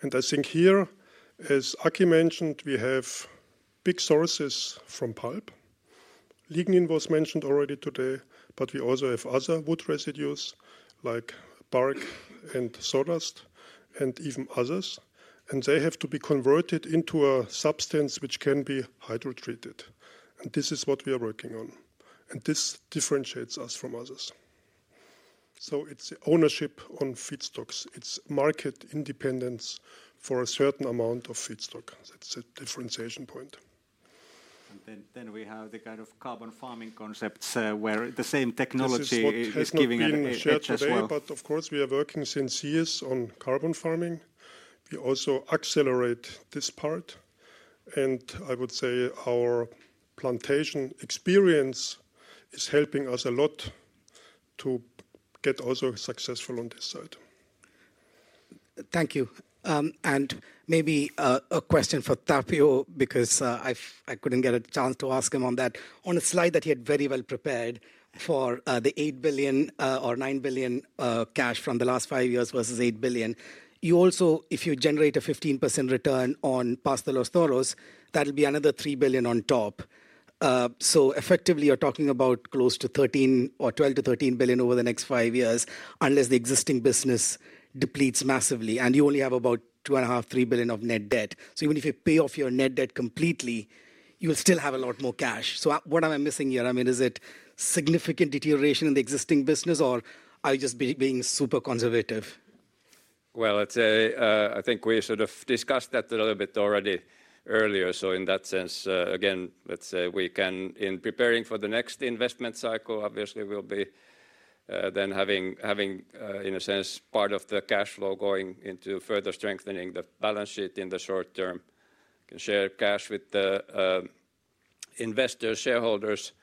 And I think here, as Aki mentioned, we have big sources from pulp. Lignin was mentioned already today, but we also have other wood residues like bark and sawdust and even others, and they have to be converted into a substance which can be hydrotreated. And this is what we are working on, and this differentiates us from others... So it's ownership on feedstocks. It's market independence for a certain amount of feedstock. That's a differentiation point. And then we have the kind of carbon farming concepts, where the same technology- This is what- Is giving an edge as well. But of course, we are working since years on carbon farming. We also accelerate this part, and I would say our plantation experience is helping us a lot to get also successful on this side. Thank you. And maybe a question for Tapio, because I couldn't get a chance to ask him on that. On a slide that he had very well prepared for the 8 billion or 9 billion cash from the last five years versus 8 billion, you also... if you generate a 15% return on Paso de los Toros, that'll be another 3 billion on top. So effectively, you're talking about close to 13 billion or 12 billion-EUR13 billion over the next five years, unless the existing business depletes massively, and you only have about 2.5 billion-3 billion of net debt. So even if you pay off your net debt completely, you'll still have a lot more cash. So what, what am I missing here? I mean, is it significant deterioration in the existing business, or are you just being super conservative? Well, I'd say I think we sort of discussed that a little bit already earlier. So in that sense, again, let's say we can, in preparing for the next investment cycle, obviously we'll be then having, in a sense, part of the cash flow going into further strengthening the balance sheet in the short term. We can share cash with the investors, shareholders,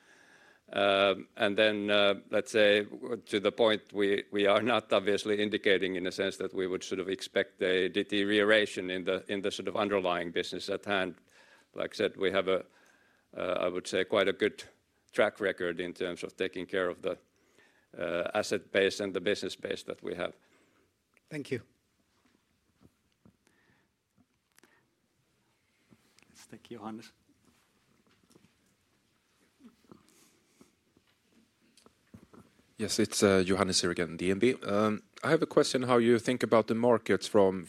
and then, let's say, to the point, we are not obviously indicating in a sense that we would sort of expect a deterioration in the sort of underlying business at hand. Like I said, we have, I would say, quite a good track record in terms of taking care of the asset base and the business base that we have. Thank you. Let's take Johannes. Yes, it's Johannes here again, DNB. I have a question, how you think about the markets from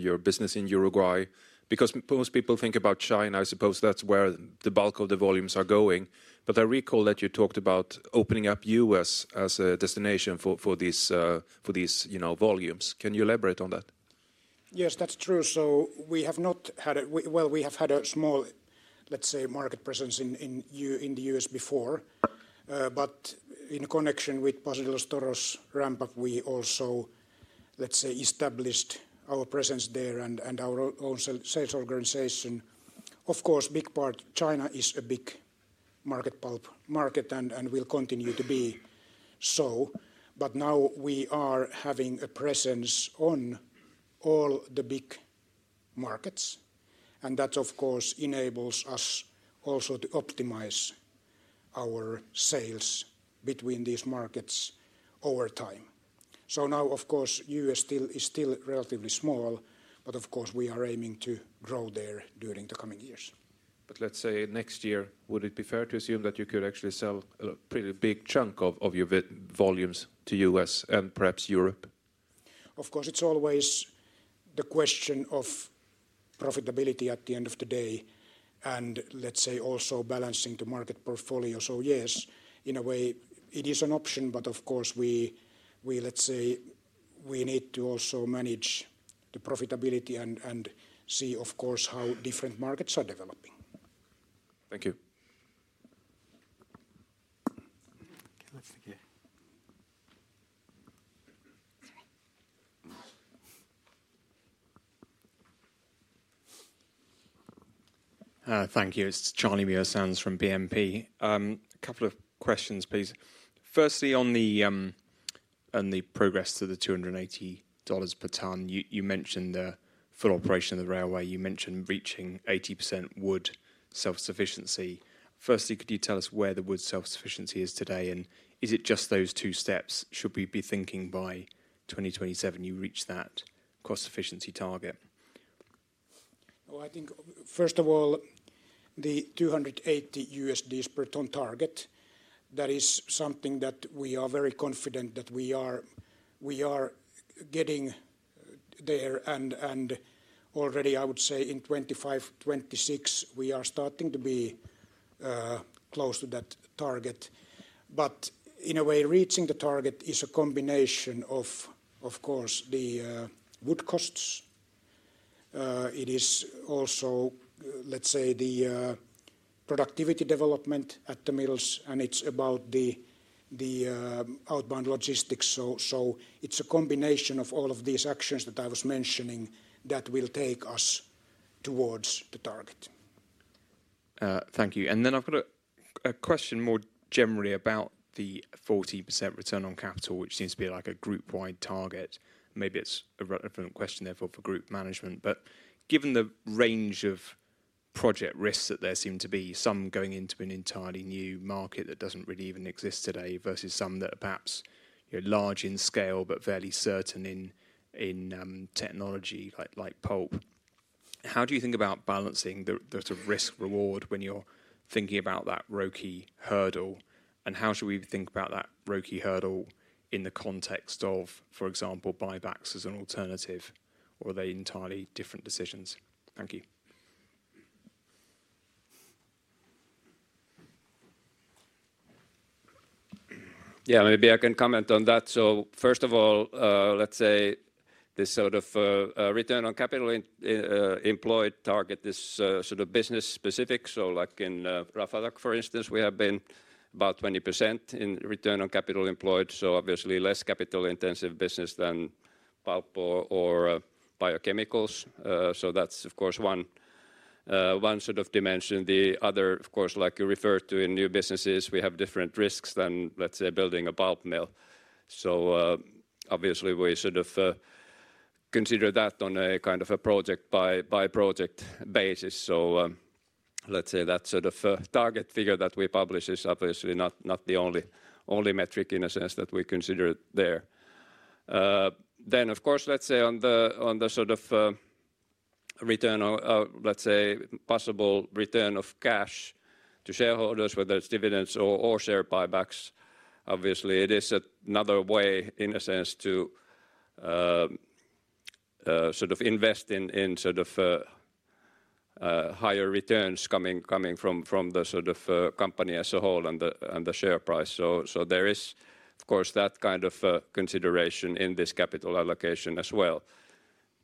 your business in Uruguay? Because most people think about China, I suppose that's where the bulk of the volumes are going. But I recall that you talked about opening up US as a destination for these, you know, volumes. Can you elaborate on that? Yes, that's true. Well, we have had a small, let's say, market presence in the U.S. before, but in connection with Paso de los Toros ramp-up, we also, let's say, established our presence there and our own sales organization. Of course a big part, China is a big pulp market and will continue to be so. But now we are having a presence on all the big markets, and that, of course, enables us also to optimize our sales between these markets over time. Now, of course, U.S. still is still relatively small, but of course, we are aiming to grow there during the coming years. But let's say next year, would it be fair to assume that you could actually sell a pretty big chunk of your volumes to U.S. and perhaps Europe? Of course, it's always the question of profitability at the end of the day, and let's say, also balancing the market portfolio. So yes, in a way, it is an option, but of course, we, let's say, we need to also manage the profitability and see, of course, how different markets are developing. Thank you. Let's take you Thank you. It's Charlie Muir-Sands from BNP. A couple of questions, please. Firstly, on the progress to the $280 per ton, you mentioned the full operation of the railway, you mentioned reaching 80% wood self-sufficiency. Firstly, could you tell us where the wood self-sufficiency is today, and is it just those two steps? Should we be thinking by 2027 you reach that cost efficiency target? I think, first of all, the $280 per ton target, that is something that we are very confident that we are getting there, and already, I would say, in 2025, 2026, we are starting to be close to that target. But in a way, reaching the target is a combination of, of course, the wood costs. It is also, let's say, the productivity development at the mills, and it's about the outbound logistics. So it's a combination of all of these actions that I was mentioning that will take us towards the target. Thank you. And then I've got a question more generally about the 40% return on capital, which seems to be like a group-wide target. Maybe it's a relevant question therefore for group management, but given the range of project risks that there seem to be, some going into an entirely new market that doesn't really even exist today, versus some that are perhaps, you know, large in scale but fairly certain in technology, like pulp, how do you think about balancing the sort of risk-reward when you're thinking about that ROCE hurdle? And how should we think about that ROCE hurdle in the context of, for example, buybacks as an alternative, or are they entirely different decisions? Thank you. Yeah, maybe I can comment on that. So first of all, let's say, this sort of return on capital employed target is sort of business specific. So like in Raflatac, for instance, we have been about 20% in return on capital employed, so obviously less capital intensive business than pulp or biochemicals. So that's of course, one sort of dimension. The other, of course, like you referred to in new businesses, we have different risks than, let's say, building a pulp mill. So obviously we sort of consider that on a kind of a project by project basis. So let's say that sort of target figure that we publish is obviously not the only metric in a sense that we consider there. Then of course, let's say on the sort of return of, let's say, possible return of cash to shareholders, whether it's dividends or share buybacks, obviously it is another way, in a sense, to sort of invest in sort of higher returns coming from the sort of company as a whole and the share price. So there is, of course, that kind of consideration in this capital allocation as well.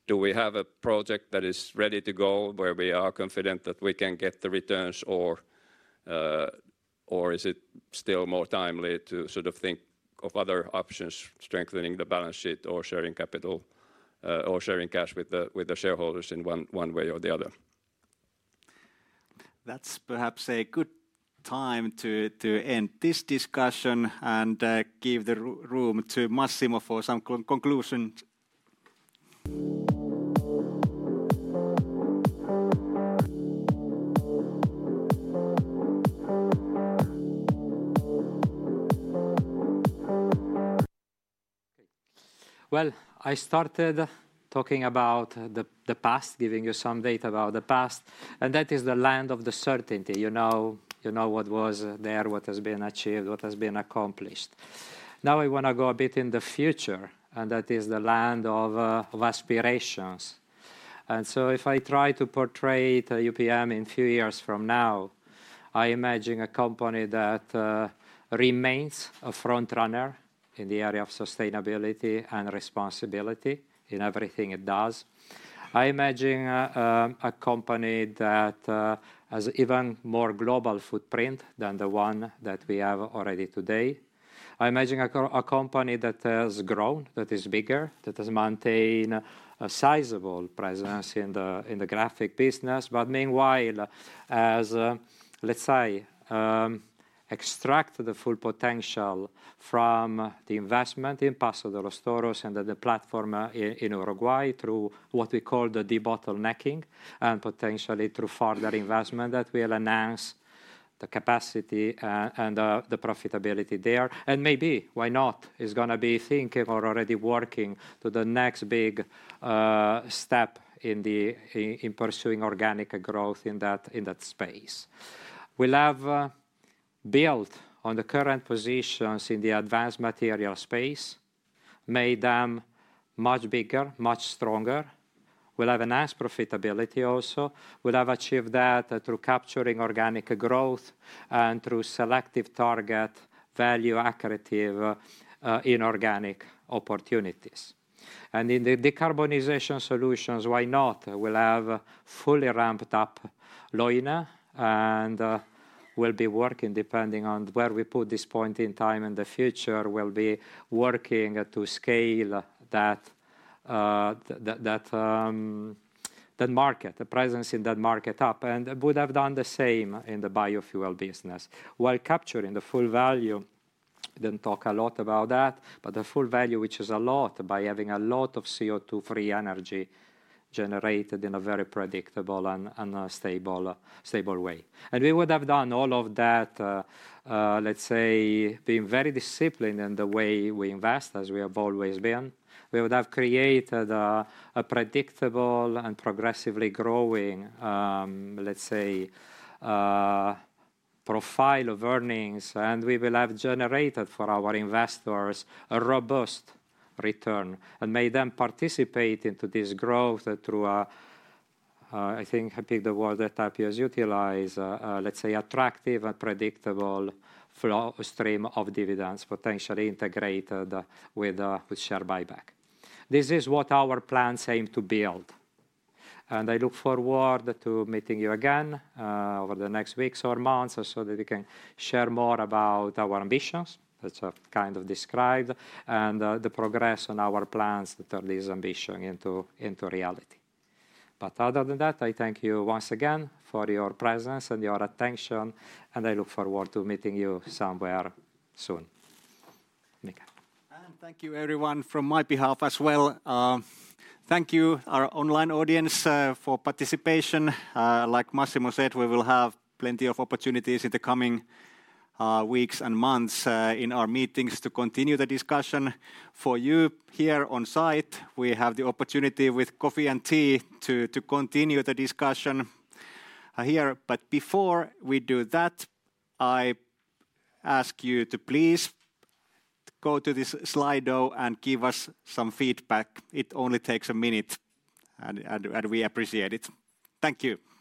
Do we have a project that is ready to go, where we are confident that we can get the returns? Or is it still more timely to sort of think of other options, strengthening the balance sheet or sharing capital or sharing cash with the shareholders in one way or the other? That's perhaps a good time to end this discussion and give the room to Massimo for some conclusions. I started talking about the past, giving you some data about the past, and that is the land of the certainty. You know, you know what was there, what has been achieved, what has been accomplished. Now, I want to go a bit in the future, and that is the land of aspirations. And so if I try to portray the UPM in few years from now, I imagine a company that remains a frontrunner in the area of sustainability and responsibility in everything it does. I imagine a company that has even more global footprint than the one that we have already today. I imagine a company that has grown, that is bigger, that has maintained a sizable presence in the graphic business, but meanwhile, as let's say, extract the full potential from the investment in Paso de los Toros and the platform in Uruguay, through what we call the debottlenecking, and potentially through further investment, that we'll enhance the capacity and the profitability there. And maybe, why not, is going to be thinking or already working to the next big step in pursuing organic growth in that space. We'll have built on the current positions in the advanced material space, made them much bigger, much stronger. We'll have enhanced profitability also. We'll have achieved that through capturing organic growth and through selective target value accretive inorganic opportunities. And in the decarbonization solutions, why not? We'll have fully ramped up Leuna, and we'll be working depending on where we put this point in time in the future. We'll be working to scale that market, the presence in that market up, and would have done the same in the biofuel business, while capturing the full value. Didn't talk a lot about that, but the full value, which is a lot, by having a lot of CO2 free energy generated in a very predictable and a stable way. And we would have done all of that, let's say, being very disciplined in the way we invest, as we have always been. We would have created a predictable and progressively growing, let's say, profile of earnings, and we will have generated for our investors a robust return and made them participate into this growth through a, I think, I pick the word that Tapio's utilize, let's say attractive and predictable flow stream of dividends, potentially integrated with share buyback. This is what our plans aim to build, and I look forward to meeting you again over the next weeks or months, so that we can share more about our ambitions, as I've kind of described, and the progress on our plans to turn this ambition into reality. But other than that, I thank you once again for your presence and your attention, and I look forward to meeting you somewhere soon. Mika? And thank you everyone from my behalf as well. Thank you, our online audience, for participation. Like Massimo said, we will have plenty of opportunities in the coming weeks and months in our meetings to continue the discussion. For you here on site, we have the opportunity with coffee and tea to continue the discussion here. But before we do that, I ask you to please go to this Slido and give us some feedback. It only takes a minute, and we appreciate it. Thank you!